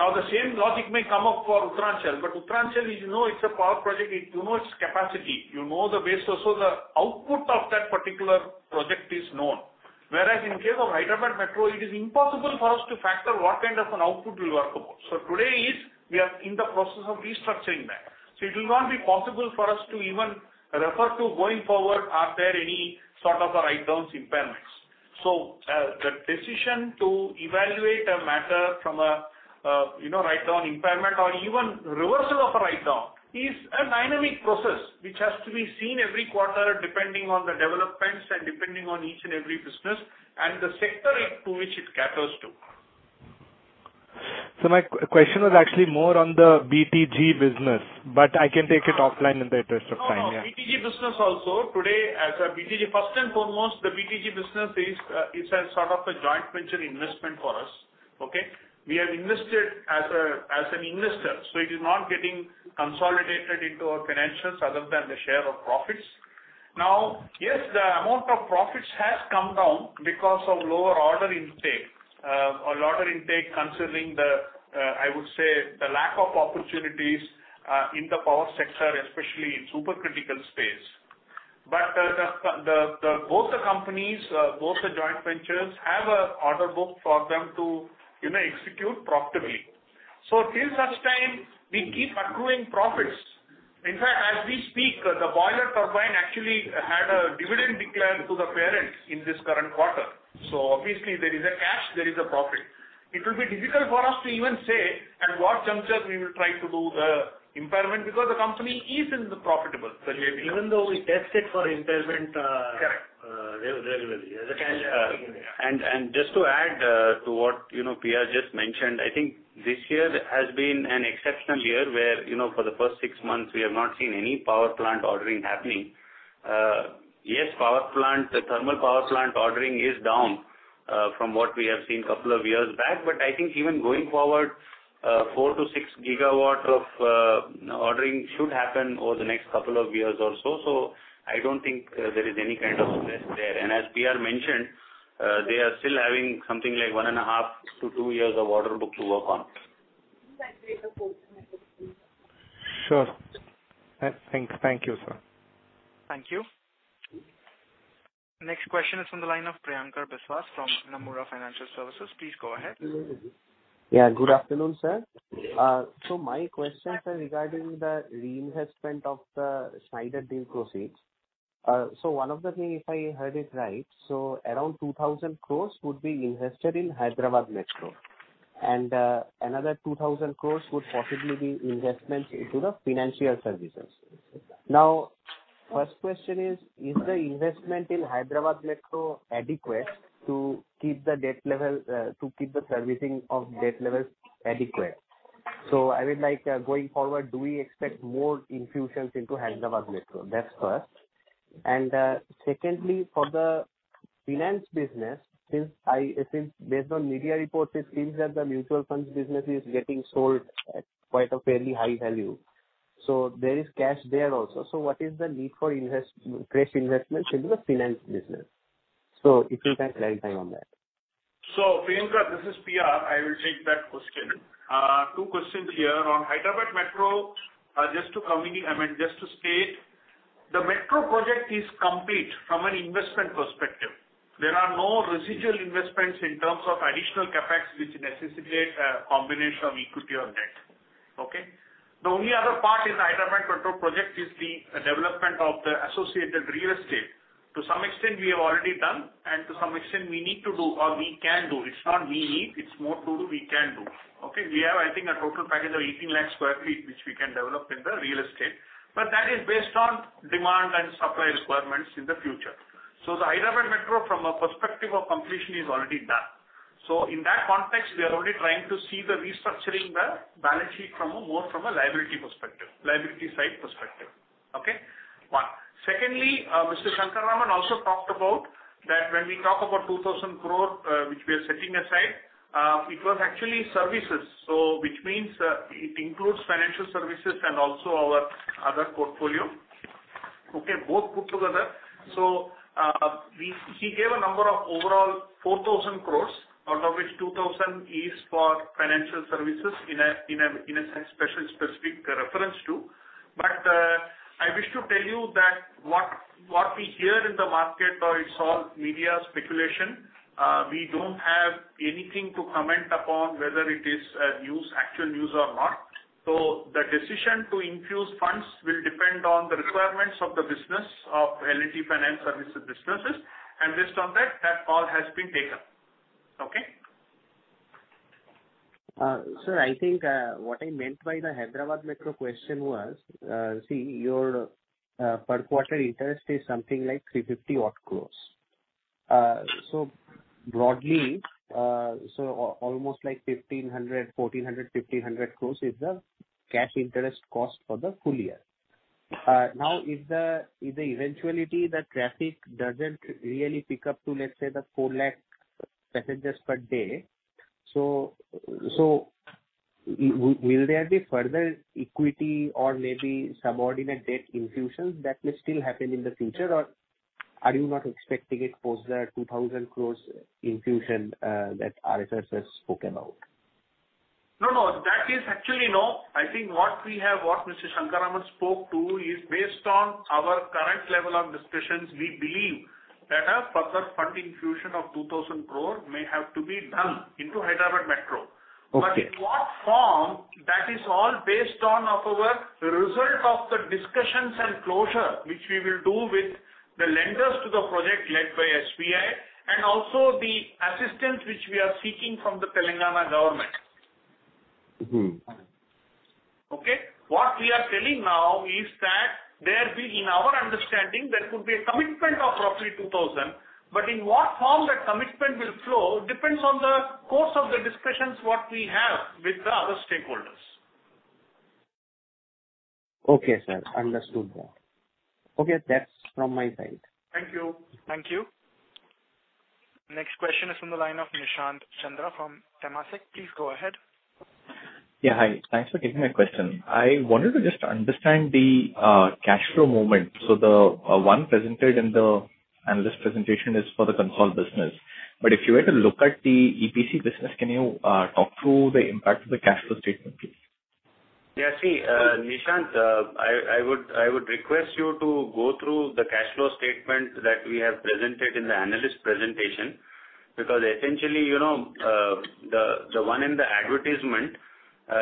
The same logic may come up for Uttaranchal, but Uttaranchal is a power project. You know its capacity, you know the base, so the output of that particular project is known. Whereas in case of Hyderabad Metro, it is impossible for us to factor what kind of an output we work upon. Today, we are in the process of restructuring that. It will not be possible for us to even refer to going forward, are there any sort of a write-downs impairments. The decision to evaluate a matter from a write-down impairment or even reversal of a write-down is a dynamic process, which has to be seen every quarter, depending on the developments and depending on each and every business and the sector to which it caters to. My question was actually more on the BTG business, but I can take it offline in the interest of time, yeah. BTG business also. First and foremost, the BTG business is a sort of a joint venture investment for us. Okay? We have invested as an investor, so it is not getting consolidated into our financials other than the share of profits. Yes, the amount of profits has come down because of lower order intake. Lower intake considering the, I would say, the lack of opportunities in the power sector, especially in supercritical space. Both the companies, both the joint ventures have an order book for them to execute profitably. Till such time, we keep accruing profits. In fact, as we speak, the boiler turbine actually had a dividend declared to the parent in this current quarter. Obviously there is a cash, there is a profit. It will be difficult for us to even say at what juncture we will try to do the impairment because the company is in the profitable trajectory. Even though we tested for impairment. Correct regularly as a casualty. Just to add to what P.R. just mentioned, I think this year has been an exceptional year where, for the first six months, we have not seen any power plant ordering happening. Yes, thermal power plant ordering is down from what we have seen couple of years back, but I think even going forward, 4-6 GW of ordering should happen over the next couple of years or so. I don't think there is any kind of risk there. As P.R. mentioned, they are still having something like 1.5-2 years of order book to work on. Sure. Thank you, sir. Thank you. Next question is on the line of Priyankar Biswas from Nomura Financial Services. Please go ahead. Yeah, good afternoon, sir. My questions are regarding the reinvestment of the Schneider deal proceeds. One of the thing, if I heard it right, around 2,000 crore would be invested in Hyderabad Metro, and another 2,000 crore would possibly be investment into the financial services. First question is the investment in Hyderabad Metro adequate to keep the servicing of debt levels adequate? I would like, going forward, do we expect more infusions into Hyderabad Metro? That's first. Secondly, for the finance business, based on media reports, it seems that the mutual funds business is getting sold at quite a fairly high value. There is cash there also. What is the need for fresh investment into the finance business? If you can clarify on that. Priyankar, this is P.R. I will take that question. Two questions here. On Hyderabad Metro, just to state, the Metro project is complete from an investment perspective. There are no residual investments in terms of additional CapEx, which necessitate a combination of equity or debt. Okay. The only other part in the Hyderabad Metro project is the development of the associated real estate. To some extent, we have already done, and to some extent, we need to do, or we can do. It's not we need, it's more to do we can do. Okay. We have, I think, a total package of 18 lakh square feet, which we can develop in the real estate, but that is based on demand and supply requirements in the future. The Hyderabad Metro, from a perspective of completion, is already done. In that context, we are only trying to see the restructuring the balance sheet more from a liability side perspective. Okay. One. Secondly, Mr. Shankara also talked about that when we talk about 2,000 crore, which we are setting aside, it was actually services. Which means it includes financial services and also our other portfolio. Okay, both put together. He gave a number of overall 4,000 crores, out of which 2,000 is for financial services in a special specific reference to. I wish to tell you that what we hear in the market or it's all media speculation, we don't have anything to comment upon whether it is actual news or not. The decision to infuse funds will depend on the requirements of the business of L&T Finance services businesses, and based on that call has been taken. Okay. Sir, I think what I meant by the Hyderabad Metro question was, see, your per quarter interest is something like 350 odd crores. Broadly, almost like 1,400-1,500 crores is the cash interest cost for the full year. Now, if the eventuality, the traffic doesn't really pick up to, let's say, the 4 lakh passengers per day, will there be further equity or maybe subordinate debt infusions that may still happen in the future? Are you not expecting it post the 2,000 crores infusion that RSR has spoken about? No, that is actually no. I think what Mr. Shankar Raman spoke to is based on our current level of discussions. We believe that a further fund infusion of 2,000 crore may have to be done into Hyderabad Metro. Okay. In what form, that is all based on our result of the discussions and closure which we will do with the lenders to the project led by SBI, and also the assistance which we are seeking from the Telangana government. Okay? What we are telling now is that, in our understanding, there could be a commitment of roughly 2,000, but in what form that commitment will flow depends on the course of the discussions that we have with the other stakeholders. Okay, sir. Understood that. Okay, that's from my side. Thank you. Thank you. Next question is from the line of Nishant Chandra from Temasek. Please go ahead. Yeah, hi. Thanks for taking my question. I wanted to just understand the cash flow movement. The one presented in the analyst presentation is for the consolid business. If you were to look at the EPC business, can you talk through the impact of the cash flow statement, please? Yeah. See, Nishant, I would request you to go through the cash flow statement that we have presented in the analyst presentation, because essentially, the one in the advertisement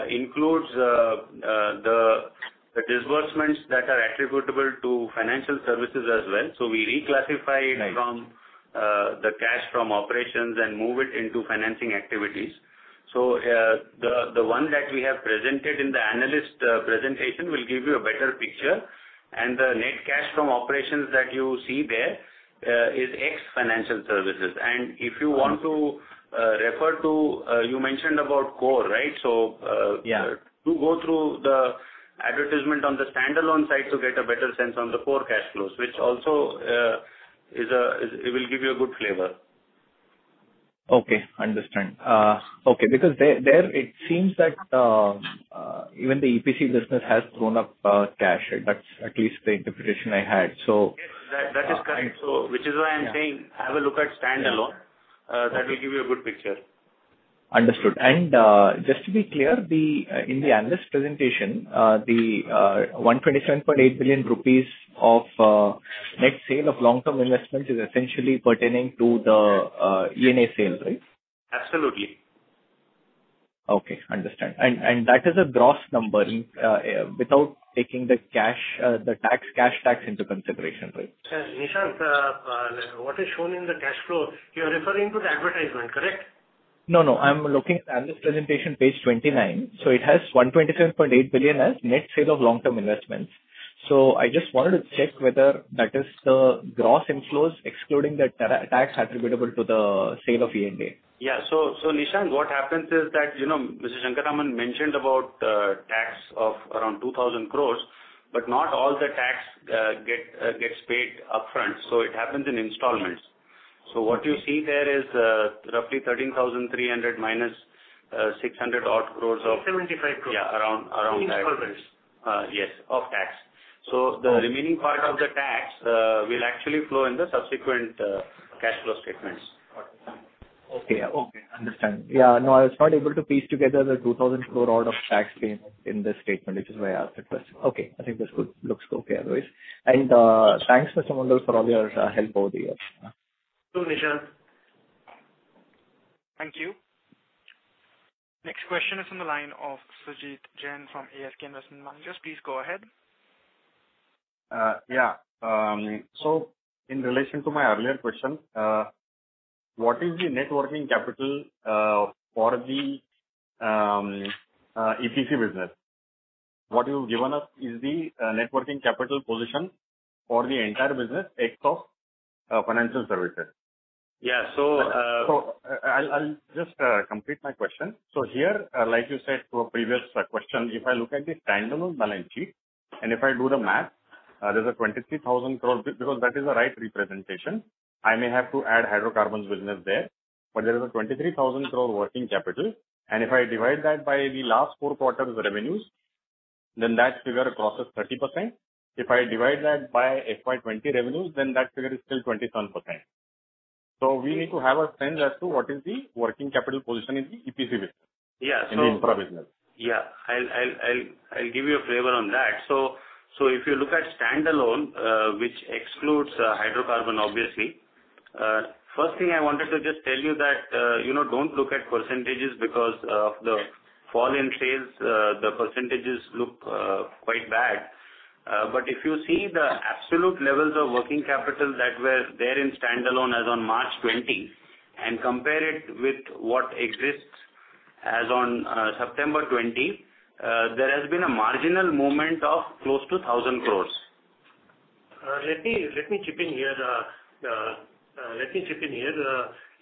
includes the disbursements that are attributable to financial services as well. Right it from the cash from operations and move it into financing activities. The one that we have presented in the analyst presentation will give you a better picture, and the net cash from operations that you see there is ex-financial services. If you want to refer to, you mentioned about core, right? Yeah. Do go through the advertisement on the standalone site to get a better sense on the core cash flows, which also will give you a good flavor. Okay, understand. There it seems that even the EPC business has thrown up cash. That's at least the interpretation I had. Yes, that is correct. Which is why I'm saying have a look at standalone. That will give you a good picture. Understood. Just to be clear, in the analyst presentation, the 127.8 billion rupees of net sale of long-term investments is essentially pertaining to the E&A sale, right? Absolutely. Okay, understand. That is a gross number without taking the cash tax into consideration, right? Nishant, what is shown in the cash flow, you're referring to the advertisement, correct? No, no. I'm looking at analyst presentation, page 29. It has 127.8 billion as net sale of long-term investments. I just wanted to check whether that is the gross inflows excluding the tax attributable to the sale of E&A. Yeah. Nishant, what happens is that, Mr. Shankar Raman mentioned about tax of around 2,000 crores, Not all the tax gets paid upfront. It happens in installments. What you see there is roughly 13,300- 600 odd crores. 75 crores. Yeah, around that. Installments. Yes, of tax. The remaining part of the tax will actually flow in the subsequent cash flow statements. Okay. Understand. Yeah, no, I was not able to piece together the 2,000 crore odd of tax payment in this statement, which is why I asked the question. Okay, I think this looks okay otherwise. Thanks, Mr. Mondal, for all your help over the years. Sure, Nishant. Thank you. Next question is on the line of Sumit Jain from ASK Investment Managers. Please go ahead. Yeah. In relation to my earlier question, what is the net working capital for the EPC business? What you've given us is the net working capital position for the entire business, ex of financial services. Yeah. I'll just complete my question. Here, like you said to a previous question, if I look at the standalone balance sheet, and if I do the math, there's a 23,000 crore, because that is the right representation. I may have to add hydrocarbons business there, but there is a 23,000 crore working capital, and if I divide that by the last four quarters revenues, then that figure crosses 30%. If I divide that by FY 2020 revenues, then that figure is still 27%. We need to have a sense as to what is the working capital position in the EPC business. Yeah. In infra business. Yeah. I'll give you a flavor on that. If you look at standalone, which excludes hydrocarbon, obviously. First thing I wanted to just tell you that don't look at percentages because of the fall in sales, the percentages look quite bad. If you see the absolute levels of working capital that were there in standalone as on March 2020, and compare it with what exists as on September 2020, there has been a marginal movement of close to 1,000 crores. Let me chip in here.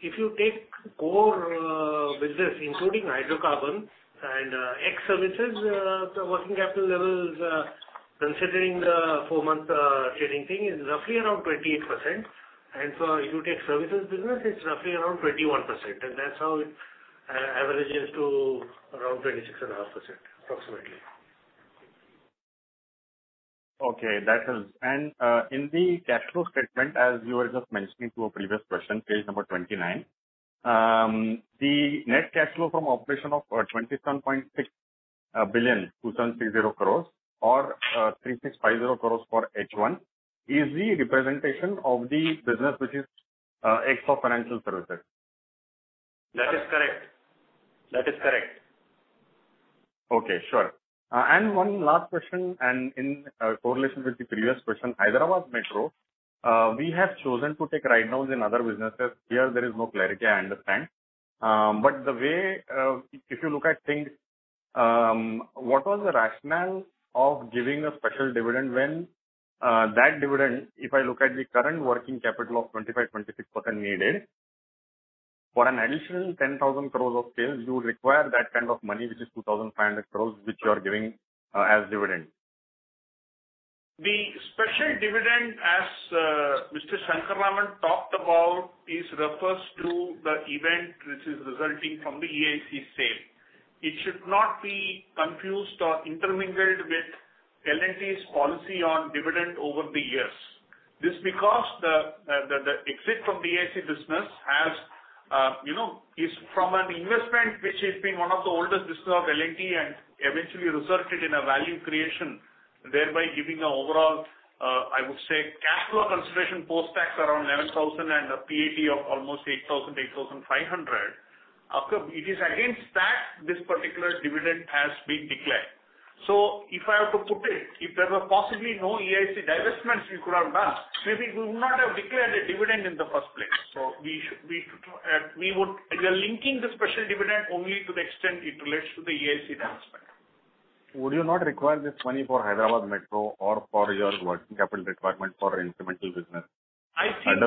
If you take core business, including hydrocarbon and ex-services, the working capital levels, considering the four-month chaining thing, is roughly around 28%. If you take services business, it's roughly around 21%, and that's how it averages to around 26.5%, approximately. Okay. In the cash flow statement, as you were just mentioning to a previous question, page number 29, the net cash flow from operations of 27.6 billion, 2,760 crores or 3,650 crores for H1, is the representation of the business which is ex of financial services. That is correct. Okay, sure. One last question, and in correlation with the previous question, Hyderabad Metro, we have chosen to take write-downs in other businesses. Here there is no clarity, I understand. If you look at things, what was the rationale of giving a special dividend when that dividend, if I look at the current working capital of 25%-26% needed, for an additional 10,000 crores of sales, you require that kind of money, which is 2,500 crores, which you are giving as dividend. The special dividend, as Mr. Shankar Raman talked about, is refers to the event which is resulting from the E&A sale. It should not be confused or intermingled with L&T's policy on dividend over the years. This because the exit from the E&A business is from an investment which has been one of the oldest business of L&T and eventually resulted in a value creation, thereby giving an overall, I would say, cash flow consideration post-tax around 11,000 and a PAT of almost 8,000-8,500. It is against that this particular dividend has been declared. If I have to put it, if there were possibly no E&A divestments we could have done, maybe we would not have declared a dividend in the first place. We are linking the special dividend only to the extent it relates to the E&A divestment. Would you not require this money for Hyderabad Metro or for your working capital requirement for incremental business? I think-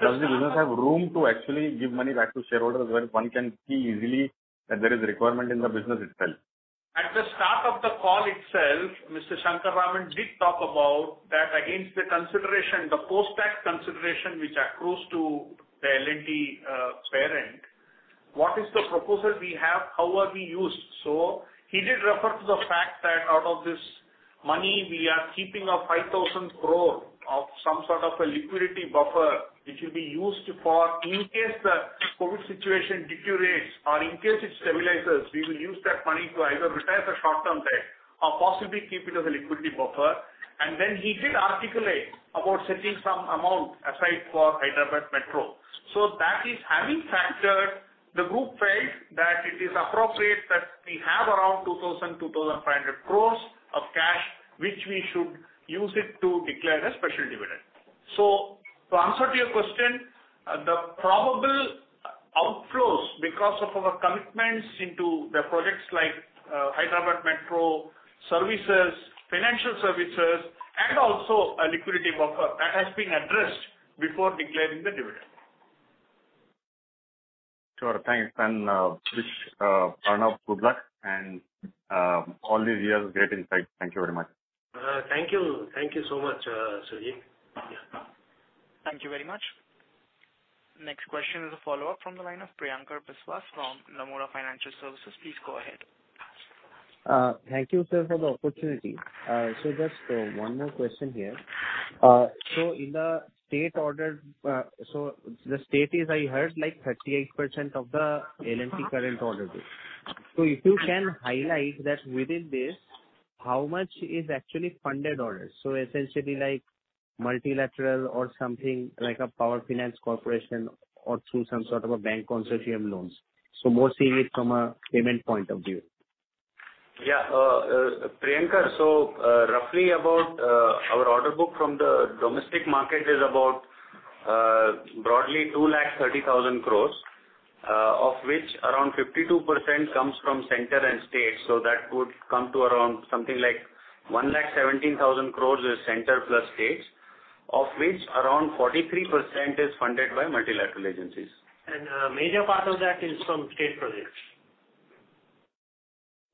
Does the business have room to actually give money back to shareholders when one can see easily that there is a requirement in the business itself? At the start of the call itself, Mr. Shankar Raman did talk about that against the consideration, the post-tax consideration which accrues to the L&T parent, what is the proposal we have? How are we used? He did refer to the fact that out of this money, we are keeping an 5,000 crore of some sort of a liquidity buffer, which will be used for in case the COVID situation deteriorates or in case it stabilizes, we will use that money to either retire the short-term debt or possibly keep it as a liquidity buffer. He did articulate about setting some amount aside for Hyderabad Metro. That is having factored, the group felt that it is appropriate that we have around 2,000 crore-2,500 crore of cash, which we should use it to declare a special dividend. To answer to your question, the probable outflows because of our commitments into the projects like Hyderabad Metro, services, financial services, and also a liquidity buffer, that has been addressed before declaring the dividend. Sure, thanks. Wish Arnob good luck and all these years great insight. Thank you very much. Thank you. Thank you so much, Sumit. Thank you very much. Next question is a follow-up from the line of Priyankar Biswas from Nomura Financial Securities. Please go ahead. Thank you, sir, for the opportunity. Just one more question here. The state is, I heard, 38% of the L&T current order book. If you can highlight that within this, how much is actually funded orders? Essentially like multilateral or something like a power finance corporation or through some sort of a bank consortium loans. More seeing it from a payment point of view. Yeah. Priyanka, roughly about our order book from the domestic market is about broadly 2,30,000 crore, of which around 52% comes from Center and State. That would come to around something like 1,70,000 crore is Center plus States, of which around 43% is funded by multilateral agencies. A major part of that is from state projects.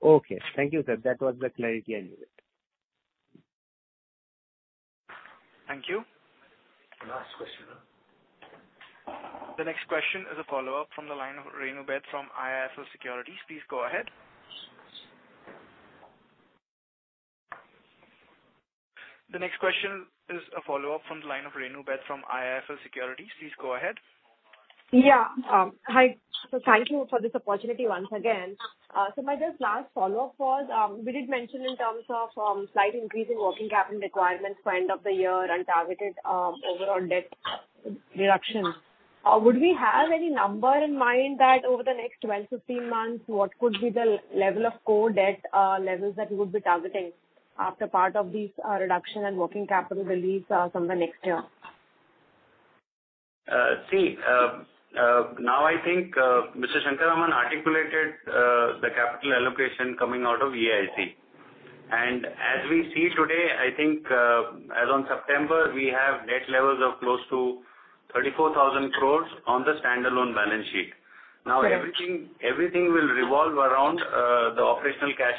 Okay. Thank you, sir. That was the clarity I needed. Thank you. Last question. The next question is a follow-up from the line of Renu Baid from IIFL Securities. Please go ahead. Yeah. Hi. Thank you for this opportunity once again. My just last follow-up was, we did mention in terms of slight increase in working capital requirements by end of the year and targeted overall debt reduction. Would we have any number in mind that over the next 12-15 months, what could be the level of core debt levels that you would be targeting after part of these reduction and working capital release from the next year? See, now I think Mr. Shankaran articulated the capital allocation coming out of E&A IC. As we see today, I think as on September, we have debt levels of close to 34,000 crores on the standalone balance sheet. Now everything will revolve around the operational cash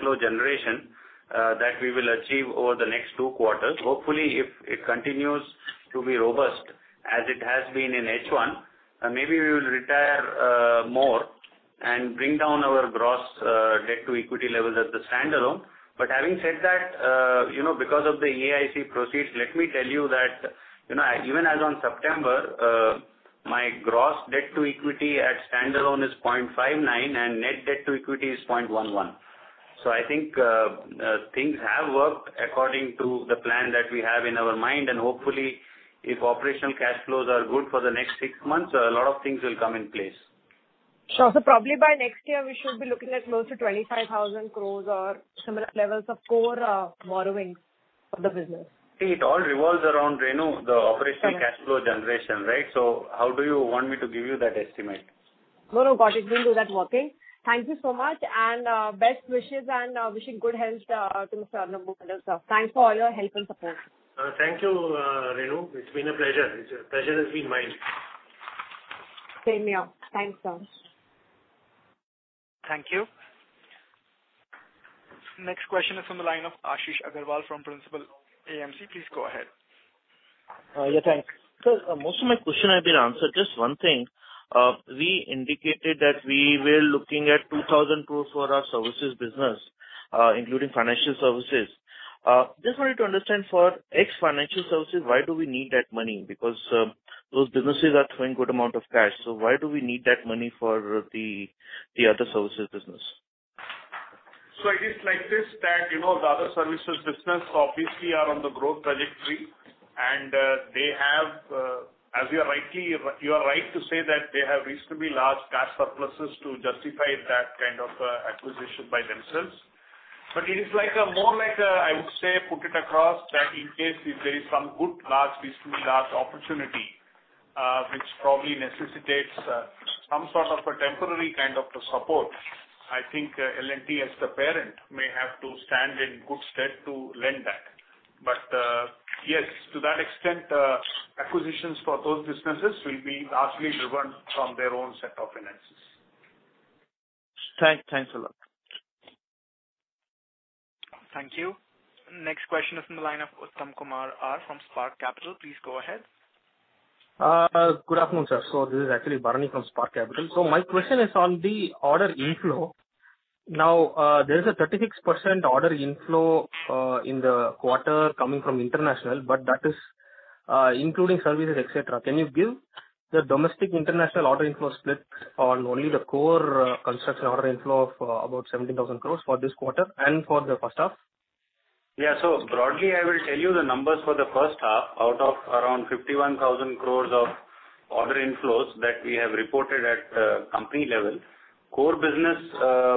flow generation that we will achieve over the next two quarters. Hopefully, if it continues to be robust as it has been in H1, maybe we will retire more and bring down our gross debt-to-equity levels at the standalone. Having said that, because of the E&A IC proceeds, let me tell you that even as on September, my gross debt-to-equity at standalone is 0.59 and net debt-to-equity is 0.11. I think things have worked according to the plan that we have in our mind, and hopefully, if operational cash flows are good for the next six months, a lot of things will come in place. Sure. Probably by next year, we should be looking at close to 25,000 crores or similar levels of core borrowings for the business. See, it all revolves around Renu, the operational cash flow generation, right? How do you want me to give you that estimate? No, got it. We'll do that working. Thank you so much and best wishes and wishing good health to Mr. Arnob and others. Thanks for all your help and support. Thank you, Renu. It's been a pleasure. The pleasure has been mine. Same here. Thanks, sir. Thank you. Next question is on the line of Ashish Aggarwal from Principal AMC. Please go ahead. Yeah, thanks. Sir, most of my question has been answered. Just one thing. We indicated that we were looking at ₹2,000 crores for our services business, including financial services. Just wanted to understand for ex-financial services, why do we need that money? Those businesses are throwing good amount of cash. Why do we need that money for the other services business? It is like this that the other services business obviously are on the growth trajectory, and you are right to say that they have reasonably large cash surpluses to justify that kind of acquisition by themselves. It is more like, I would say, put it across that in case if there is some good, reasonably large opportunity which probably necessitates some sort of a temporary kind of support. I think L&T as the parent may have to stand in good stead to lend that. Yes, to that extent, acquisitions for those businesses will be largely driven from their own set of finances. Thanks a lot. Thank you. Next question is on the line of Uttham Kumar R from Spark Capital. Please go ahead. Good afternoon, sir. This is actually Bharani from Spark Capital. My question is on the order inflow. Now, there's a 36% order inflow in the quarter coming from international, but that is including services, et cetera. Can you give the domestic-international order inflow split on only the core construction order inflow of about 17,000 crore for this quarter and for the first half? Broadly, I will tell you the numbers for the first half. Out of around 51,000 crores of order inflows that we have reported at company level, core business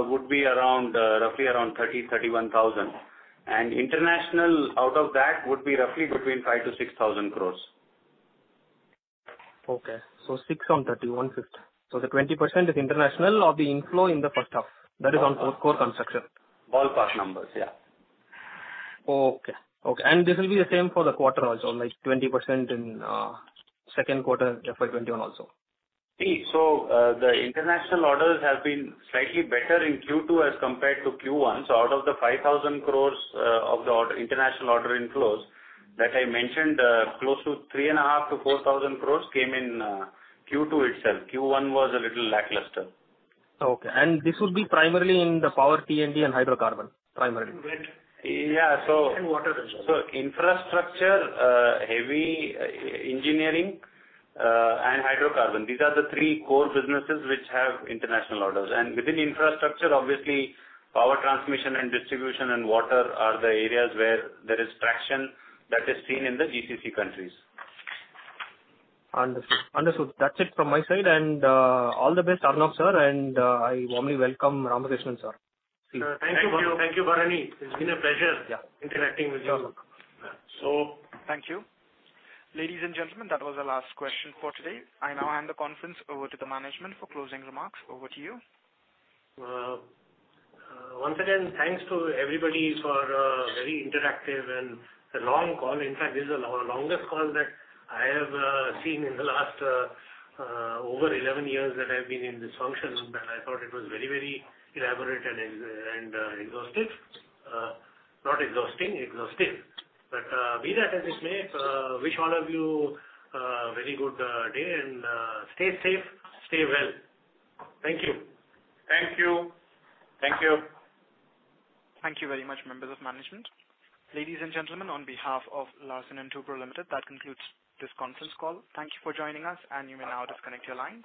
would be roughly around 30,000, 31,000. International out of that would be roughly between 5,000 crores-6,000 crores. Okay. Six on 30, 1/5. The 20% is international of the inflow in the first half, that is on core construction. Ballpark numbers, yeah. Okay. This will be the same for the quarter also, like 20% in second quarter FY 2021 also. The international orders have been slightly better in Q2 as compared to Q1. Out of the 5,000 crores of the international order inflows that I mentioned, close to 3,500-4,000 crores came in Q2 itself. Q1 was a little lackluster. Okay. This would be primarily in the power T&D and hydrocarbon, primarily. Right. Yeah. Water as well. Infrastructure, heavy engineering, and hydrocarbon. These are the three core businesses which have international orders. Within infrastructure, obviously, power transmission and distribution and water are the areas where there is traction that is seen in the GCC countries. Understood. That's it from my side, and all the best, Arnob sir, and I warmly welcome Ramakrishnan sir. Thank you, Bharani. It's been a pleasure interacting with you all. Thank you. Ladies and gentlemen, that was the last question for today. I now hand the conference over to the management for closing remarks. Over to you. Once again, thanks to everybody for a very interactive and a long call. In fact, this is our longest call that I have seen in the last over 11 years that I've been in this function. I thought it was very elaborate and exhaustive. Not exhausting, exhaustive. Be that as it may, wish all of you a very good day and stay safe, stay well. Thank you. Thank you. Thank you very much, members of management. Ladies and gentlemen, on behalf of Larsen & Toubro Limited, that concludes this conference call. Thank you for joining us, and you may now disconnect your lines.